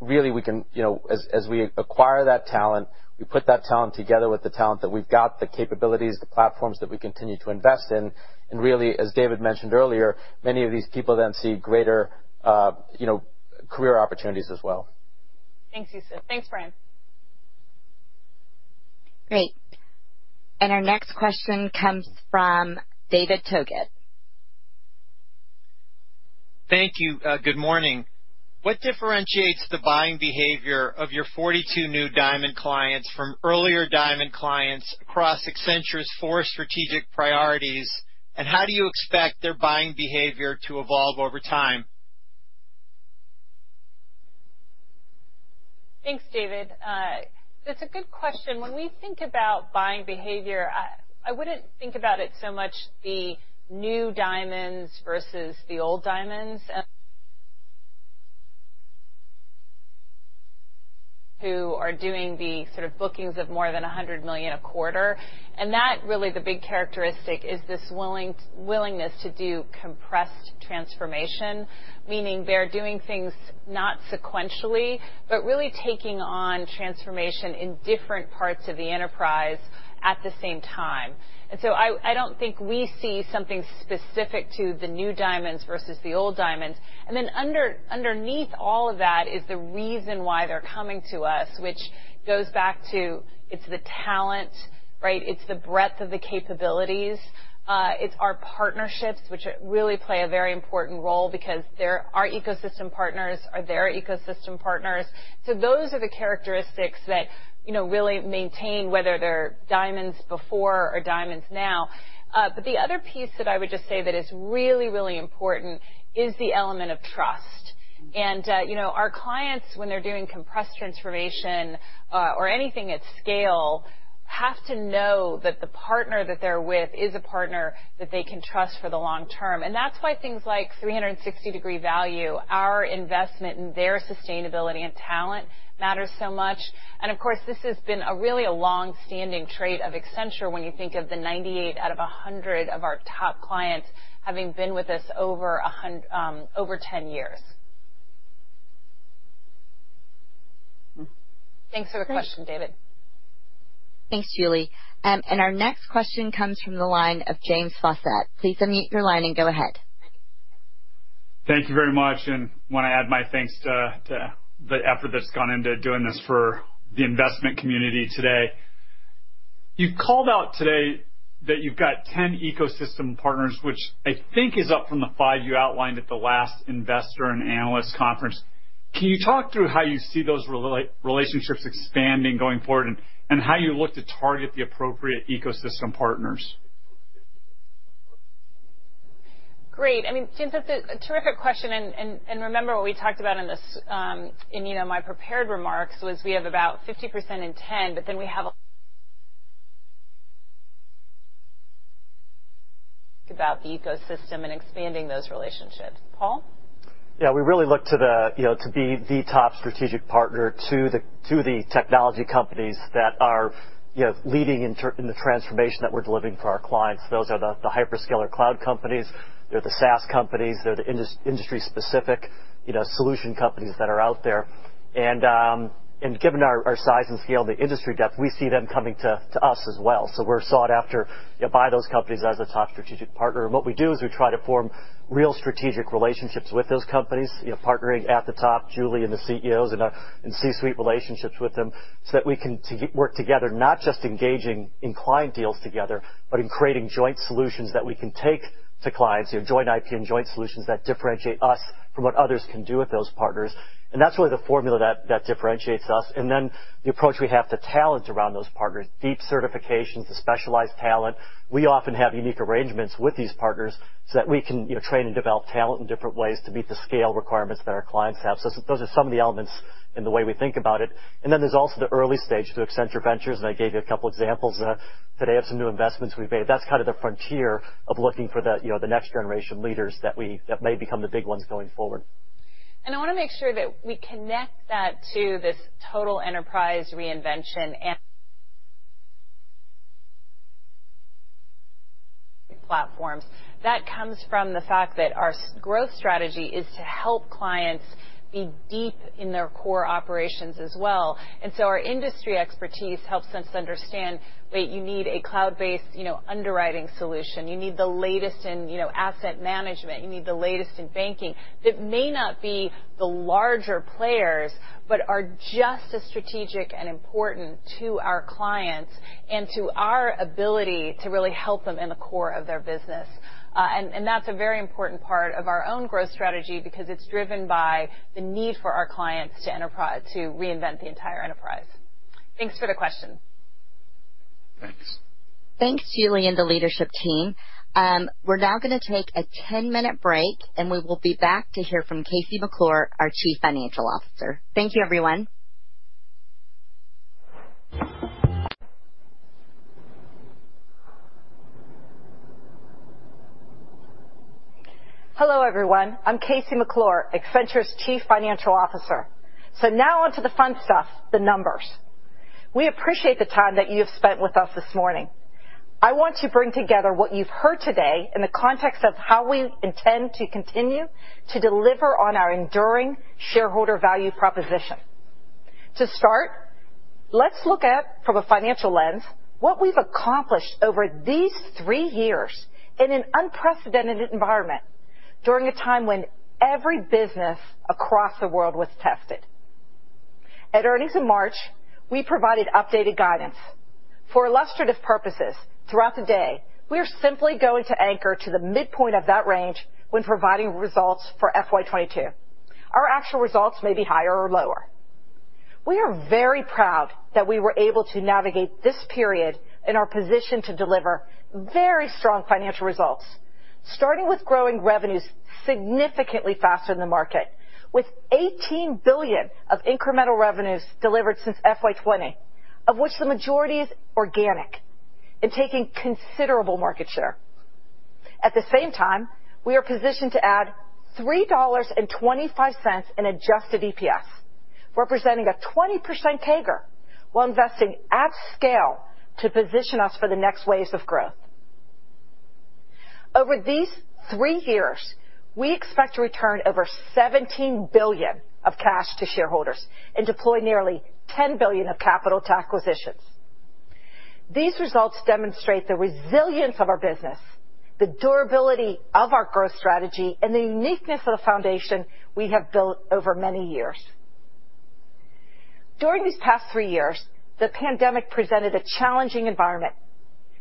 S15: Really, we can, as we acquire that talent, we put that talent together with the talent that we've got, the capabilities, the platforms that we continue to invest in. Really, as David mentioned earlier, many of these people then see greater, you know, career opportunities as well.
S2: Thanks, Yusuf. Thanks, Bryan.
S1: Great. Our next question comes from David Togut.
S29: Thank you. Good morning. What differentiates the buying behavior of your 42 new Diamond clients from earlier Diamond clients across Accenture's four strategic priorities, and how do you expect their buying behavior to evolve over time?
S2: Thanks, David. That's a good question. When we think about buying behavior, I wouldn't think about it so much the new Diamonds versus the old Diamonds, who are doing the sort of bookings of more than $100 million a quarter. That really is the big characteristic, this willingness to do compressed transformation, meaning they're doing things not sequentially, but really taking on transformation in different parts of the enterprise at the same time. I don't think we see something specific to the new Diamonds versus the old Diamonds. Underneath all of that is the reason why they're coming to us, which goes back to it's the talent, right, it's the breadth of the capabilities, it's our partnerships, which really play a very important role because they're our ecosystem partners are their ecosystem partners. Those are the characteristics that, you know, really maintain whether they're Diamonds before or Diamonds now. The other piece that I would just say that is really, really important is the element of trust. You know, our clients, when they're doing compressed transformation, or anything at scale, have to know that the partner that they're with is a partner that they can trust for the long term. That's why things like 360° Value, our investment in their sustainability and talent matters so much. Of course, this has been a really a long-standing trait of Accenture when you think of the 98 out of 100 of our top clients having been with us over ten years.
S29: Great.
S2: Thanks for the question, David.
S1: Thanks, Julie. Our next question comes from the line of James Faucette. Please unmute your line and go ahead.
S30: Thank you very much. I want to add my thanks to the effort that's gone into doing this for the investment community today. You called out today that you've got 10 ecosystem partners, which I think is up from the five you outlined at the last investor and analyst conference. Can you talk through how you see those relationships expanding going forward and how you look to target the appropriate ecosystem partners?
S2: Great. I mean, James, that's a terrific question. Remember what we talked about in my prepared remarks was we have about 50% in 10, but then we have about the ecosystem and expanding those relationships. Paul?
S25: Yeah. We really look to the, you know, to be the top strategic partner to the technology companies that are, you know, leading in the transformation that we're delivering for our clients. Those are the hyperscaler cloud companies. They're the SaaS companies. They're the industry specific, you know, solution companies that are out there. Given our size and scale and the industry depth, we see them coming to us as well. We're sought after by those companies as a top strategic partner. What we do is we try to form real strategic relationships with those companies, you know, partnering at the top, Julie and the CEOs in our... in C-suite relationships with them, so that we can work together, not just engaging in client deals together, but in creating joint solutions that we can take to clients, you know, joint IP and joint solutions that differentiate us from what others can do with those partners. That's really the formula that differentiates us. Then the approach we have to talent around those partners, deep certifications, the specialized talent. We often have unique arrangements with these partners so that we can, you know, train and develop talent in different ways to meet the scale requirements that our clients have. Those are some of the elements in the way we think about it. Then there's also the early stage through Accenture Ventures, and I gave you a couple examples today of some new investments we've made. That's kind of the frontier of looking for the, you know, the next generation leaders that may become the big ones going forward.
S2: I wanna make sure that we connect that to this total enterprise reinvention and platforms. That comes from the fact that our growth strategy is to help clients be deep in their core operations as well. Our industry expertise helps us understand that you need a cloud-based, you know, underwriting solution. You need the latest in, you know, asset management. You need the latest in banking. That may not be the larger players, but are just as strategic and important to our clients and to our ability to really help them in the core of their business. That's a very important part of our own growth strategy because it's driven by the need for our clients to reinvent the entire enterprise. Thanks for the question.
S30: Thanks.
S1: Thanks, Julie and the leadership team. We're now gonna take a 10-minute break, and we will be back to hear from KC McClure, our Chief Financial Officer. Thank you, everyone.
S31: Hello, everyone. I'm KC McClure, Accenture's Chief Financial Officer. Now on to the fun stuff, the numbers. We appreciate the time that you have spent with us this morning. I want to bring together what you've heard today in the context of how we intend to continue to deliver on our enduring shareholder value proposition. To start, let's look at, from a financial lens, what we've accomplished over these three years in an unprecedented environment during a time when every business across the world was tested. At earnings in March, we provided updated guidance. For illustrative purposes, throughout the day, we are simply going to anchor to the midpoint of that range when providing results for FY 2022. Our actual results may be higher or lower. We are very proud that we were able to navigate this period and are positioned to deliver very strong financial results, starting with growing revenues significantly faster than the market, with $18 billion of incremental revenues delivered since FY 2020, of which the majority is organic, and taking considerable market share. At the same time, we are positioned to add $3.25 in adjusted EPS, representing a 20% CAGR, while investing at scale to position us for the next waves of growth. Over these three years, we expect to return over $17 billion of cash to shareholders and deploy nearly $10 billion of capital to acquisitions. These results demonstrate the resilience of our business, the durability of our growth strategy, and the uniqueness of the foundation we have built over many years. During these past three years, the pandemic presented a challenging environment,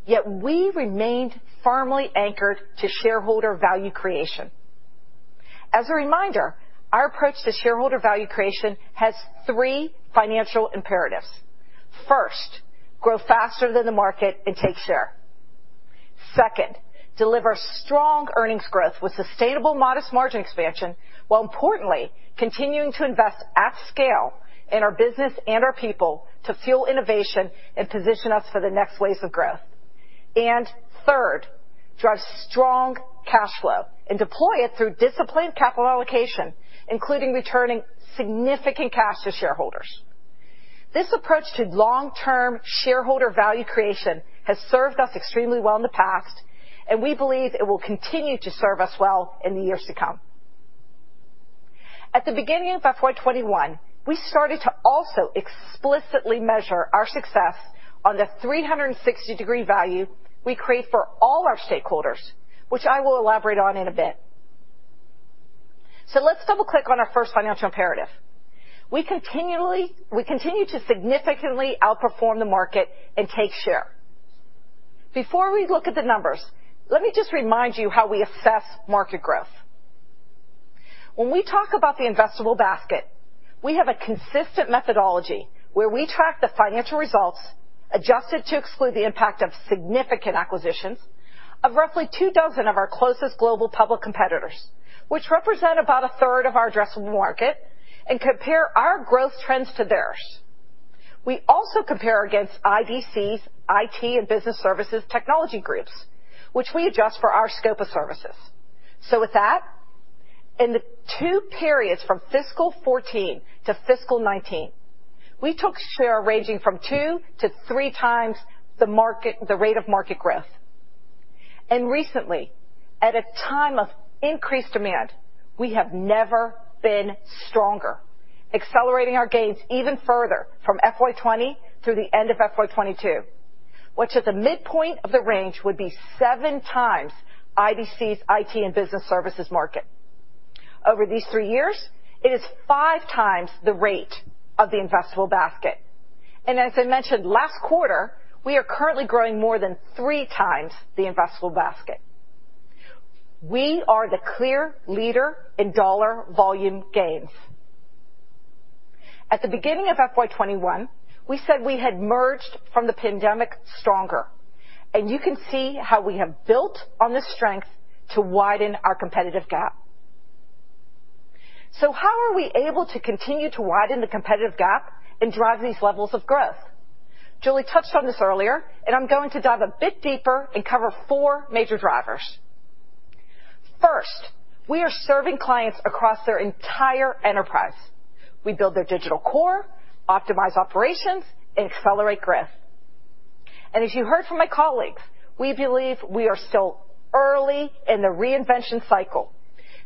S31: yet we remained firmly anchored to shareholder value creation. As a reminder, our approach to shareholder value creation has three financial imperatives. First, grow faster than the market and take share. Second, deliver strong earnings growth with sustainable modest margin expansion, while importantly continuing to invest at scale in our business and our people to fuel innovation and position us for the next waves of growth. Third, drive strong cash flow and deploy it through disciplined capital allocation, including returning significant cash to shareholders. This approach to long-term shareholder value creation has served us extremely well in the past, and we believe it will continue to serve us well in the years to come. At the beginning of FY 2021, we started to also explicitly measure our success on the 360° Value we create for all our stakeholders, which I will elaborate on in a bit. Let's double-click on our first financial imperative. We continue to significantly outperform the market and take share. Before we look at the numbers, let me just remind you how we assess market growth. When we talk about the investable basket, we have a consistent methodology where we track the financial results, adjusted to exclude the impact of significant acquisitions, of roughly two dozen of our closest global public competitors, which represent about 1/3 of our addressable market, and compare our growth trends to theirs. We also compare against IDC's IT and business services technology groups, which we adjust for our scope of services. With that, in the two periods from FY 2014 to FY 2019, we took share ranging from 2x-3x the market, the rate of market growth. Recently, at a time of increased demand, we have never been stronger, accelerating our gains even further from FY 2020 through the end of FY 2022, which at the midpoint of the range would be 7x IDC's IT and business services market. Over these three, it is 5x times the rate of the investable basket. As I mentioned last quarter, we are currently growing more than 3x the investable basket. We are the clear leader in dollar volume gains. At the beginning of FY 2021, we said we had emerged from the pandemic stronger, and you can see how we have built on this strength to widen our competitive gap. How are we able to continue to widen the competitive gap and drive these levels of growth? Julie touched on this earlier, and I'm going to dive a bit deeper and cover four major drivers. First, we are serving clients across their entire enterprise. We build their digital core, optimize operations, and accelerate growth. As you heard from my colleagues, we believe we are still early in the reinvention cycle.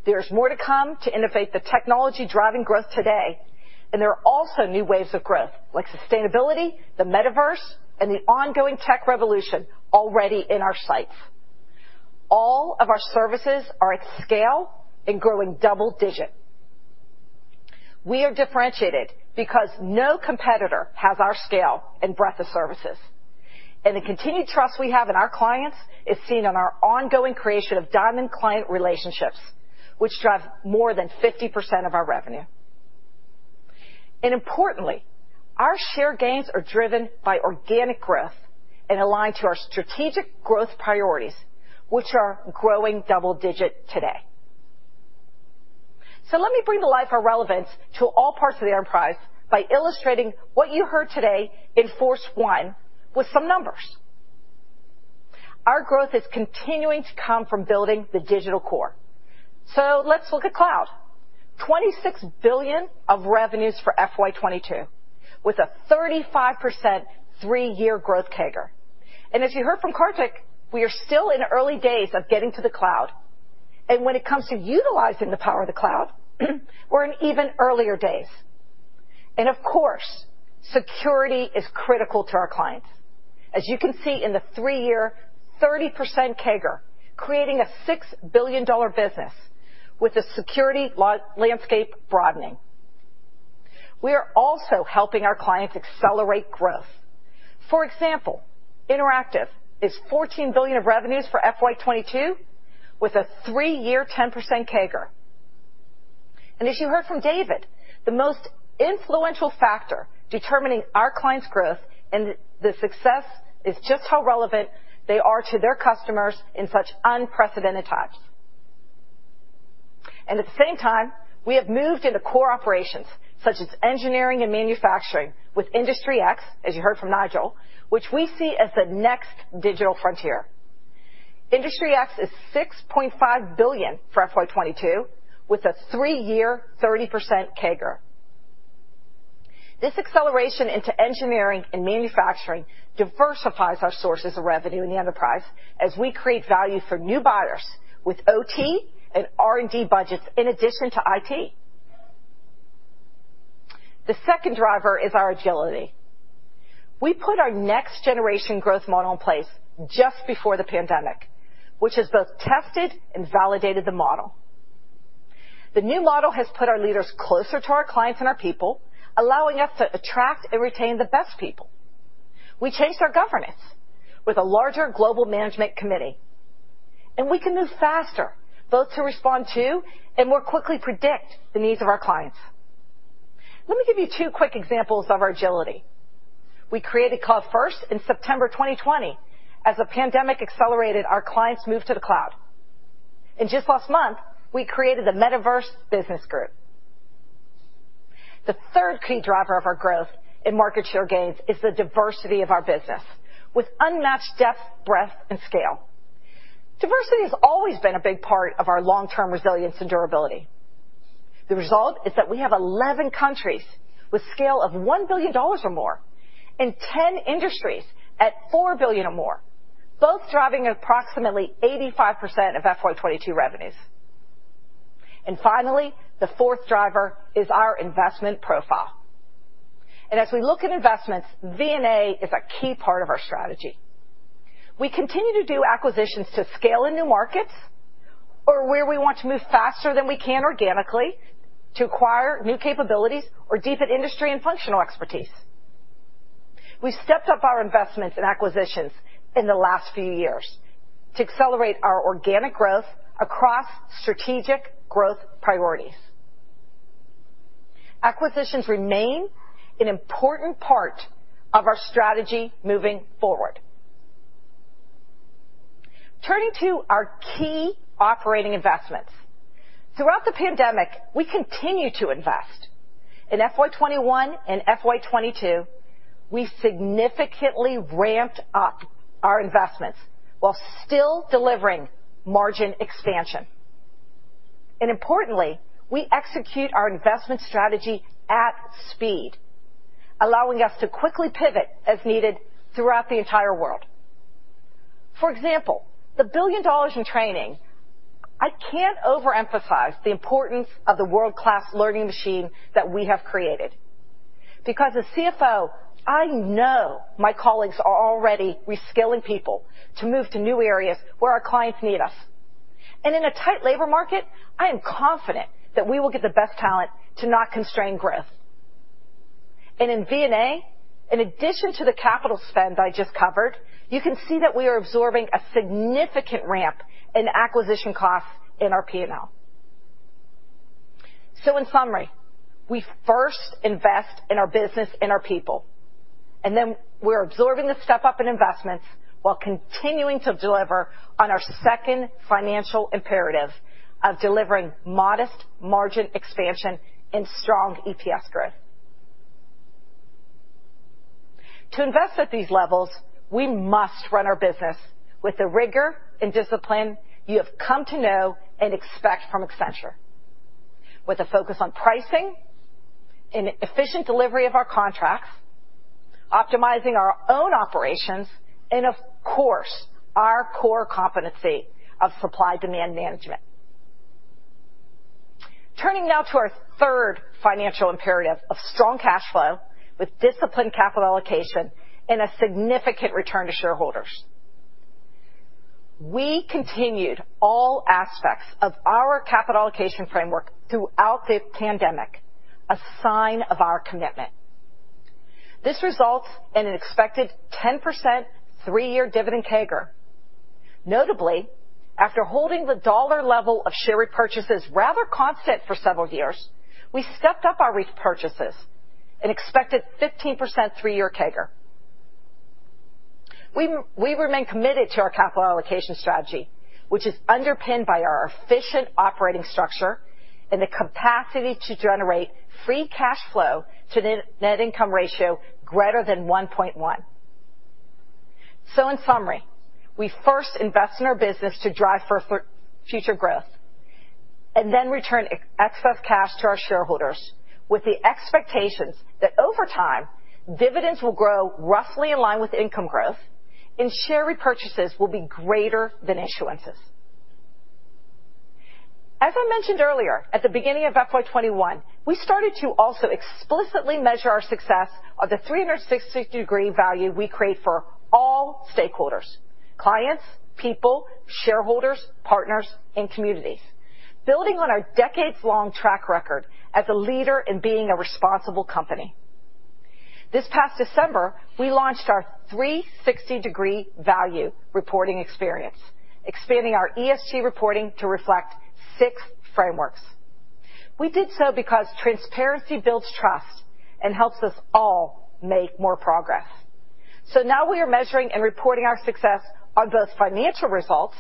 S31: There's more to come to innovate the technology driving growth today, and there are also new waves of growth, like sustainability, the metaverse, and the ongoing tech revolution already in our sights. All of our services are at scale and growing double digit. We are differentiated because no competitor has our scale and breadth of services. The continued trust we have in our clients is seen on our ongoing creation of Diamond client relationships, which drive more than 50% of our revenue. Importantly, our share gains are driven by organic growth and aligned to our strategic growth priorities, which are growing double-digit today. Let me bring to life our relevance to all parts of the enterprise by illustrating what you heard today in force one with some numbers. Our growth is continuing to come from building the digital core. Let's look at cloud. $26 billion of revenues for FY 2022, with a 35% three-year growth CAGR. As you heard from Karthik, we are still in early days of getting to the cloud. When it comes to utilizing the power of the cloud, we're in even earlier days. Of course, security is critical to our clients. As you can see in the three-year 30% CAGR, creating a $6 billion business with the security landscape broadening. We are also helping our clients accelerate growth. For example, Interactive is $14 billion of revenues for FY 2022 with a three-year 10% CAGR. As you heard from David, the most influential factor determining our clients' growth and the success is just how relevant they are to their customers in such unprecedented times. At the same time, we have moved into core operations such as engineering and manufacturing with Industry X, as you heard from Nigel, which we see as the next digital frontier. Industry X is $6.5 billion for FY 2022, with a three-year 30% CAGR. This acceleration into engineering and manufacturing diversifies our sources of revenue in the enterprise as we create value for new buyers with OT and R&D budgets in addition to IT. The second driver is our agility. We put our next-generation growth model in place just before the pandemic, which has both tested and validated the model. The new model has put our leaders closer to our clients and our people, allowing us to attract and retain the best people. We changed our governance with a larger global management committee, and we can move faster, both to respond to and more quickly predict the needs of our clients. Let me give you two quick examples of our agility. We created Cloud First in September 2020 as the pandemic accelerated our clients' move to the cloud. Just last month, we created the Metaverse Business Group. The third key driver of our growth in market share gains is the diversity of our business, with unmatched depth, breadth, and scale. Diversity has always been a big part of our long-term resilience and durability. The result is that we have 11 countries with scale of $1 billion or more and 10 industries at $4 billion or more, both driving approximately 85% of FY 2022 revenues. Finally, the fourth driver is our investment profile. As we look at investments, V&A is a key part of our strategy. We continue to do acquisitions to scale in new markets or where we want to move faster than we can organically to acquire new capabilities or deepen industry and functional expertise. We've stepped up our investments in acquisitions in the last few years to accelerate our organic growth across strategic growth priorities. Acquisitions remain an important part of our strategy moving forward. Turning to our key operating investments. Throughout the pandemic, we continue to invest. In FY 2021 and FY 2022, we significantly ramped up our investments while still delivering margin expansion. Importantly, we execute our investment strategy at speed, allowing us to quickly pivot as needed throughout the entire world. For example, the $1 billion in training, I can't overemphasize the importance of the world-class learning machine that we have created. Because as CFO, I know my colleagues are already reskilling people to move to new areas where our clients need us. In a tight labor market, I am confident that we will get the best talent to not constrain growth. In V&A, in addition to the capital spend I just covered, you can see that we are absorbing a significant ramp in acquisition costs in our P&L. In summary, we first invest in our business and our people, and then we're absorbing the step-up in investments while continuing to deliver on our second financial imperative of delivering modest margin expansion and strong EPS growth. To invest at these levels, we must run our business with the rigor and discipline you have come to know and expect from Accenture with a focus on pricing and efficient delivery of our contracts, optimizing our own operations, and of course, our core competency of supply-demand management. Turning now to our third financial imperative of strong cash flow with disciplined capital allocation and a significant return to shareholders. We continued all aspects of our capital allocation framework throughout the pandemic, a sign of our commitment. This results in an expected 10% three-year dividend CAGR. Notably, after holding the dollar level of share repurchases rather constant for several years, we stepped up our repurchases, an expected 15% three-year CAGR. We remain committed to our capital allocation strategy, which is underpinned by our efficient operating structure and the capacity to generate free cash flow to the net income ratio greater than 1.1x. In summary, we first invest in our business to drive for future growth, and then return excess cash to our shareholders with the expectations that over time, dividends will grow roughly in line with income growth and share repurchases will be greater than issuances. As I mentioned earlier, at the beginning of FY 2021, we started to also explicitly measure our success of the 360° Value we create for all stakeholders, clients, people, shareholders, partners, and communities, building on our decades-long track record as a leader in being a responsible company. This past December, we launched our 360° Value Reporting Experience, expanding our ESG reporting to reflect six frameworks. We did so because transparency builds trust and helps us all make more progress. Now we are measuring and reporting our success on both financial results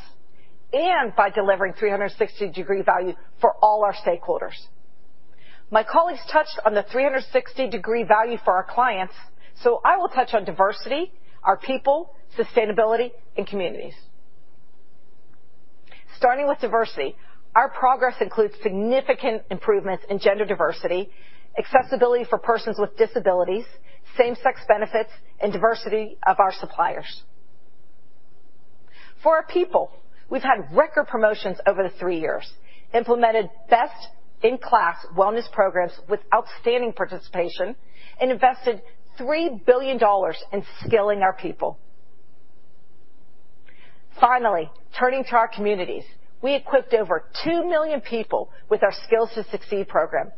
S31: and by delivering 360° Value for all our stakeholders. My colleagues touched on the 360° Value for our clients, so I will touch on diversity, our people, sustainability, and communities. Starting with diversity, our progress includes significant improvements in gender diversity, accessibility for persons with disabilities, same-sex benefits, and diversity of our suppliers. For our people, we've had record promotions over the three years, implemented best-in-class wellness programs with outstanding participation, and invested $3 billion in skilling our people. Finally, turning to our communities, we equipped over 2 million people with our Skills to Succeed program,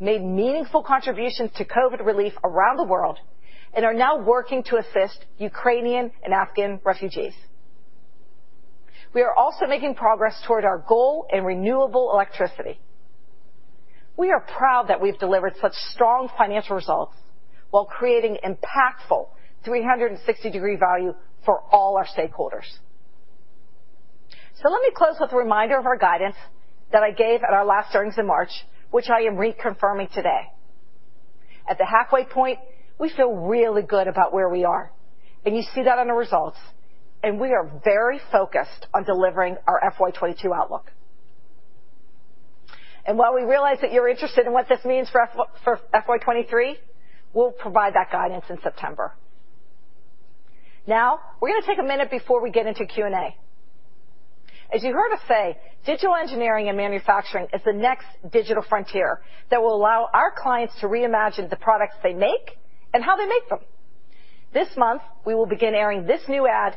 S31: made meaningful contributions to COVID relief around the world, and are now working to assist Ukrainian and Afghan refugees. We are also making progress toward our goal in renewable electricity. We are proud that we've delivered such strong financial results while creating impactful 360° Value for all our stakeholders. Let me close with a reminder of our guidance that I gave at our last earnings in March, which I am reconfirming today. At the halfway point, we feel really good about where we are, and you see that on the results, and we are very focused on delivering our FY 2022 outlook. While we realize that you're interested in what this means for FY 2023, we'll provide that guidance in September. Now, we're gonna take a minute before we get into Q&A. As you heard us say, digital engineering and manufacturing is the next digital frontier that will allow our clients to reimagine the products they make and how they make them. This month, we will begin airing this new ad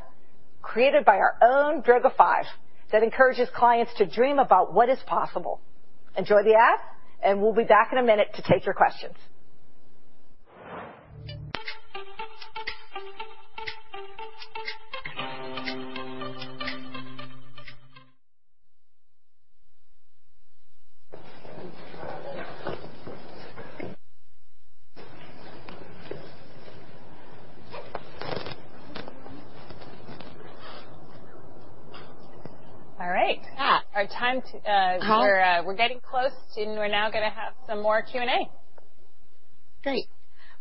S31: created by our own Droga5 that encourages clients to dream about what is possible. Enjoy the ad, and we'll be back in a minute to take your questions.
S2: All right. Ah. Our time t- uh-
S1: Huh?
S2: We're now gonna have some more Q&A.
S1: Great.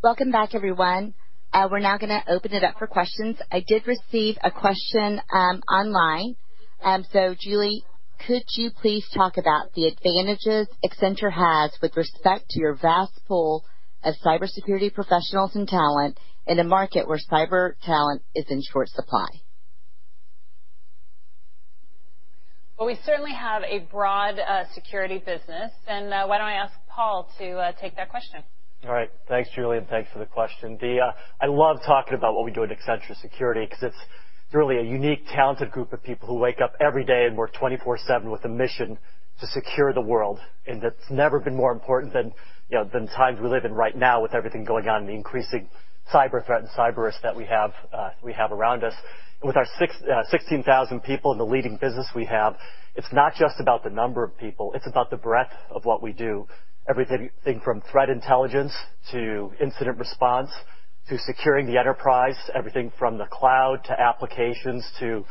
S1: Welcome back, everyone. We're now gonna open it up for questions. I did receive a question online. Julie, could you please talk about the advantages Accenture has with respect to your vast pool of cybersecurity professionals and talent in a market where cyber talent is in short supply?
S2: Well, we certainly have a broad security business. Why don't I ask Paul to take that question?
S25: All right. Thanks, Julie, and thanks for the question. I love talking about what we do at Accenture Security 'cause it's really a unique talented group of people who wake up every day and work 24/7 with a mission to secure the world, and that's never been more important than you know the times we live in right now with everything going on and the increasing cyber threat and cyber risk that we have around us. With our 16,000 people and the leading business we have, it's not just about the number of people, it's about the breadth of what we do. Everything from threat intelligence to incident response to securing the enterprise. Everything from the cloud to applications to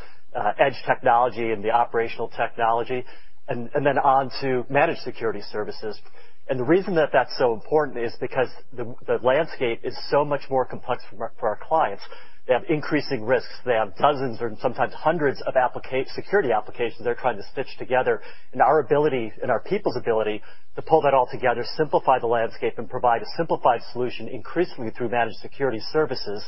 S25: edge technology and the operational technology, and then on to managed security services. The reason that that's so important is because the landscape is so much more complex for our clients. They have increasing risks. They have dozens or sometimes hundreds of security applications they're trying to stitch together. Our ability and our people's ability to pull that all together, simplify the landscape, and provide a simplified solution increasingly through managed security services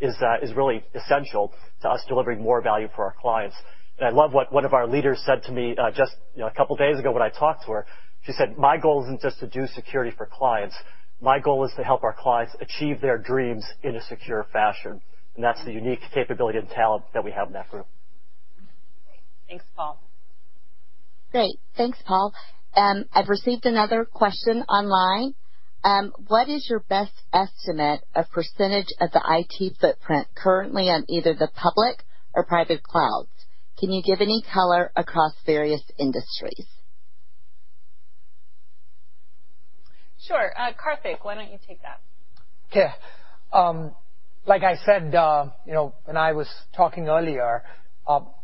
S25: is really essential to us delivering more value for our clients. I love what one of our leaders said to me, just, you know, a couple days ago when I talked to her. She said, "My goal isn't just to do security for clients. My goal is to help our clients achieve their dreams in a secure fashion." That's the unique capability and talent that we have in that group.
S2: Thanks, Paul.
S1: Great. Thanks, Paul. I've received another question online. What is your best estimate of percentage of the IT footprint currently on either the public or private clouds? Can you give any color across various industries?
S2: Sure. Karthik, why don't you take that?
S13: Okay. Like I said, you know, when I was talking earlier,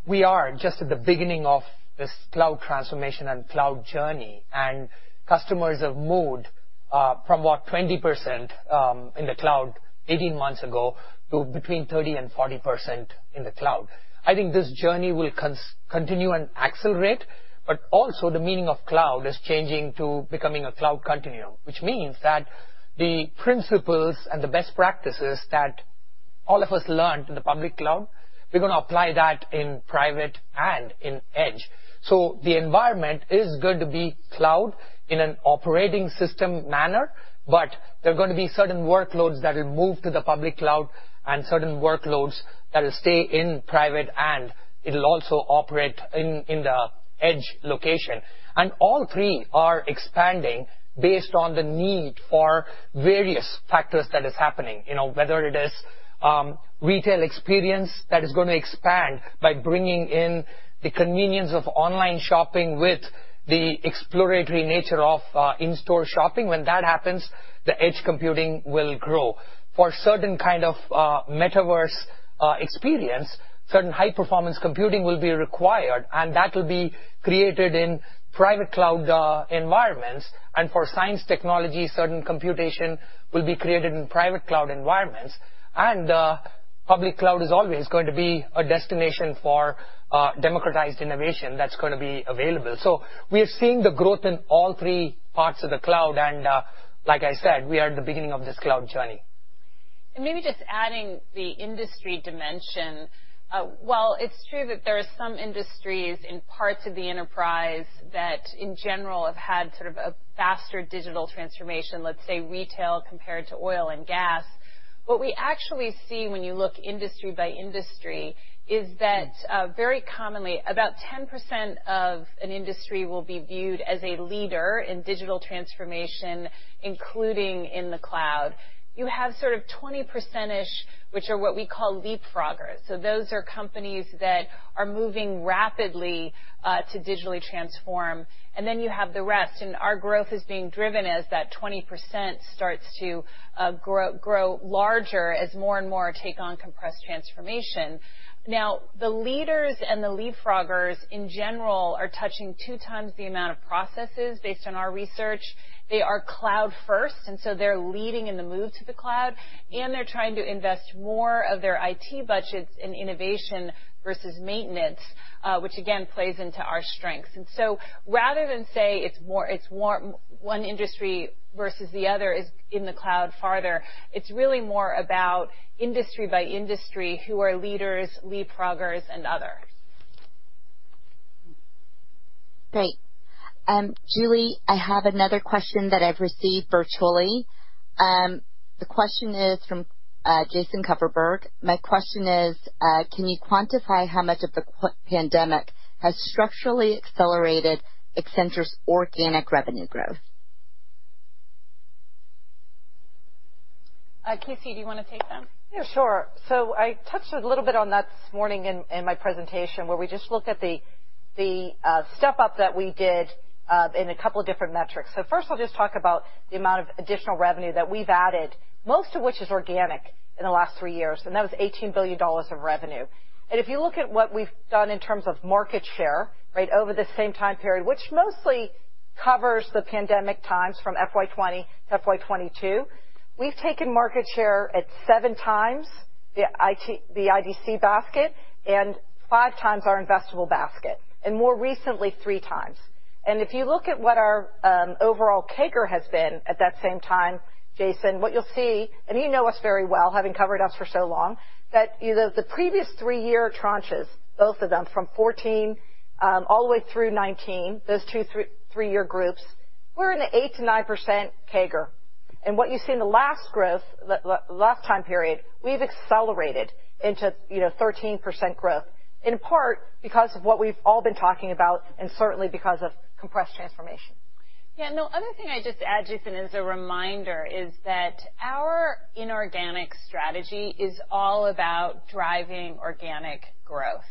S13: we are just at the beginning of this cloud transformation and cloud journey. Customers have moved from, what, 20% in the cloud 18 months ago to between 30%-40% in the cloud. I think this journey will continue and accelerate, but also the meaning of cloud is changing to becoming a Cloud Continuum. Which means that the principles and the best practices that all of us learned in the public cloud, we're gonna apply that in private and in edge. So the environment is going to be cloud in an operating system manner, but there are gonna be certain workloads that will move to the public cloud and certain workloads that will stay in private, and it'll also operate in the edge location. All three are expanding based on the need for various factors that is happening. You know, whether it is retail experience that is gonna expand by bringing in the convenience of online shopping with the exploratory nature of in-store shopping. When that happens, the edge computing will grow. For certain kind of metaverse experience, certain high-performance computing will be required, and that will be created in private cloud environments. For science technology, certain computation will be created in private cloud environments. Public cloud is always going to be a destination for democratized innovation that's gonna be available. We are seeing the growth in all three parts of the cloud and, like I said, we are at the beginning of this cloud journey.
S2: Maybe just adding the industry dimension. While it's true that there are some industries in parts of the enterprise that, in general, have had sort of a faster digital transformation, let's say retail compared to oil and gas, what we actually see when you look industry by industry is that, very commonly, about 10% of an industry will be viewed as a leader in digital transformation, including in the cloud. You have sort of 20%-ish, which are what we call leapfroggers. So those are companies that are moving rapidly, to digitally transform. Then you have the rest. Our growth is being driven as that 20% starts to, grow larger as more and more take on compressed transformation. Now, the leaders and the leapfroggers, in general, are touching 2x the amount of processes based on our research. They are cloud first, and so they're leading in the move to the cloud, and they're trying to invest more of their IT budgets in innovation versus maintenance, which again plays into our strengths. Rather than say it's one industry versus the other is in the cloud farther, it's really more about industry by industry, who are leaders, leapfroggers, and others.
S1: Great. Julie, I have another question that I've received virtually. The question is from Jason Kupferberg: "My question is, can you quantify how much of the COVID pandemic has structurally accelerated Accenture's organic revenue growth?
S2: KC, do you wanna take that?
S31: Yeah, sure. I touched a little bit on that this morning in my presentation, where we just looked at the step-up that we did in a couple different metrics. First I'll just talk about the amount of additional revenue that we've added, most of which is organic, in the last three years, and that was $18 billion of revenue. If you look at what we've done in terms of market share, right, over the same time period, which mostly covers the pandemic times from FY 2020 to FY 2022. We've taken market share at 7x the IDC basket and 5x our investable basket, and more recently, 3x. If you look at what our overall CAGR has been at that same time, Jason, what you'll see, and you know us very well, having covered us for so long, that the previous three-year tranches, both of them from 2014 billion all the way through 2019, those two three-year groups, we were in the 8%-9% CAGR. What you see in the last growth, the last time period, we've accelerated into 13% growth, in part because of what we've all been talking about and certainly because of comprehensive transformation.
S2: Yeah. No, other thing I'd just add, Jason, as a reminder, is that our inorganic strategy is all about driving organic growth.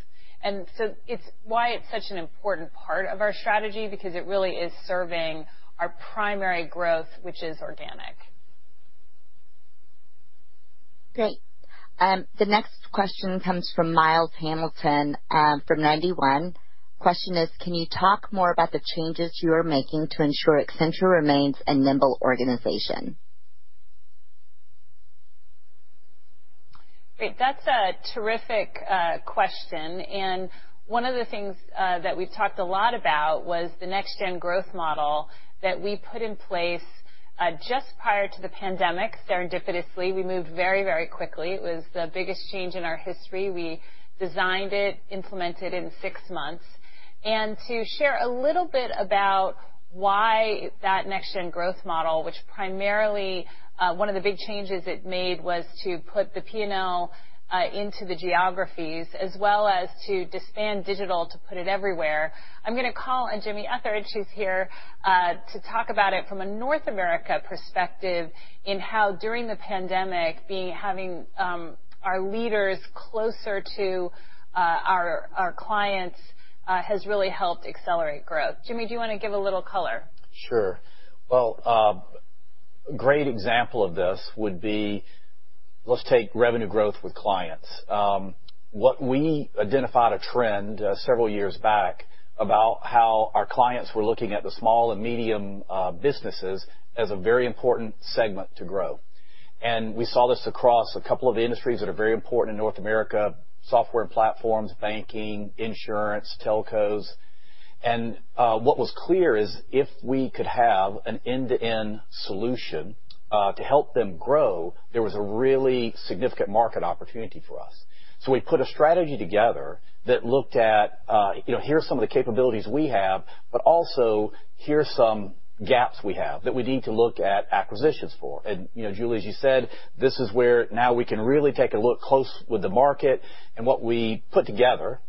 S2: It's why it's such an important part of our strategy, because it really is serving our primary growth, which is organic.
S1: Great. The next question comes from Miles Hamilton from Ninety One. Question is, can you talk more about the changes you are making to ensure Accenture remains a nimble organization?
S2: Great. That's a terrific question. One of the things that we've talked a lot about was the next-gen growth model that we put in place just prior to the pandemic. Serendipitously, we moved very, very quickly. It was the biggest change in our history. We designed and implemented it in six months. To share a little bit about why that next-gen growth model, which primarily one of the big changes it made was to put the P&L into the geographies as well as to disband digital to put it everywhere. I'm gonna call on Jimmy Etheredge, who's here, to talk about it from a North America perspective in how during the pandemic, having our leaders closer to our clients has really helped accelerate growth. Jimmy, do you wanna give a little color?
S12: Sure. Well, a great example of this would be, let's take revenue growth with clients. What we identified was a trend several years back about how our clients were looking at the small and medium businesses as a very important segment to grow. We saw this across a couple of industries that are very important in North America, software and platforms, banking, insurance, telcos. What was clear is if we could have an end-to-end solution to help them grow, there was a really significant market opportunity for us. We put a strategy together that looked at, you know, here's some of the capabilities we have, but also here's some gaps we have that we need to look at acquisitions for. You know, Julie, as you said, this is where now we can really take a look close with the market and what we put together.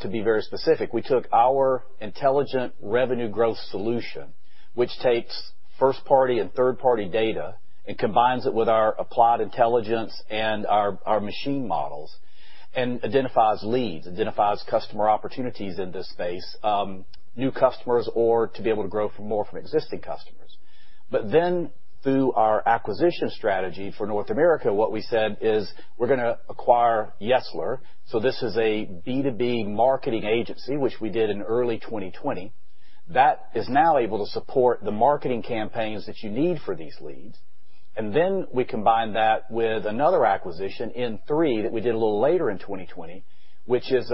S12: To be very specific, we took our intelligent revenue growth solution, which takes first-party and third-party data and combines it with our applied intelligence and our machine models and identifies leads, identifies customer opportunities in this space, new customers or to be able to grow for more from existing customers. Through our acquisition strategy for North America, what we said is we're gonna acquire Yesler. This is a B2B marketing agency, which we did in early 2020, that is now able to support the marketing campaigns that you need for these leads. We combine that with another acquisition in N3 that we did a little later in 2020, which is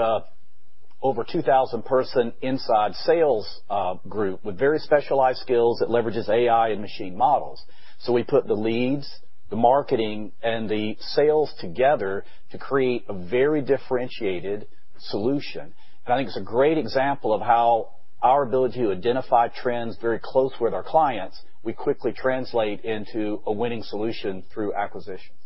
S12: over 2,000-person inside sales group with very specialized skills that leverages AI and machine models. We put the leads, the marketing, and the sales together to create a very differentiated solution. I think it's a great example of how our ability to identify trends very closely with our clients, we quickly translate into a winning solution through acquisitions.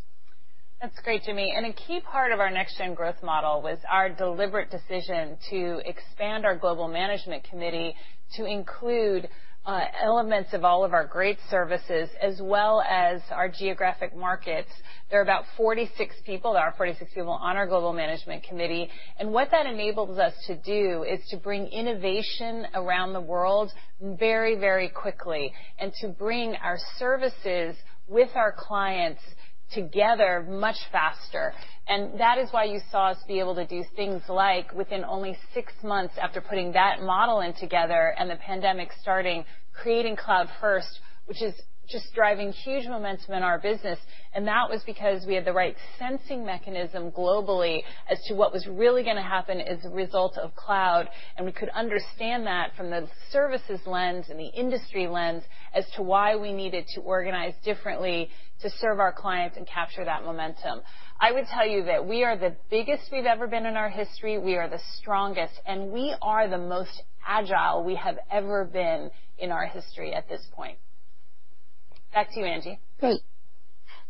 S2: That's great, Jimmy. A key part of our next-gen growth model was our deliberate decision to expand our Global Management Committee to include elements of all of our great services as well as our geographic markets. There are 46 people on our Global Management Committee. What that enables us to do is to bring innovation around the world very, very quickly and to bring our services with our clients together much faster. That is why you saw us be able to do things like within only six months after putting that model in together and the pandemic starting, creating Cloud First, which is just driving huge momentum in our business. That was because we had the right sensing mechanism globally as to what was really gonna happen as a result of cloud. We could understand that from the services lens and the industry lens as to why we needed to organize differently to serve our clients and capture that momentum. I would tell you that we are the biggest we've ever been in our history. We are the strongest, and we are the most agile we have ever been in our history at this point. Back to you, Angie.
S1: Great.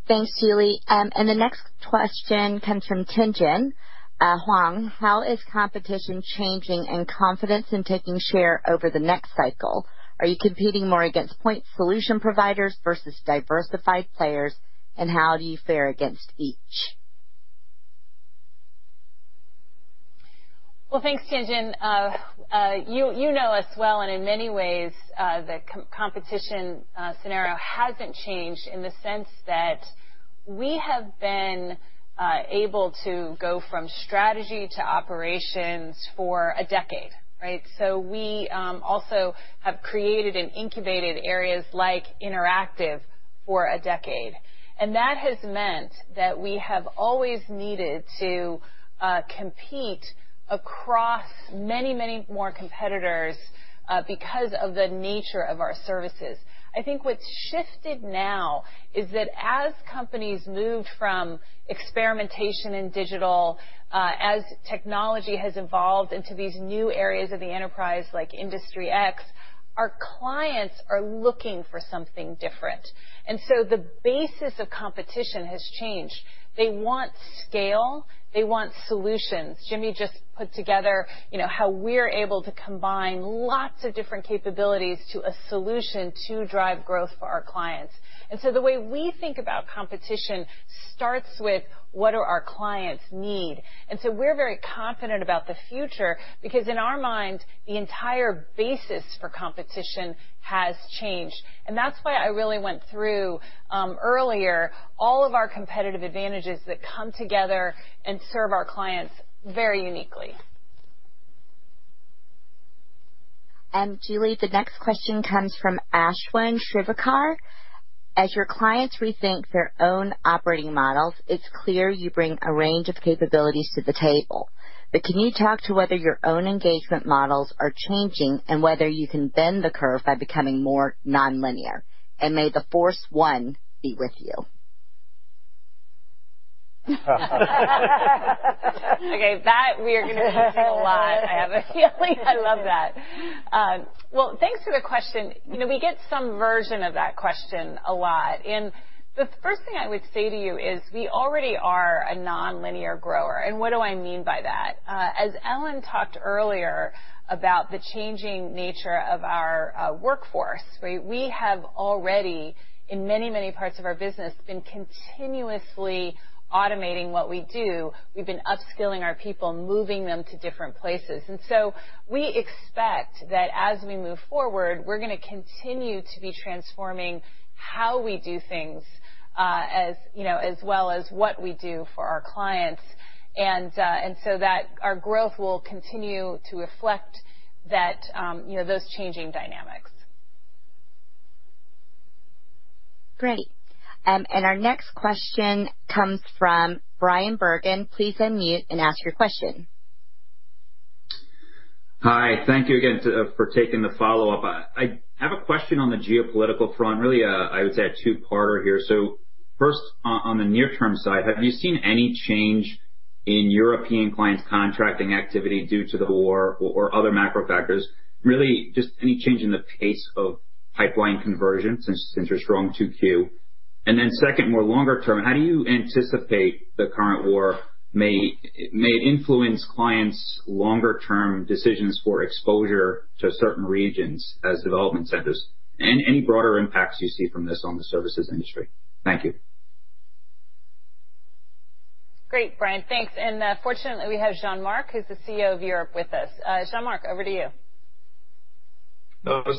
S1: Thanks, Julie. The next question comes from Tien-Tsin Huang. How is competition changing and confidence in taking share over the next cycle? Are you competing more against point solution providers versus diversified players, and how do you fare against each?
S2: Well, thanks, Tien-Tsin. You know us well, and in many ways, the competition scenario hasn't changed in the sense that we have been able to go from strategy to operations for a decade, right? We also have created and incubated areas like Interactive for a decade. That has meant that we have always needed to compete across many, many more competitors because of the nature of our services. I think what's shifted now is that as companies moved from experimentation in digital, as technology has evolved into these new areas of the enterprise, like Industry X, our clients are looking for something different. The basis of competition has changed. They want scale, they want solutions. Jimmy just put together, you know, how we're able to combine lots of different capabilities to a solution to drive growth for our clients. The way we think about competition starts with what do our clients need. We're very confident about the future because in our mind, the entire basis for competition has changed. That's why I really went through earlier all of our competitive advantages that come together and serve our clients very uniquely.
S1: Julie, the next question comes from Ashwin Shirvaikar. As your clients rethink their own operating models, it's clear you bring a range of capabilities to the table. Can you talk to whether your own engagement models are changing and whether you can bend the curve by becoming more nonlinear? May the Force one be with you.
S2: Okay, that we are gonna be seeing a lot, I have a feeling. I love that. Well, thanks for the question. You know, we get some version of that question a lot. The first thing I would say to you is we already are a nonlinear grower. What do I mean by that? As Ellyn talked earlier about the changing nature of our workforce, we have already in many, many parts of our business, been continuously automating what we do. We've been upskilling our people, moving them to different places. We expect that as we move forward, we're gonna continue to be transforming how we do things, as you know, as well as what we do for our clients. That our growth will continue to reflect that, you know, those changing dynamics.
S1: Great. Our next question comes from Bryan Bergin. Please unmute and ask your question.
S28: Hi. Thank you again for taking the follow-up. I have a question on the geopolitical front. Really, I would say a two-parter here. First on the near term side, have you seen any change in European clients contracting activity due to the war or other macro factors? Really just any change in the pace of pipeline conversion since your strong 2Q. Then second, more longer term, how do you anticipate the current war may influence clients' longer term decisions for exposure to certain regions as development centers? And any broader impacts you see from this on the services industry. Thank you.
S2: Great, Bryan. Thanks. Fortunately, we have Jean-Marc, who's the CEO of Europe with us. Jean-Marc, over to you.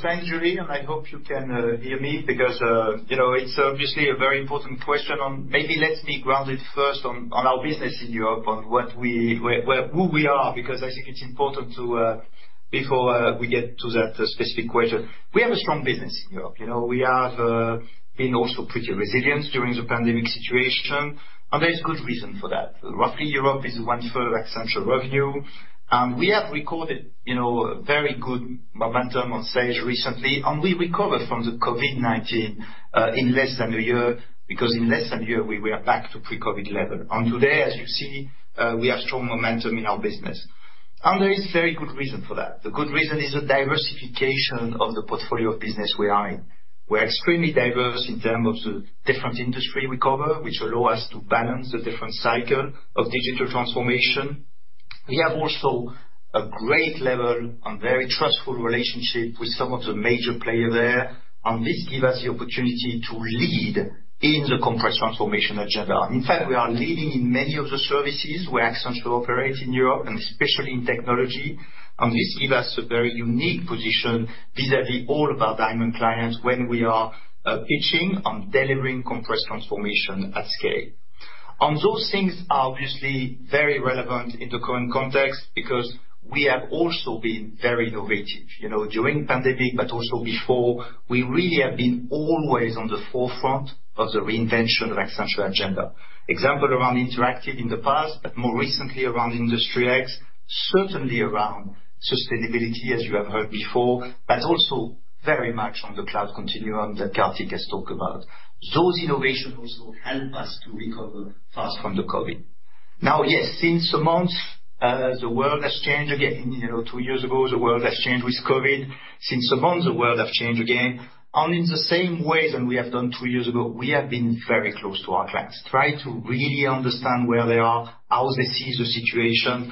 S23: Thanks, Julie, and I hope you can hear me because you know, it's obviously a very important question. Maybe let's be grounded first on our business in Europe, on what we where who we are, because I think it's important to before we get to that specific question. We have a strong business in Europe. You know, we have been also pretty resilient during the pandemic situation, and there is good reason for that. Roughly, Europe is 1/3 of Accenture revenue, and we have recorded you know, very good momentum on sales recently, and we recovered from the COVID-19 in less than a year, because in less than a year, we were back to pre-COVID level. Today, as you see, we have strong momentum in our business. There is very good reason for that. The good reason is the diversification of the portfolio of business we are in. We're extremely diverse in terms of the different industry we cover, which allow us to balance the different cycle of digital transformation. We have also a great level and very trustful relationship with some of the major player there, and this give us the opportunity to lead in the complex transformation agenda. In fact, we are leading in many of the services where Accenture operate in Europe, and especially in technology. This give us a very unique position vis-à-vis all of our Diamond clients when we are pitching on delivering complex transformation at scale. Those things are obviously very relevant in the current context because we have also been very innovative. You know, during pandemic, but also before, we really have been always on the forefront of the reinvention of Accenture agenda. Examples around Interactive in the past, but more recently around Industry X, certainly around sustainability, as you have heard before, but also very much on the Cloud Continuum that Karthik has talked about. Those innovations also help us to recover fast from the COVID. Now, yes, since a month, the world has changed again. You know, two years ago, the world has changed with COVID. Since a month, the world have changed again. In the same way than we have done two years ago, we have been very close to our clients, try to really understand where they are, how they see the situation.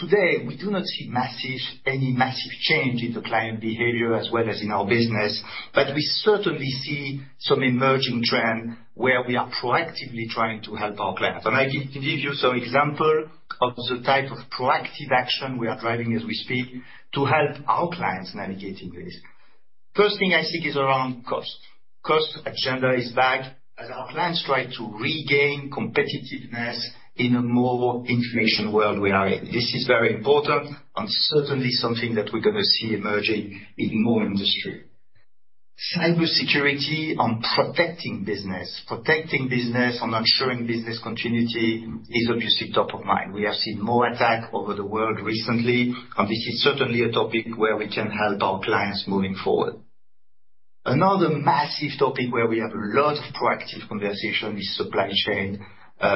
S23: Today, we do not see massive, any massive change in the client behavior as well as in our business. We certainly see some emerging trend where we are proactively trying to help our clients. I can give you some example of the type of proactive action we are driving as we speak to help our clients navigating this. First thing I think is around cost. Cost agenda is back as our clients try to regain competitiveness in a more inflation world we are in. This is very important and certainly something that we're gonna see emerging in more industry. Cybersecurity on protecting business. Protecting business and ensuring business continuity is obviously top of mind. We have seen more attack over the world recently, and this is certainly a topic where we can help our clients moving forward. Another massive topic where we have lots of proactive conversation is supply chain,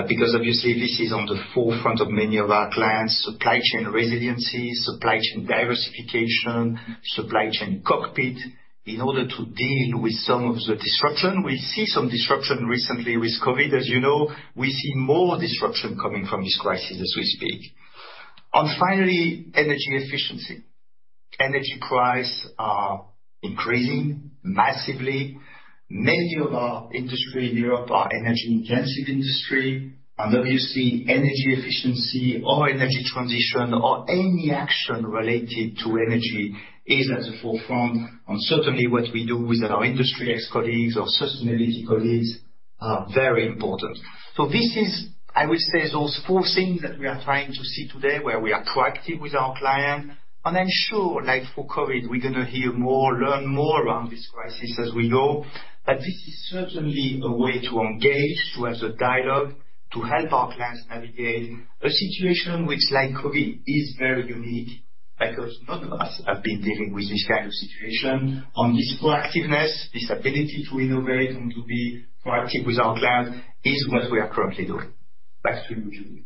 S23: because obviously this is on the forefront of many of our clients. Supply chain resiliency, supply chain diversification, supply chain cockpit in order to deal with some of the disruption. We see some disruption recently with COVID, as you know. We see more disruption coming from this crisis as we speak. Finally, energy efficiency. Energy prices are increasing massively. Many of our industries in Europe are energy-intensive industries, and obviously, energy efficiency or energy transition or any action related to energy is at the forefront of certainly what we do with our Industry X colleagues. Our sustainability colleagues are very important. This is, I will say, those four things that we are trying to see today, where we are proactive with our clients. I'm sure, like for COVID, we're gonna hear more, learn more around this crisis as we go. This is certainly a way to engage, to have the dialogue, to help our clients navigate a situation which, like COVID, is very unique because none of us have been dealing with this kind of situation. On this proactiveness, this ability to innovate and to be proactive with our client is what we are currently doing. Back to you, Julie.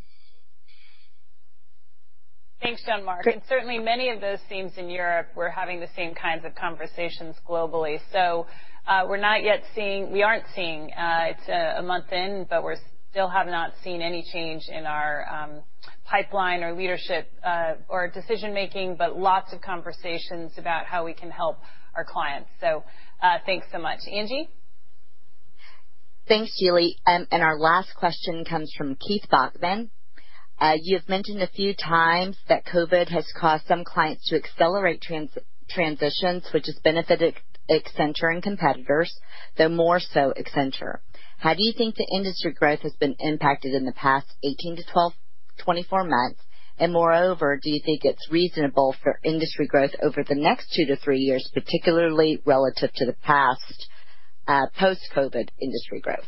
S2: Thanks, Jean-Marc. Certainly, many of those themes in Europe, we're having the same kinds of conversations globally. We aren't seeing, it's a month in, but we still have not seen any change in our pipeline or leadership or decision-making, but lots of conversations about how we can help our clients. Thanks so much. Angie?
S1: Thanks, Julie. Our last question comes from Keith Bachman. You've mentioned a few times that COVID has caused some clients to accelerate transitions, which has benefited Accenture and competitors, though more so Accenture. How do you think the industry growth has been impacted in the past 18-24 months? Moreover, do you think it's reasonable for industry growth over the next two to three years, particularly relative to the past post-COVID industry growth?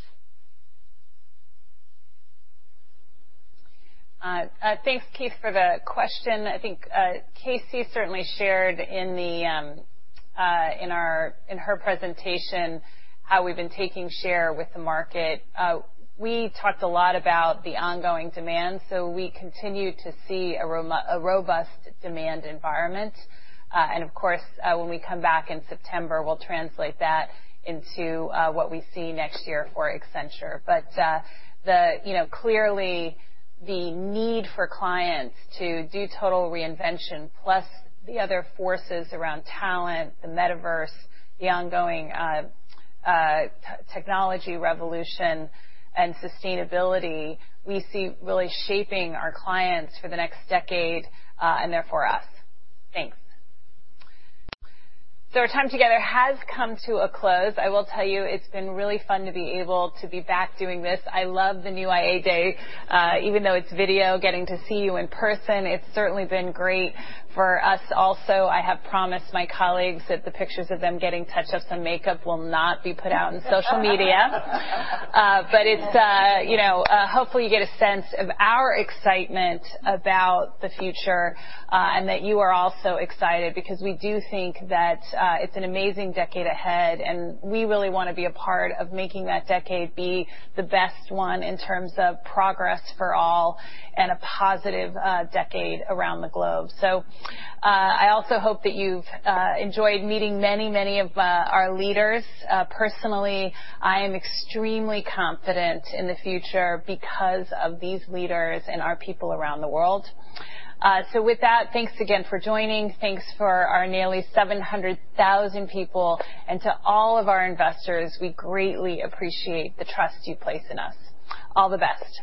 S2: Thanks, Keith, for the question. I think Casey certainly shared in her presentation how we've been taking share with the market. We talked a lot about the ongoing demand, so we continue to see a robust demand environment. Of course, when we come back in September, we'll translate that into what we see next year for Accenture. You know, clearly the need for clients to do total reinvention, plus the other forces around talent, the metaverse, the ongoing technology revolution and sustainability, we see really shaping our clients for the next decade, and therefore us. Thanks. Our time together has come to a close. I will tell you, it's been really fun to be able to be back doing this. I love the new IA Day, even though it's video, getting to see you in person. It's certainly been great for us also. I have promised my colleagues that the pictures of them getting touch-ups and makeup will not be put out in social media. But it's, you know, hopefully you get a sense of our excitement about the future, and that you are also excited because we do think that it's an amazing decade ahead, and we really wanna be a part of making that decade be the best one in terms of progress for all and a positive decade around the globe. I also hope that you've enjoyed meeting many, many of our leaders. Personally, I am extremely confident in the future because of these leaders and our people around the world. With that, thanks again for joining. Thanks for our nearly 700,000 people. To all of our investors, we greatly appreciate the trust you place in us. All the best.